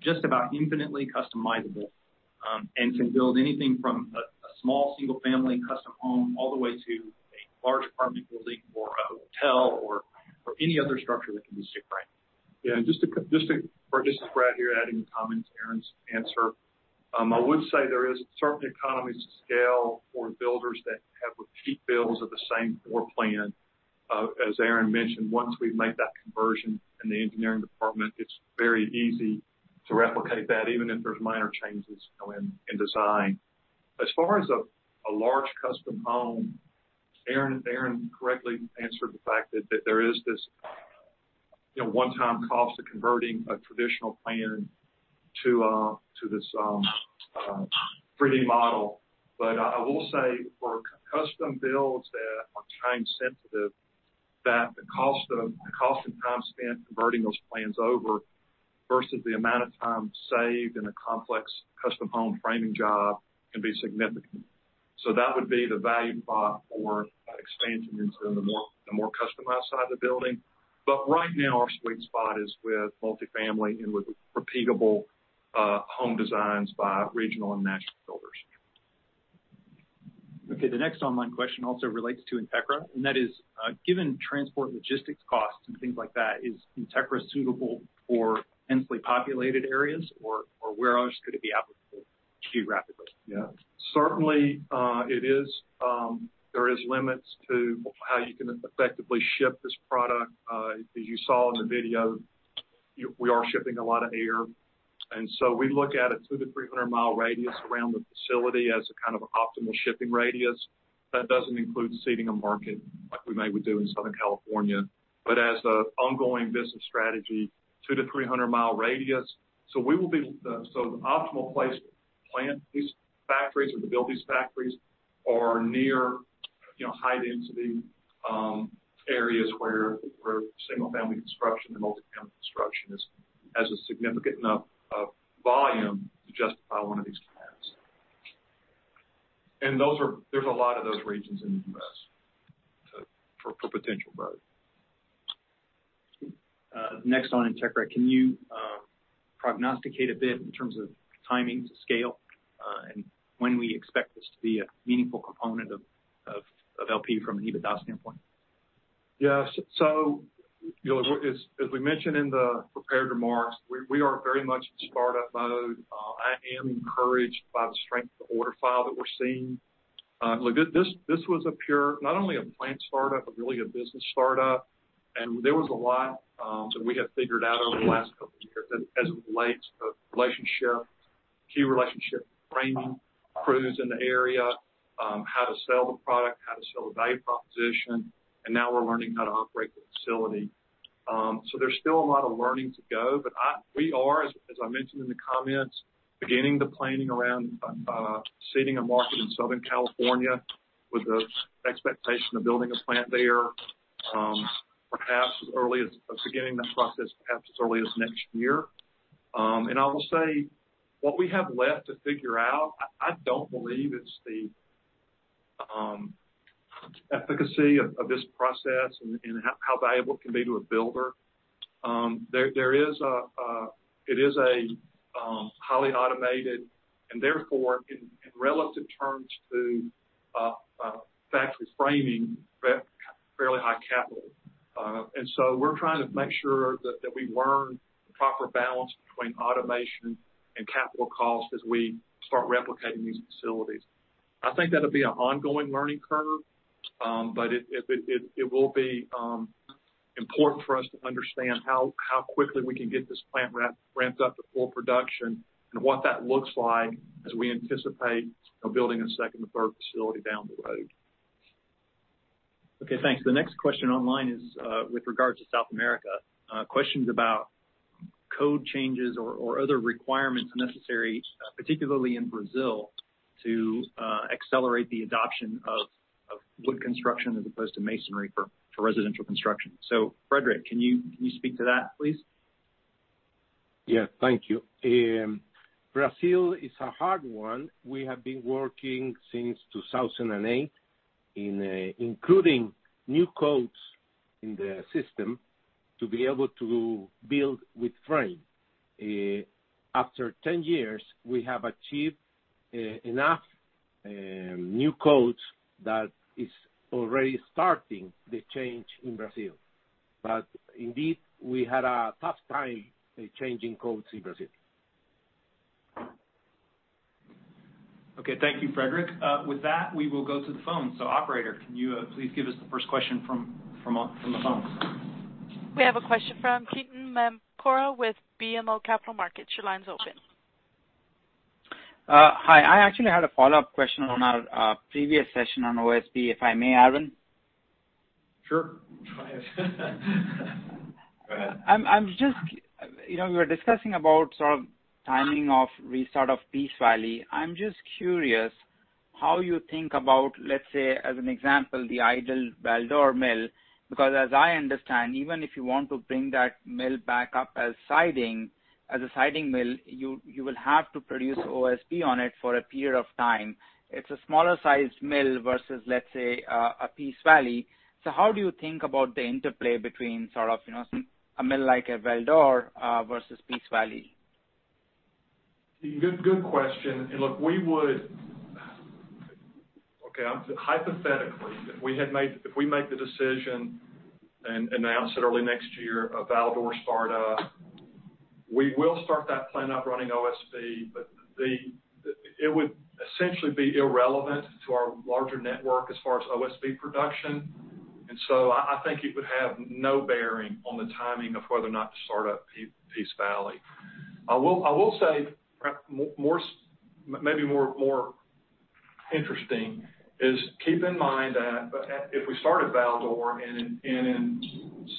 just about infinitely customizable and can build anything from a small single-family custom home all the way to a large apartment building or a hotel or any other structure that can be stick framed. Yeah. Just to, or just to grab here, adding a comment to Aaron's answer, I would say there is certainly economies of scale for builders that have repeat builds of the same floor plan. As Aaron mentioned, once we make that conversion in the engineering department, it's very easy to replicate that, even if there's minor changes in design. As far as a large custom home, Aaron correctly answered the fact that there is this one-time cost of converting a traditional plan to this 3D model. But I will say for custom builds that are time-sensitive, that the cost and time spent converting those plans over versus the amount of time saved in a complex custom home framing job can be significant. So that would be the value prop for expansion into the more customized side of the building. But right now, our sweet spot is with multifamily and with repeatable home designs by regional and national builders. Okay. The next online question also relates to Entegra, and that is, given transport logistics costs and things like that, is Entegra suitable for densely populated areas, or where else could it be applicable geographically? Yeah. Certainly, it is. There are limits to how you can effectively ship this product. As you saw in the video, we are shipping a lot of air. And so we look at a two- to 300-mile radius around the facility as a kind of optimal shipping radius. That doesn't include seeding a market like we may do in Southern California. But as an ongoing business strategy, two- to 300-mile radius. So we will be—so the optimal place to plant these factories or to build these factories are near high-density areas where single-family construction and multifamily construction has a significant enough volume to justify one of these plants. And there's a lot of those regions in the U.S. for potential growth. Next on Entegra, can you prognosticate a bit in terms of timing to scale and when we expect this to be a meaningful component of LP from an EBITDA standpoint? Yes. So as we mentioned in the prepared remarks, we are very much in startup mode. I am encouraged by the strength of the order file that we're seeing. This was not only a plant startup, but really a business startup. And there was a lot that we had figured out over the last couple of years as it relates to key relationship framing, crews in the area, how to sell the product, how to sell the value proposition, and now we're learning how to operate the facility. So there's still a lot of learning to go. But we are, as I mentioned in the comments, beginning the planning around seeding a market in Southern California with the expectation of building a plant there, perhaps as early as beginning that process, perhaps as early as next year. I will say what we have left to figure out. I don't believe it's the efficacy of this process and how valuable it can be to a builder. It is a highly automated and therefore, in relative terms to factory framing, fairly high capital. So we're trying to make sure that we learn the proper balance between automation and capital cost as we start replicating these facilities. I think that'll be an ongoing learning curve, but it will be important for us to understand how quickly we can get this plant ramped up to full production and what that looks like as we anticipate building a second and third facility down the road. Okay. Thanks. The next question online is with regards to South America. Questions about code changes or other requirements necessary, particularly in Brazil, to accelerate the adoption of wood construction as opposed to masonry for residential construction. So Frederick, can you speak to that, please? Yeah. Thank you. Brazil is a hard one. We have been working since 2008, including new codes in the system to be able to build with frame. After 10 years, we have achieved enough new codes that is already starting the change in Brazil. But indeed, we had a tough time changing codes in Brazil. Okay. Thank you, Frederick. With that, we will go to the phone. So operator, can you please give us the first question from the phone? We have a question from Ketan Mamtora with BMO Capital Markets. Your line's open. Hi. I actually had a follow-up question on our previous session on OSB, if I may, Aaron. Sure. Try it. Go ahead. We were discussing about sort of timing of restart of Peace Valley. I'm just curious how you think about, let's say, as an example, the idle Val-d'Or mill, because as I understand, even if you want to bring that mill back up as a siding mill, you will have to produce OSB on it for a period of time. It's a smaller-sized mill versus, let's say, a Peace Valley. So how do you think about the interplay between sort of a mill like a Val-d'Or versus Peace Valley? Good question. And look, we would, okay, hypothetically, if we make the decision and announce it early next year of Val-d'Or startup, we will start that plant up running OSB, but it would essentially be irrelevant to our larger network as far as OSB production. And so I think it would have no bearing on the timing of whether or not to start up Peace Valley. I will say maybe more interesting is keep in mind that if we start at Val-d'Or and in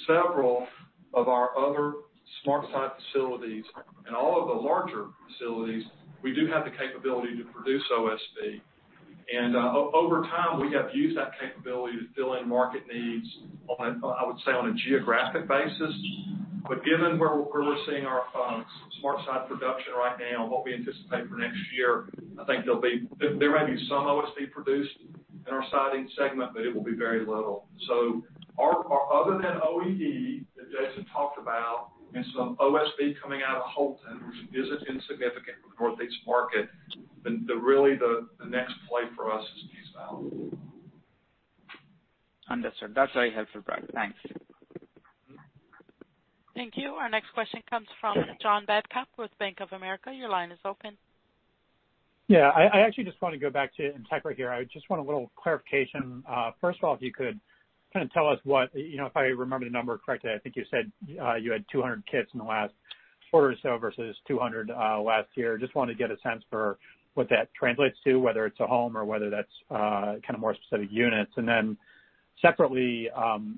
several of our other SmartSide facilities and all of the larger facilities, we do have the capability to produce OSB. And over time, we have used that capability to fill in market needs, I would say, on a geographic basis. But given where we're seeing our SmartSide production right now, what we anticipate for next year, I think there may be some OSB produced in our siding segment, but it will be very little. So other than OEE that Jason talked about and some OSB coming out of Houlton, which isn't insignificant for the Northeast market, really the next play for us is Peace Valley. Understood. That's very helpful, Brad. Thanks. Thank you. Our next question comes from John Babcock with Bank of America. Your line is open. Yeah. I actually just want to go back to Entegra here. I just want a little clarification. First of all, if you could kind of tell us what, if I remember the number correctly, I think you said you had 200 kits in the last quarter or so versus 200 last year. Just wanted to get a sense for what that translates to, whether it's a home or whether that's kind of more specific units. And then separately,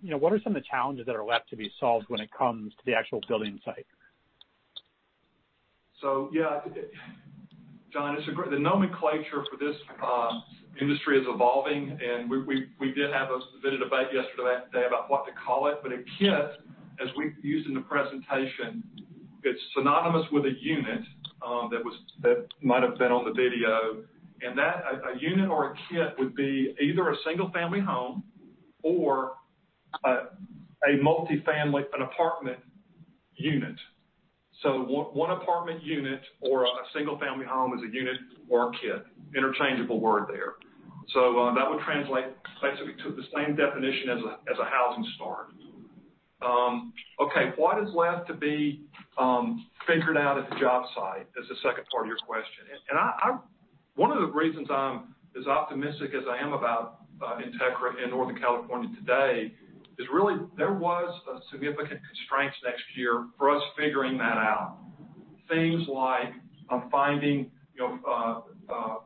what are some of the challenges that are left to be solved when it comes to the actual building site? So yeah, John, the nomenclature for this industry is evolving, and we did have a debate yesterday about what to call it. But a kit, as we used in the presentation, it's synonymous with a unit that might have been on the video. And a unit or a kit would be either a single-family home or a multifamily apartment unit. So one apartment unit or a single-family home is a unit or a kit. Interchangeable word there. So that would translate basically to the same definition as a housing start. Okay. What is left to be figured out at the job site is the second part of your question. And one of the reasons I'm as optimistic as I am about Entegra in Northern California today is really there was a significant constraint next year for us figuring that out. Things like finding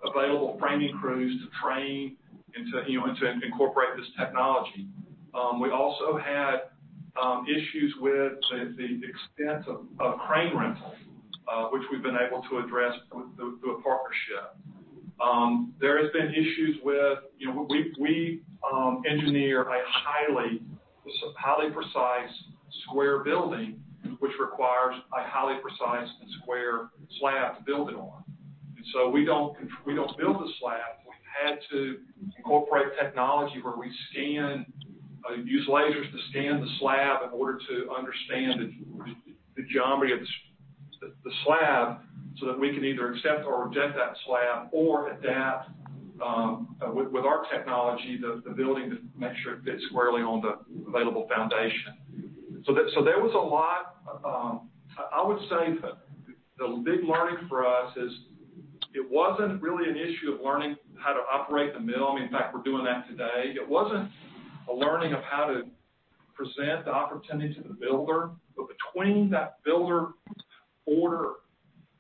available framing crews to train and to incorporate this technology. We also had issues with the extent of crane rental, which we've been able to address through a partnership. There have been issues with we engineer a highly precise square building, which requires a highly precise and square slab to build it on, and so we don't build the slab. We've had to incorporate technology where we use lasers to scan the slab in order to understand the geometry of the slab so that we can either accept or reject that slab or adapt with our technology the building to make sure it fits squarely on the available foundation, so there was a lot, I would say the big learning for us is it wasn't really an issue of learning how to operate the mill. I mean, in fact, we're doing that today. It wasn't a learning of how to present the opportunity to the builder, but between that builder order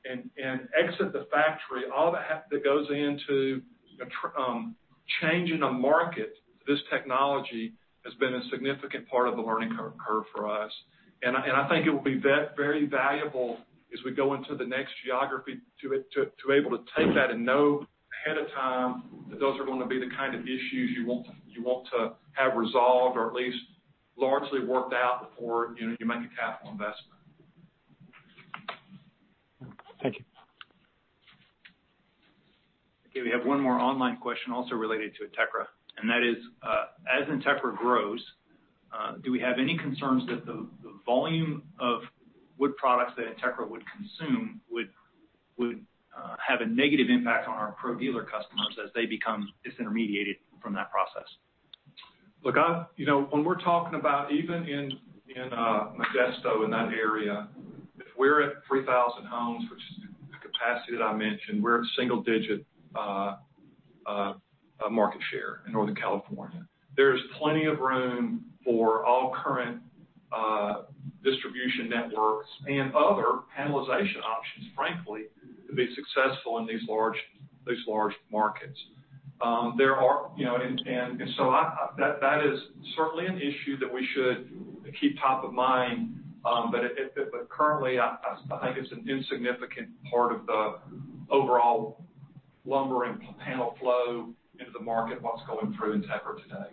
and exit the factory, all that goes into changing a market to this technology has been a significant part of the learning curve for us, and I think it will be very valuable as we go into the next geography to be able to take that and know ahead of time that those are going to be the kind of issues you want to have resolved or at least largely worked out before you make a capital investment. Thank you. Okay. We have one more online question also related to Entegra, and that is, as Entegra grows, do we have any concerns that the volume of wood products that Entegra would consume would have a negative impact on our pro-dealer customers as they become disintermediated from that process? Look, when we're talking about even in Modesto, in that area, if we're at 3,000 homes, which is the capacity that I mentioned, we're at single-digit market share in Northern California. There's plenty of room for all current distribution networks and other penetration options, frankly, to be successful in these large markets. And so that is certainly an issue that we should keep top of mind. But currently, I think it's an insignificant part of the overall lumber and panel flow into the market, what's going through Entegra today.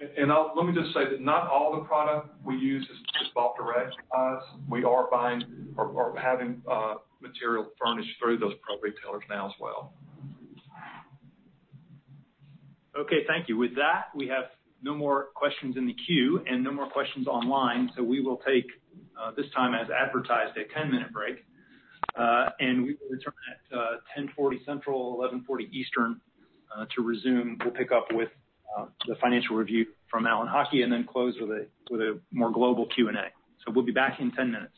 And let me just say that not all the product we use is bought directly. We are buying or having material furnished through those pro retailers now as well. Okay. Thank you. With that, we have no more questions in the queue and no more questions online. So we will take this time as advertised a 10-minute break. And we will return at 10:40 A.M. Central, 11:40 A.M. Eastern to resume. We'll pick up with the financial review from Alan Haughie and then close with a more global Q&A. So we'll be back in 10 minutes.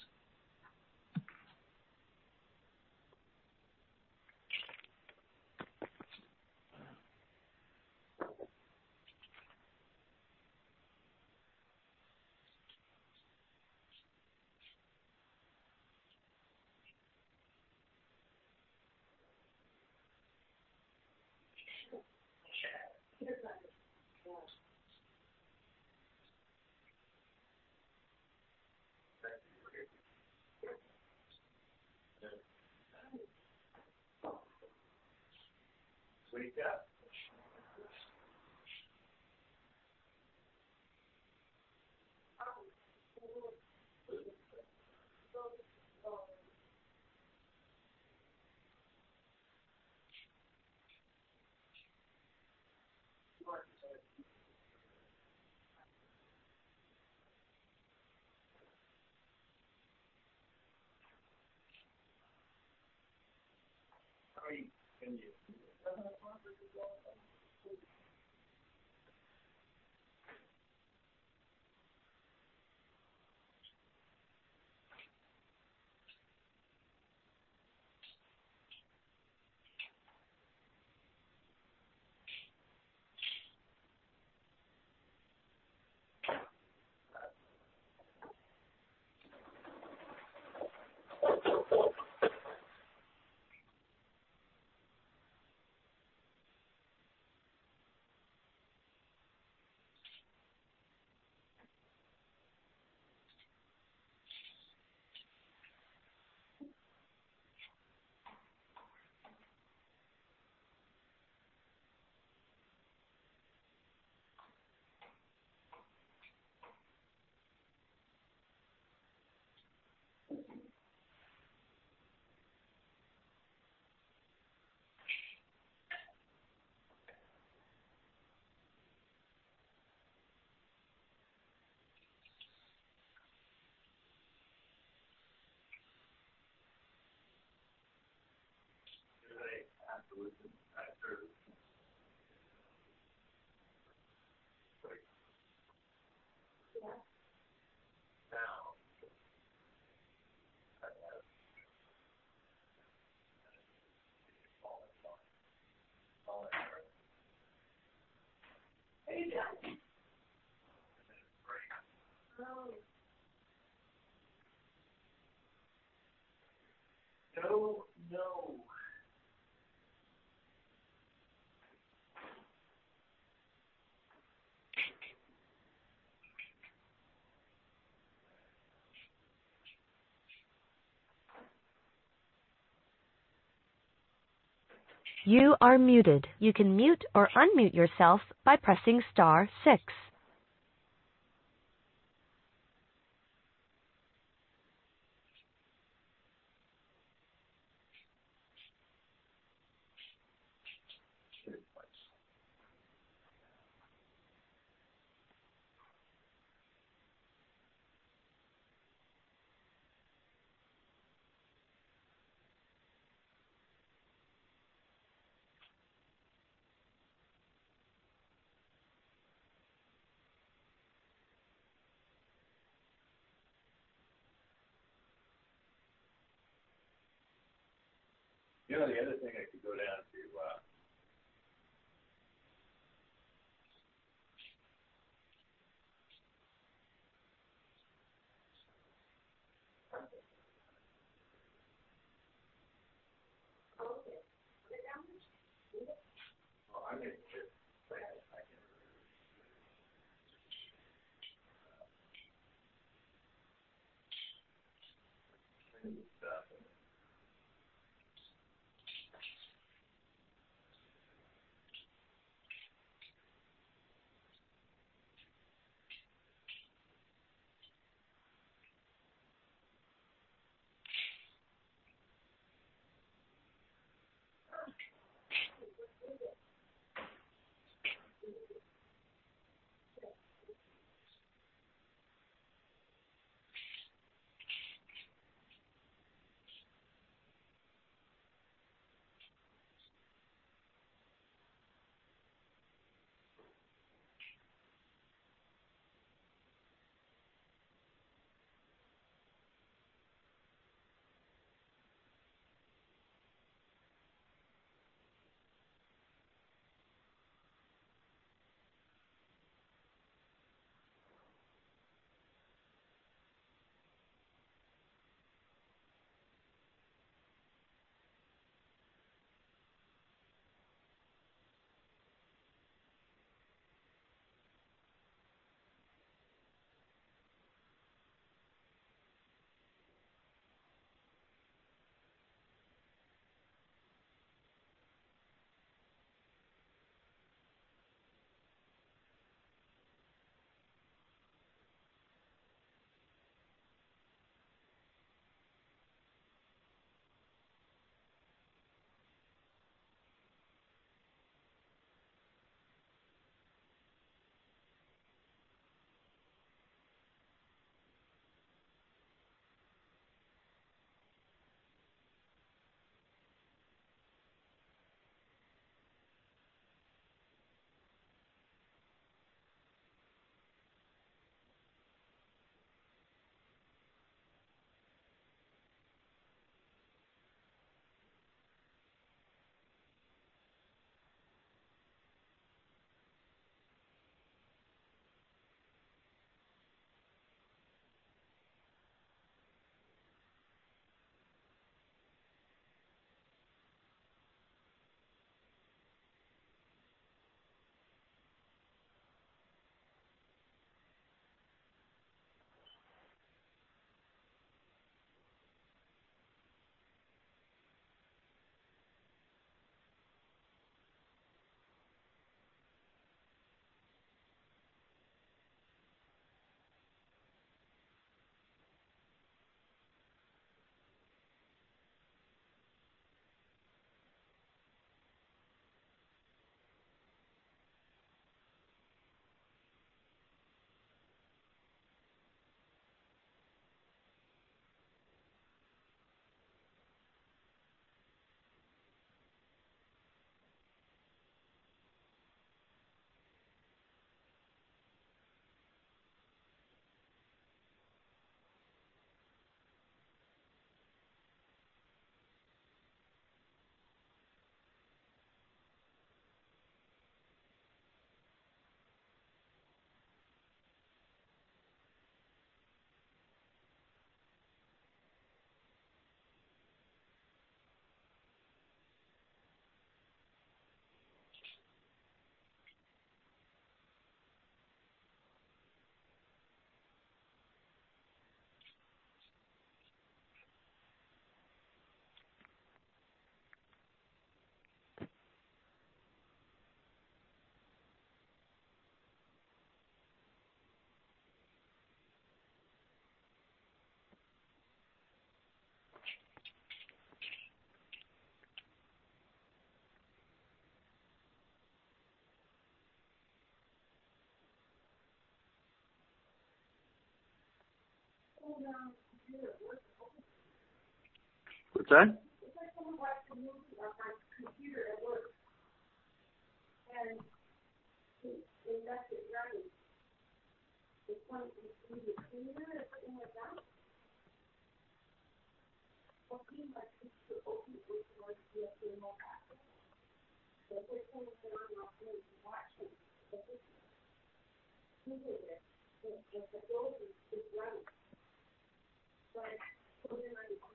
You are muted. You can mute or unmute yourself by pressing star six. You know, the other thing I could go down to. What's that? It's like someone watched a movie on my computer at work, and they left it running. It's like the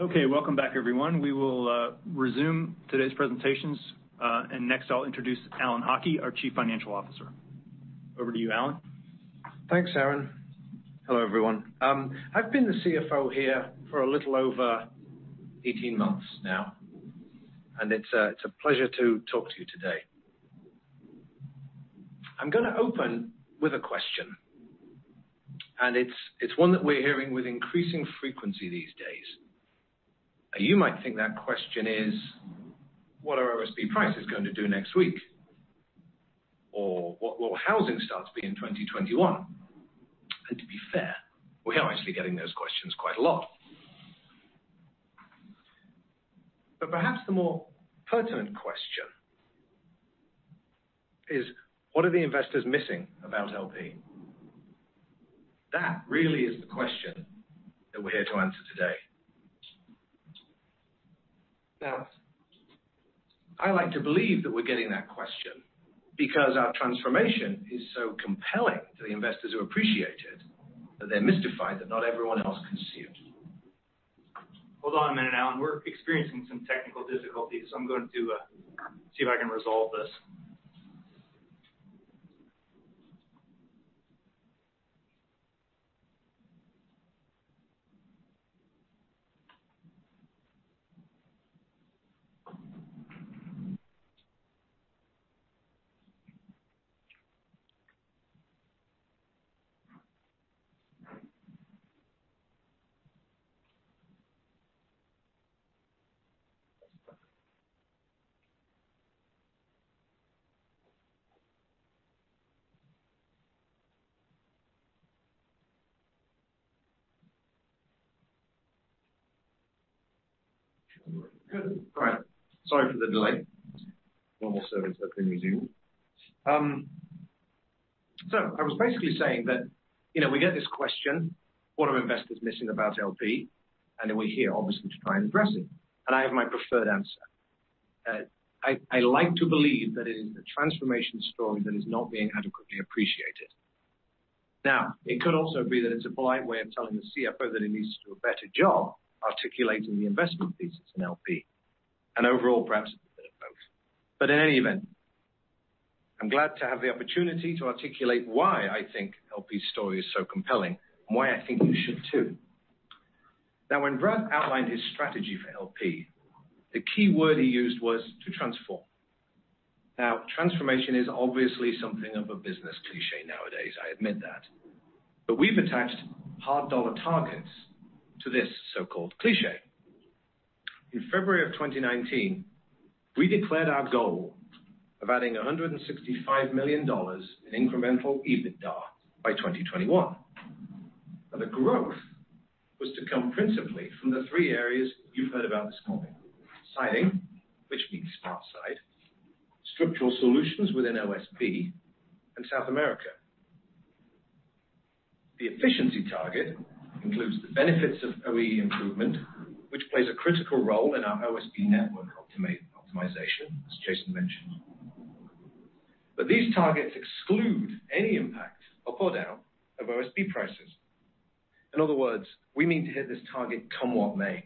computer is sitting like that. It seems like it's too open for it to work via a remote access. So if we're pulling it on our phone to watch it, it doesn't seem like it's going to go through the screen. But so then I'm like, "Well, we just don't know. Okay. Welcome back, everyone. We will resume today's presentations. And next, I'll introduce Alan Haughie, our Chief Financial Officer. Over to you, Alan. Thanks, Aaron. Hello, everyone. I've been the CFO here for a little over 18 months now. It's a pleasure to talk to you today. I'm going to open with a question. It's one that we're hearing with increasing frequency these days. You might think that question is, "What are OSB prices going to do next week?" Or, "What will housing stocks be in 2021?" To be fair, we are actually getting those questions quite a lot. Perhaps the more pertinent question is, "What are the investors missing about LP?" That really is the question that we're here to answer today. Now, I like to believe that we're getting that question because our transformation is so compelling to the investors who appreciate it that they're mystified that not everyone else can see it. Hold on a minute, Alan. We're experiencing some technical difficulties. I'm going to see if I can resolve this. Good. All right. Sorry for the delay. Normal service has been resumed. So I was basically saying that we get this question, "What are investors missing about LP?" And then we're here, obviously, to try and address it. And I have my preferred answer. I like to believe that it is the transformation story that is not being adequately appreciated. Now, it could also be that it's a polite way of telling the CFO that he needs to do a better job articulating the investment thesis in LP. And overall, perhaps a bit of both. But in any event, I'm glad to have the opportunity to articulate why I think LP's story is so compelling and why I think you should too. Now, when Brad outlined his strategy for LP, the key word he used was "to transform." Now, transformation is obviously something of a business cliché nowadays. I admit that. But we've attached hard dollar targets to this so-called cliché. In February of 2019, we declared our goal of adding $165 million in incremental EBITDA by 2021. Now, the growth was to come principally from the three areas you've heard about this morning: siding, which means SmartSide, Structural Solutions within OSB, and South America. The efficiency target includes the benefits of OEE improvement, which plays a critical role in our OSB network optimization, as Jason mentioned. But these targets exclude any impact, up or down, of OSB prices. In other words, we mean to hit this target come what may.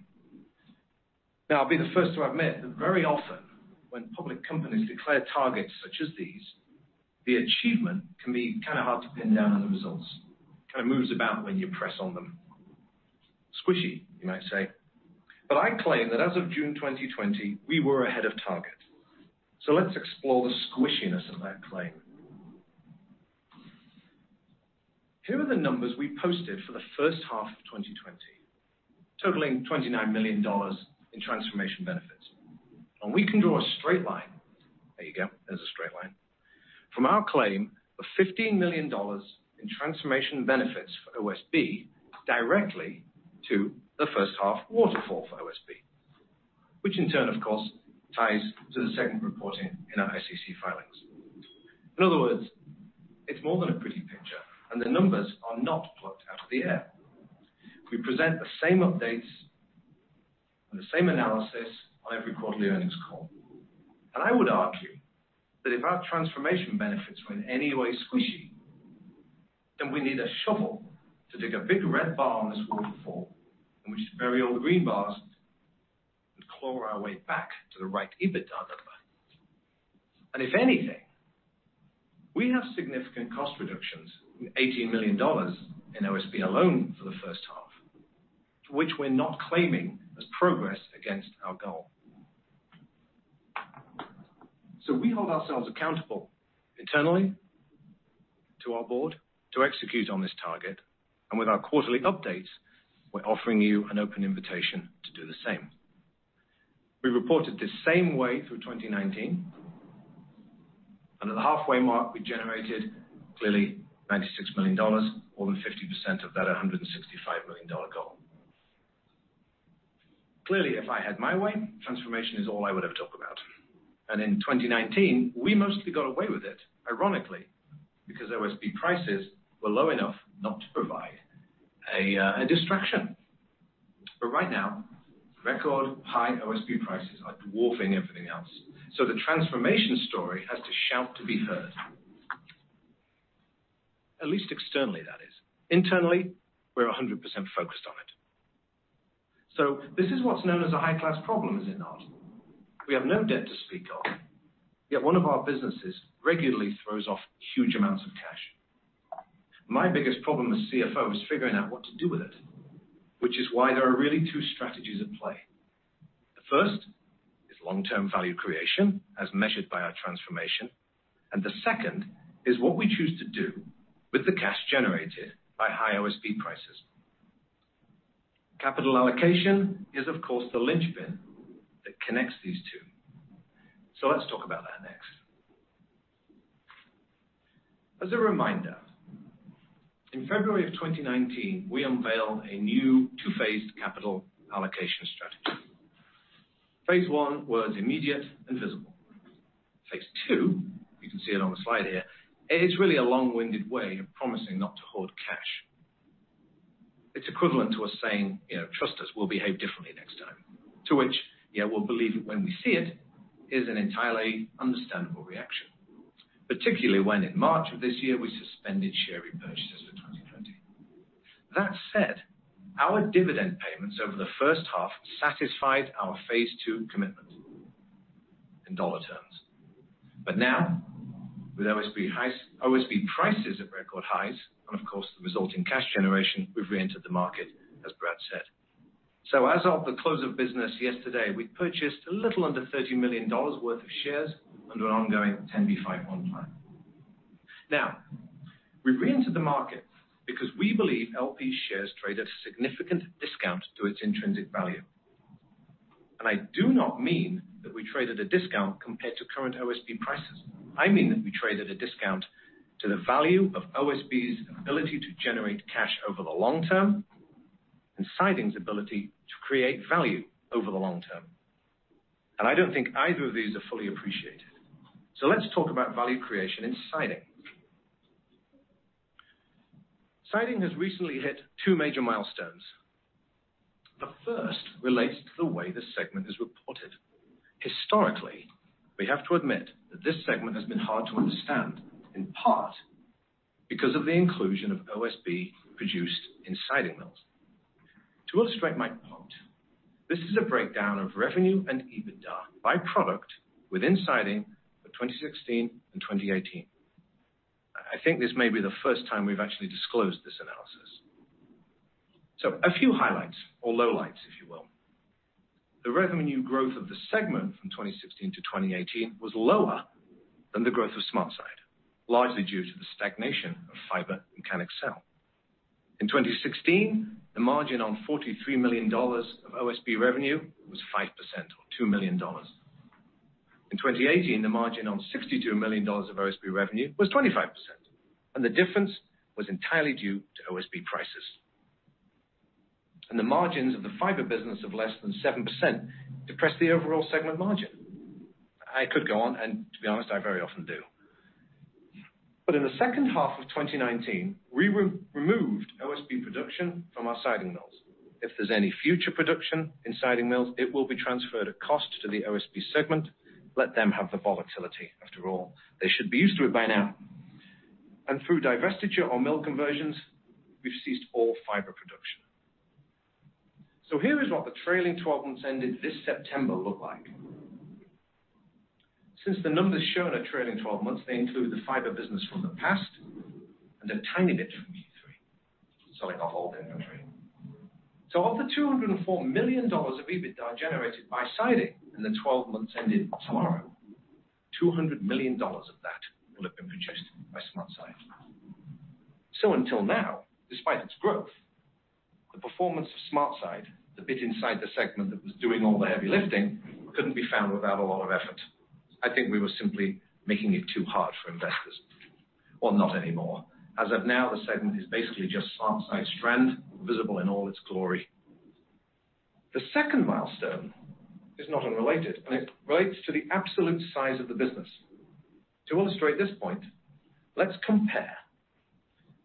Now, I'll be the first to admit that very often when public companies declare targets such as these, the achievement can be kind of hard to pin down on the results. It kind of moves about when you press on them. Squishy, you might say. But I claim that as of June 2020, we were ahead of target. So let's explore the squishiness of that claim. Here are the numbers we posted for the first half of 2020, totaling $29 million in transformation benefits. And we can draw a straight line - there you go. There's a straight line - from our claim of $15 million in transformation benefits for OSB directly to the first half waterfall for OSB, which in turn, of course, ties to the segment reporting in our SEC filings. In other words, it's more than a pretty picture. And the numbers are not plucked out of the air. We present the same updates and the same analysis on every quarterly earnings call. And I would argue that if our transformation benefits were in any way squishy, then we need a shovel to dig a big red bar on this waterfall, in which to bury all the green bars and claw our way back to the right EBITDA number. And if anything, we have significant cost reductions, $18 million in OSB alone for the first half, to which we're not claiming as progress against our goal. So we hold ourselves accountable internally to our board to execute on this target. And with our quarterly updates, we're offering you an open invitation to do the same. We reported the same way through 2019. And at the halfway mark, we generated clearly $96 million, more than 50% of that $165 million goal. Clearly, if I had my way, transformation is all I would have talked about. And in 2019, we mostly got away with it, ironically, because OSB prices were low enough not to provide a distraction. But right now, record high OSB prices are dwarfing everything else. So the transformation story has to shout to be heard, at least externally, that is. Internally, we're 100% focused on it. So this is what's known as a high-class problem, is it not? We have no debt to speak of. Yet one of our businesses regularly throws off huge amounts of cash. My biggest problem as CFO is figuring out what to do with it, which is why there are really two strategies at play. The first is long-term value creation, as measured by our transformation. And the second is what we choose to do with the cash generated by high OSB prices. Capital allocation is, of course, the linchpin that connects these two. So let's talk about that next. As a reminder, in February of 2019, we unveiled a new two-phased capital allocation strategy. Phase one was immediate and visible. Phase two, you can see it on the slide here, is really a long-winded way of promising not to hoard cash. It's equivalent to us saying, "Trust us. We'll behave differently next time," to which, "Yeah, we'll believe it when we see it," is an entirely understandable reaction, particularly when, in March of this year, we suspended share repurchases for 2020. That said, our dividend payments over the first half satisfied our phase two commitment in dollar terms. But now, with OSB prices at record highs and, of course, the resulting cash generation, we've reentered the market, as Brad said. So as of the close of business yesterday, we purchased a little under $30 million worth of shares under an ongoing 10b5-1 plan. Now, we've reentered the market because we believe LP shares trade at a significant discount to its intrinsic value. And I do not mean that we traded a discount compared to current OSB prices. I mean that we traded a discount to the value of OSB's ability to generate cash over the long term and siding's ability to create value over the long term. And I don't think either of these are fully appreciated. So let's talk about value creation in siding. Siding has recently hit two major milestones. The first relates to the way the segment is reported. Historically, we have to admit that this segment has been hard to understand, in part because of the inclusion of OSB produced in siding mills. To illustrate my point, this is a breakdown of revenue and EBITDA by product within siding for 2016 and 2018. I think this may be the first time we've actually disclosed this analysis. So a few highlights or lowlights, if you will. The revenue growth of the segment from 2016 to 2018 was lower than the growth of SmartSide, largely due to the stagnation of fiber mechanic cell. In 2016, the margin on $43 million of OSB revenue was 5% or $2 million. In 2018, the margin on $62 million of OSB revenue was 25%. And the difference was entirely due to OSB prices. And the margins of the fiber business of less than 7% depressed the overall segment margin. I could go on, and to be honest, I very often do. But in the second half of 2019, we removed OSB production from our siding mills. If there's any future production in siding mills, it will be transferred at cost to the OSB segment. Let them have the volatility. After all, they should be used to it by now. And through divestiture or mill conversions, we've ceased all fiber production. Here is what the trailing 12 months ended this September look like. Since the numbers shown are trailing 12 months, they include the fiber business from the past and a tiny bit from Q3, selling off all the inventory. Of the $204 million of EBITDA generated by siding in the 12 months ended tomorrow, $200 million of that will have been produced by SmartSide. Until now, despite its growth, the performance of SmartSide, the bit inside the segment that was doing all the heavy lifting, could not be found without a lot of effort. I think we were simply making it too hard for investors. Not anymore. As of now, the segment is basically just SmartSide strand, visible in all its glory. The second milestone is not unrelated. It relates to the absolute size of the business. To illustrate this point, let's compare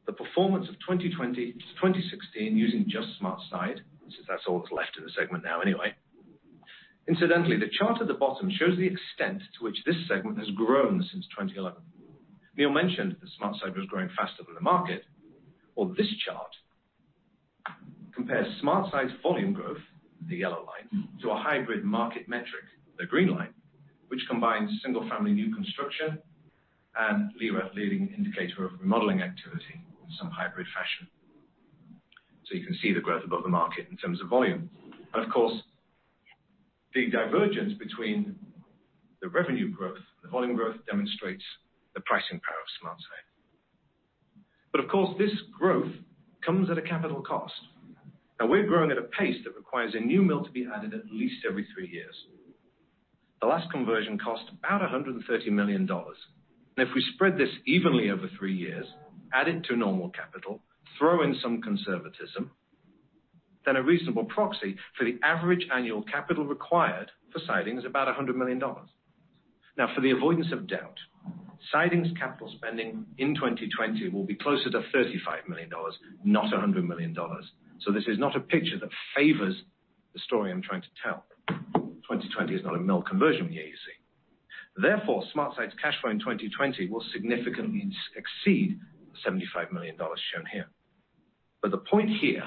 the performance of 2020 to 2016 using just SmartSide, since that's all that's left in the segment now anyway. Incidentally, the chart at the bottom shows the extent to which this segment has grown since 2011. Neil mentioned that SmartSide was growing faster than the market. Well, this chart compares SmartSide's volume growth, the yellow line, to a hybrid market metric, the green line, which combines single-family new construction and LIRA, Leading Indicator of Remodeling Activity in some hybrid fashion. So you can see the growth above the market in terms of volume. And of course, the divergence between the revenue growth and the volume growth demonstrates the pricing power of SmartSide. But of course, this growth comes at a capital cost. Now, we're growing at a pace that requires a new mill to be added at least every three years. The last conversion cost about $130 million, and if we spread this evenly over three years, add it to normal capital, throw in some conservatism, then a reasonable proxy for the average annual capital required for siding is about $100 million. Now, for the avoidance of doubt, siding's capital spending in 2020 will be closer to $35 million, not $100 million, so this is not a picture that favors the story I'm trying to tell. 2020 is not a mill conversion year, you see. Therefore, SmartSide's cash flow in 2020 will significantly exceed $75 million shown here. But the point here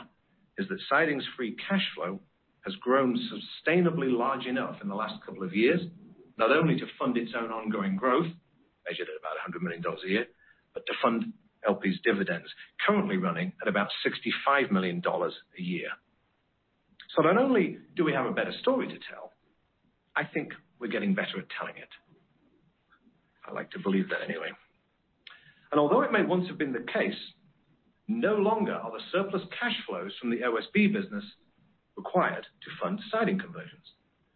is that siding's free cash flow has grown sustainably large enough in the last couple of years, not only to fund its own ongoing growth, measured at about $100 million a year, but to fund LP's dividends, currently running at about $65 million a year. So not only do we have a better story to tell, I think we're getting better at telling it. I like to believe that anyway. And although it may once have been the case, no longer are the surplus cash flows from the OSB business required to fund siding conversions,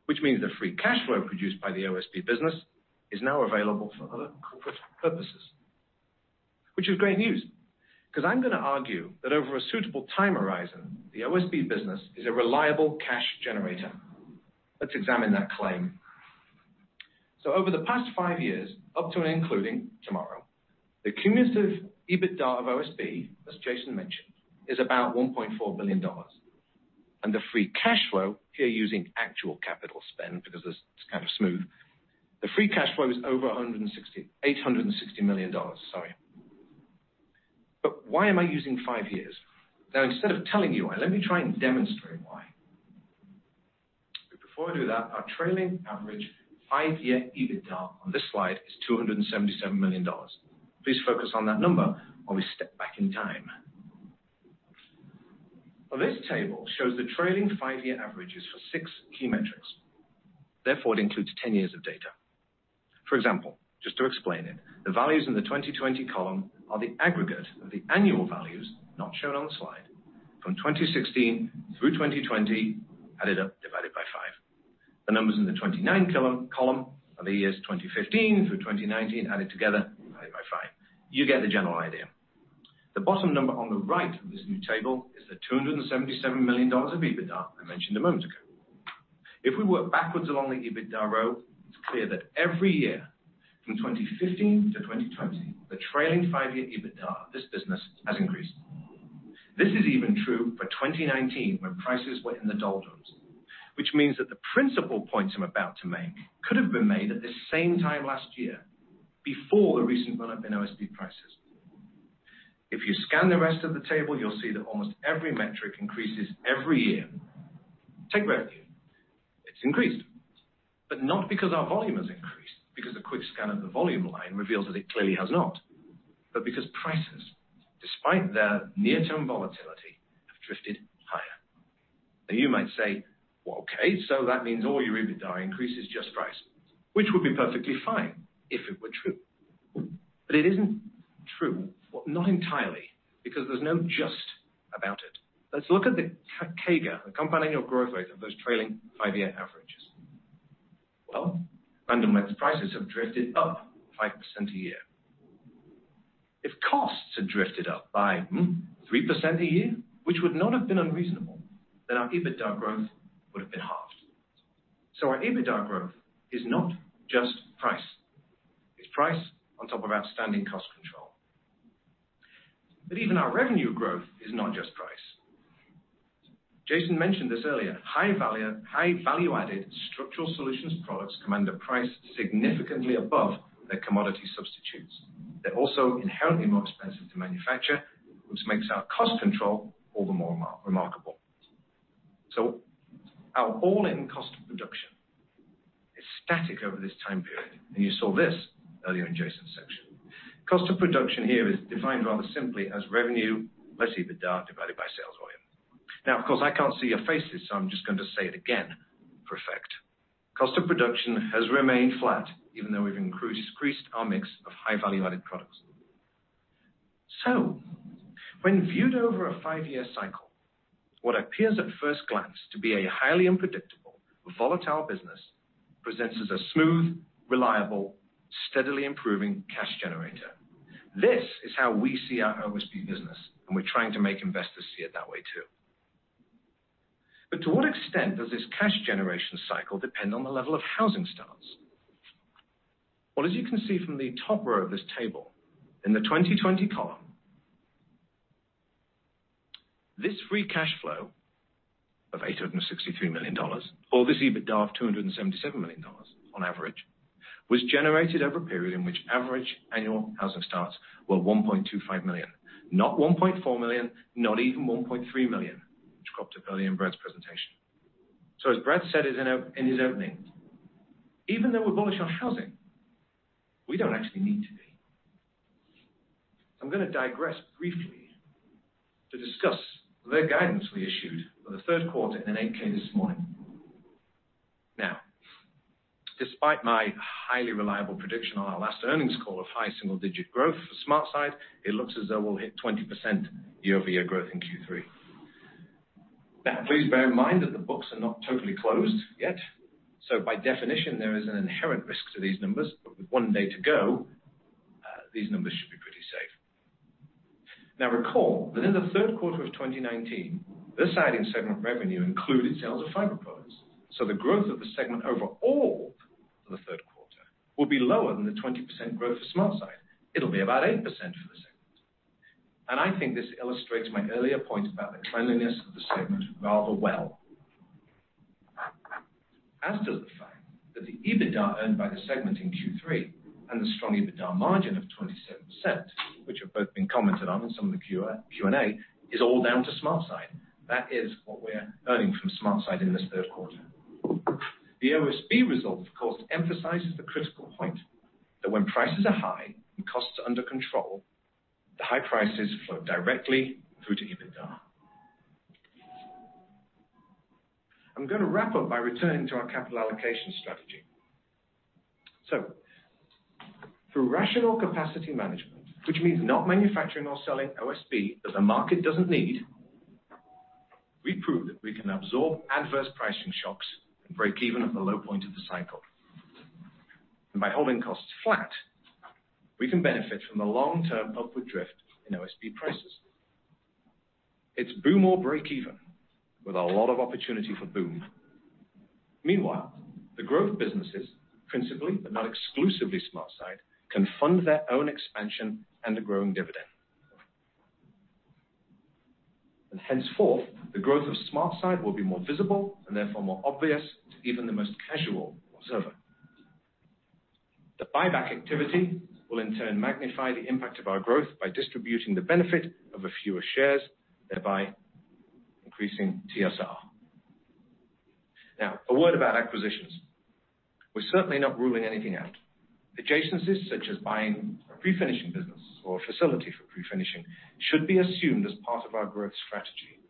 which means the free cash flow produced by the OSB business is now available for other corporate purposes, which is great news because I'm going to argue that over a suitable time horizon, the OSB business is a reliable cash generator. Let's examine that claim. So over the past five years, up to and including tomorrow, the cumulative EBITDA of OSB, as Jason mentioned, is about $1.4 billion. And the free cash flow, here using actual capital spend because it's kind of smooth, the free cash flow is over $860 million. Sorry. But why am I using five years? Now, instead of telling you why, let me try and demonstrate why. But before I do that, our trailing average five-year EBITDA on this slide is $277 million. Please focus on that number while we step back in time. This table shows the trailing five-year averages for six key metrics. Therefore, it includes 10 years of data. For example, just to explain it, the values in the 2020 column are the aggregate of the annual values, not shown on the slide, from 2016 through 2020, added up, divided by five. The numbers in the 29 column are the years 2015 through 2019, added together, added by five. You get the general idea. The bottom number on the right of this new table is the $277 million of EBITDA I mentioned a moment ago. If we work backwards along the EBITDA row, it's clear that every year from 2015 to 2020, the trailing five-year EBITDA of this business has increased. This is even true for 2019 when prices were in the doldrums, which means that the principal points I'm about to make could have been made at the same time last year before the recent run-up in OSB prices. If you scan the rest of the table, you'll see that almost every metric increases every year. Take revenue. It's increased. But not because our volume has increased, because a quick scan of the volume line reveals that it clearly has not, but because prices, despite their near-term volatility, have drifted higher. Now, you might say, "Well, okay. So that means all your EBITDA increase is just price," which would be perfectly fine if it were true. But it isn't true, not entirely, because there's no just about it. Let's look at the CAGR, the compound annual growth rate of those trailing five-year averages. Well, Random Lengths prices have drifted up 5% a year. If costs had drifted up by 3% a year, which would not have been unreasonable, then our EBITDA growth would have been halved. So our EBITDA growth is not just price. It's price on top of outstanding cost control. But even our revenue growth is not just price. Jason mentioned this earlier. High-value-added structural solutions products command a price significantly above their commodity substitutes. They're also inherently more expensive to manufacture, which makes our cost control all the more remarkable, so our all-in cost of production is static over this time period, and you saw this earlier in Jason's section. Cost of production here is defined rather simply as revenue, less EBITDA, divided by sales volume. Now, of course, I can't see your faces, so I'm just going to say it again for effect. Cost of production has remained flat, even though we've increased our mix of high-value-added products, so when viewed over a five-year cycle, what appears at first glance to be a highly unpredictable, volatile business presents as a smooth, reliable, steadily improving cash generator. This is how we see our OSB business, and we're trying to make investors see it that way too. To what extent does this cash generation cycle depend on the level of housing starts? Well, as you can see from the top row of this table, in the 2020 column, this free cash flow of $863 million, or this EBITDA of $277 million on average, was generated over a period in which average annual housing starts were 1.25 million. Not 1.4 million, not even 1.3 million, which cropped up earlier in Brad's presentation. So as Brad said in his opening, even though we're bullish on housing, we don't actually need to be. I'm going to digress briefly to discuss the guidance we issued for the third quarter in an 8-K this morning. Now, despite my highly reliable prediction on our last earnings call of high single-digit growth for SmartSide, it looks as though we'll hit 20% year-over-year growth in Q3. Now, please bear in mind that the books are not totally closed yet. So by definition, there is an inherent risk to these numbers. But with one day to go, these numbers should be pretty safe. Now, recall that in the third quarter of 2019, the siding segment revenue included sales of fiber products. So the growth of the segment overall for the third quarter will be lower than the 20% growth for SmartSide. It'll be about 8% for the segment. And I think this illustrates my earlier point about the cleanliness of the segment rather well. As does the fact that the EBITDA earned by the segment in Q3 and the strong EBITDA margin of 27%, which have both been commented on in some of the Q&A, is all down to SmartSide. That is what we're earning from SmartSide in this third quarter. The OSB result, of course, emphasizes the critical point that when prices are high and costs are under control, the high prices flow directly through to EBITDA. I'm going to wrap up by returning to our capital allocation strategy. Through rational capacity management, which means not manufacturing or selling OSB that the market doesn't need, we prove that we can absorb adverse pricing shocks and break even at the low point of the cycle. By holding costs flat, we can benefit from the long-term upward drift in OSB prices. It's boom or break even with a lot of opportunity for boom. Meanwhile, the growth businesses, principally, but not exclusively SmartSide, can fund their own expansion and a growing dividend. Henceforth, the growth of SmartSide will be more visible and therefore more obvious to even the most casual observer. The buyback activity will in turn magnify the impact of our growth by distributing the benefit of a fewer shares, thereby increasing TSR. Now, a word about acquisitions. We're certainly not ruling anything out. Adjacencies such as buying a pre-finishing business or a facility for pre-finishing should be assumed as part of our growth strategy.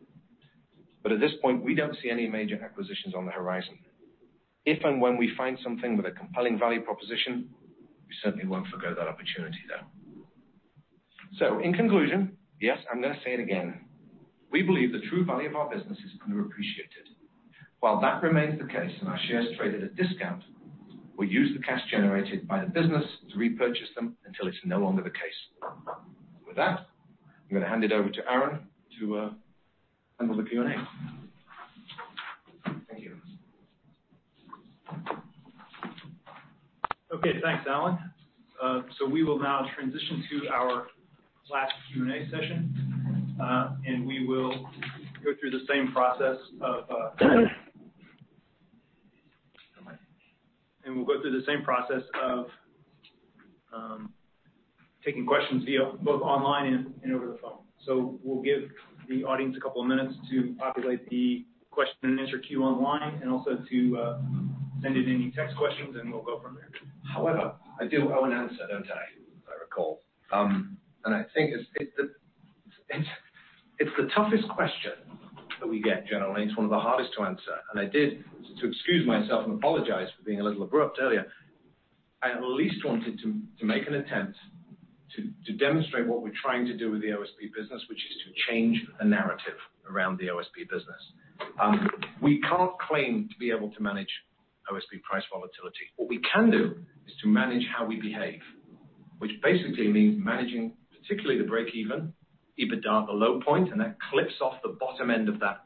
But at this point, we don't see any major acquisitions on the horizon. If and when we find something with a compelling value proposition, we certainly won't forgo that opportunity, though. So in conclusion, yes, I'm going to say it again. We believe the true value of our business is underappreciated. While that remains the case and our shares traded at discount, we'll use the cash generated by the business to repurchase them until it's no longer the case. With that, I'm going to hand it over to Aaron to handle the Q&A. Thank you. Okay. Thanks, Alan. So we will now transition to our last Q&A session. And we will go through the same process of taking questions via both online and over the phone. So we'll give the audience a couple of minutes to populate the question-and-answer queue online and also to send in any text questions, and we'll go from there. However, I do owe an answer, don't I, if I recall? And I think it's the toughest question that we get, generally. It's one of the hardest to answer. And I did, to excuse myself and apologize for being a little abrupt earlier, I at least wanted to make an attempt to demonstrate what we're trying to do with the OSB business, which is to change the narrative around the OSB business. We can't claim to be able to manage OSB price volatility. What we can do is to manage how we behave, which basically means managing particularly the break-even, EBITDA, the low point, and that clips off the bottom end of that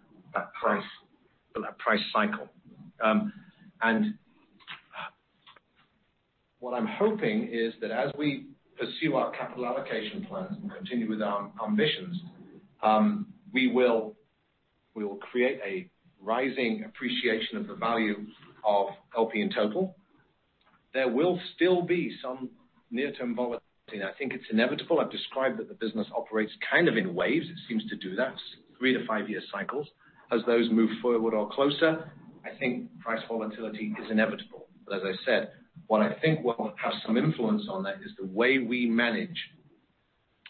price cycle. And what I'm hoping is that as we pursue our capital allocation plans and continue with our ambitions, we will create a rising appreciation of the value of LP in total. There will still be some near-term volatility. And I think it's inevitable. I've described that the business operates kind of in waves. It seems to do that, three- to five-year cycles. As those move forward or closer, I think price volatility is inevitable. But as I said, what I think will have some influence on that is the way we manage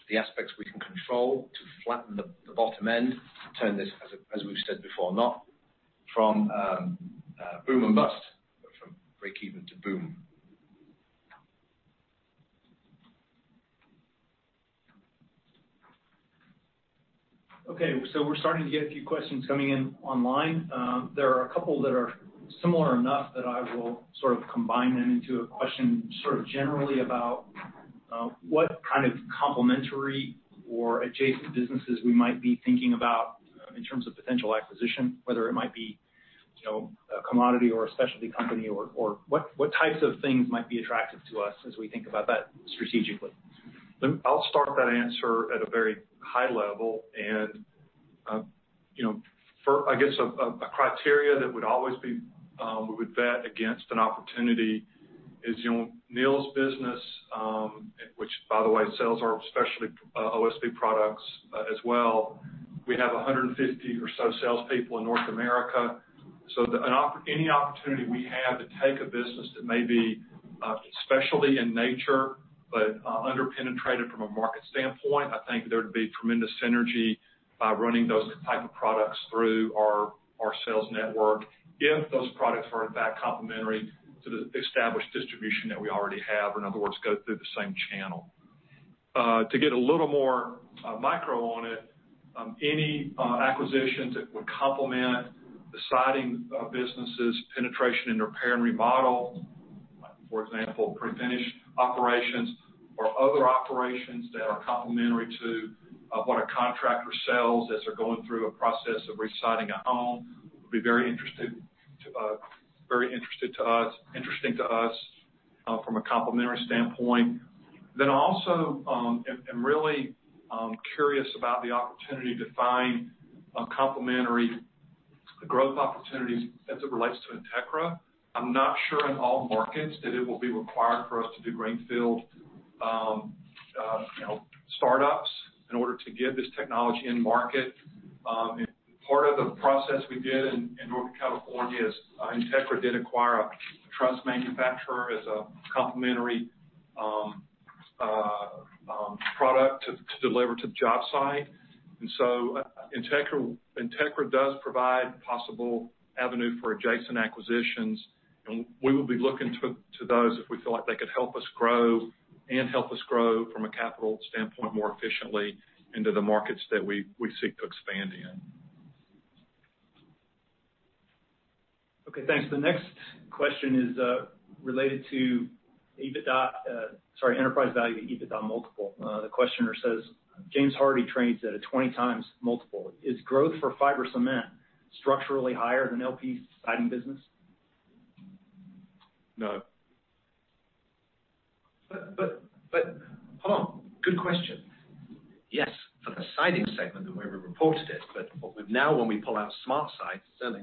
the aspects we can control to flatten the bottom end, turn this, as we've said before, not from boom and bust, but from break-even to boom. Okay. So we're starting to get a few questions coming in online. There are a couple that are similar enough that I will sort of combine them into a question sort of generally about what kind of complementary or adjacent businesses we might be thinking about in terms of potential acquisition, whether it might be a commodity or a specialty company or what types of things might be attractive to us as we think about that strategically. I'll start that answer at a very high level, and I guess a criteria that would always be we would vet against an opportunity is Neil's business, which, by the way, sells our specialty OSB products as well. We have 150 or so salespeople in North America. So any opportunity we have to take a business that may be specialty in nature but underpenetrated from a market standpoint, I think there'd be tremendous synergy by running those type of products through our sales network if those products were, in fact, complementary to the established distribution that we already have, or in other words, go through the same channel. To get a little more micro on it, any acquisitions that would complement the siding business's penetration in repair and remodel, for example, pre-finish operations or other operations that are complementary to what a contractor sells as they're going through a process of residing a home would be very interesting to us, interesting to us from a complementary standpoint. Then I also am really curious about the opportunity to find complementary growth opportunities as it relates to Entegra. I'm not sure in all markets that it will be required for us to do greenfield startups in order to get this technology in market. Part of the process we did in Northern California is Entegra did acquire a truss manufacturer as a complementary product to deliver to the job site. And so Entegra does provide possible avenue for adjacent acquisitions. And we will be looking to those if we feel like they could help us grow and help us grow from a capital standpoint more efficiently into the markets that we seek to expand in. Okay. Thanks. The next question is related to EBITDA sorry, enterprise value to EBITDA multiple. The questioner says, "James Hardie trades at a 20 times multiple. Is growth for fiber cement structurally higher than LP siding business?" No. But hold on. Good question. Yes, for the siding segment, the way we reported it. But now, when we pull out SmartSide, certainly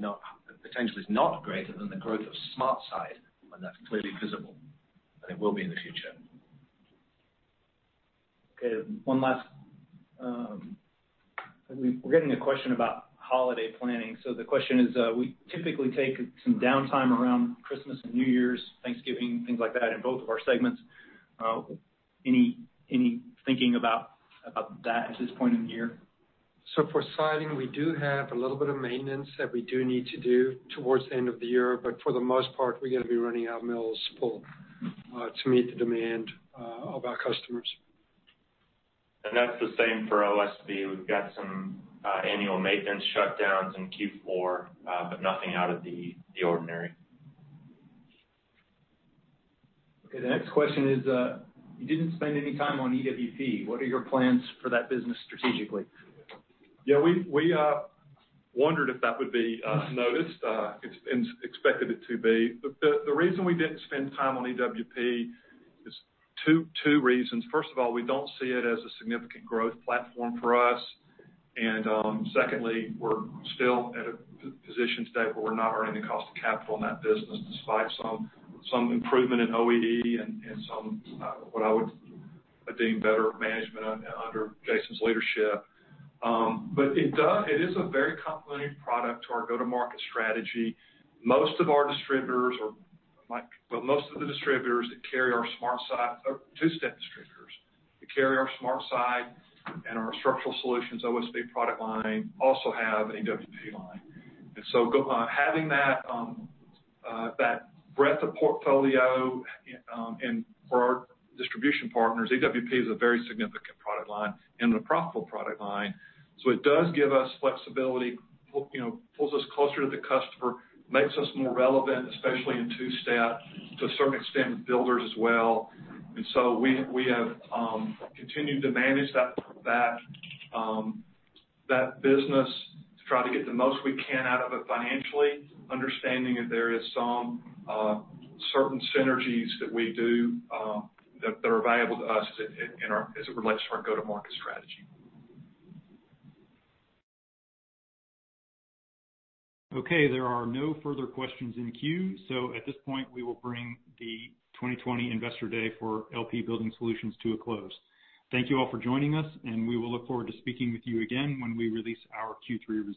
potential is not greater than the growth of SmartSide, and that's clearly visible. And it will be in the future. Okay. One last we're getting a question about holiday planning. So the question is, we typically take some downtime around Christmas and New Year's, Thanksgiving, things like that in both of our segments. Any thinking about that at this point in the year? So for siding, we do have a little bit of maintenance that we do need to do towards the end of the year. But for the most part, we're going to be running our mills full to meet the demand of our customers. And that's the same for OSB. We've got some annual maintenance shutdowns in Q4, but nothing out of the ordinary. Okay. The next question is, you didn't spend any time on EWP. What are your plans for that business strategically? Yeah. We wondered if that would be noticed. It's expected it to be. The reason we didn't spend time on EWP is two reasons. First of all, we don't see it as a significant growth platform for us. And secondly, we're still at a position today where we're not earning the cost of capital in that business despite some improvement in OEE and some, what I would deem, better management under Jason's leadership. But it is a very complementary product to our go-to-market strategy. Most of our distributors or, well, most of the distributors that carry our SmartSide are two-step distributors. They carry our SmartSide and our Structural Solutions, OSB product line, also have an EWP line. And so having that breadth of portfolio for our distribution partners, EWP is a very significant product line and a profitable product line. So it does give us flexibility, pulls us closer to the customer, makes us more relevant, especially in two-step, to a certain extent with builders as well. And so we have continued to manage that business to try to get the most we can out of it financially, understanding that there are some certain synergies that we do that are available to us as it relates to our go-to-market strategy. Okay. There are no further questions in queue. So at this point, we will bring the 2020 Investor Day for LP Building Solutions to a close. Thank you all for joining us. And we will look forward to speaking with you again when we release our Q3 result.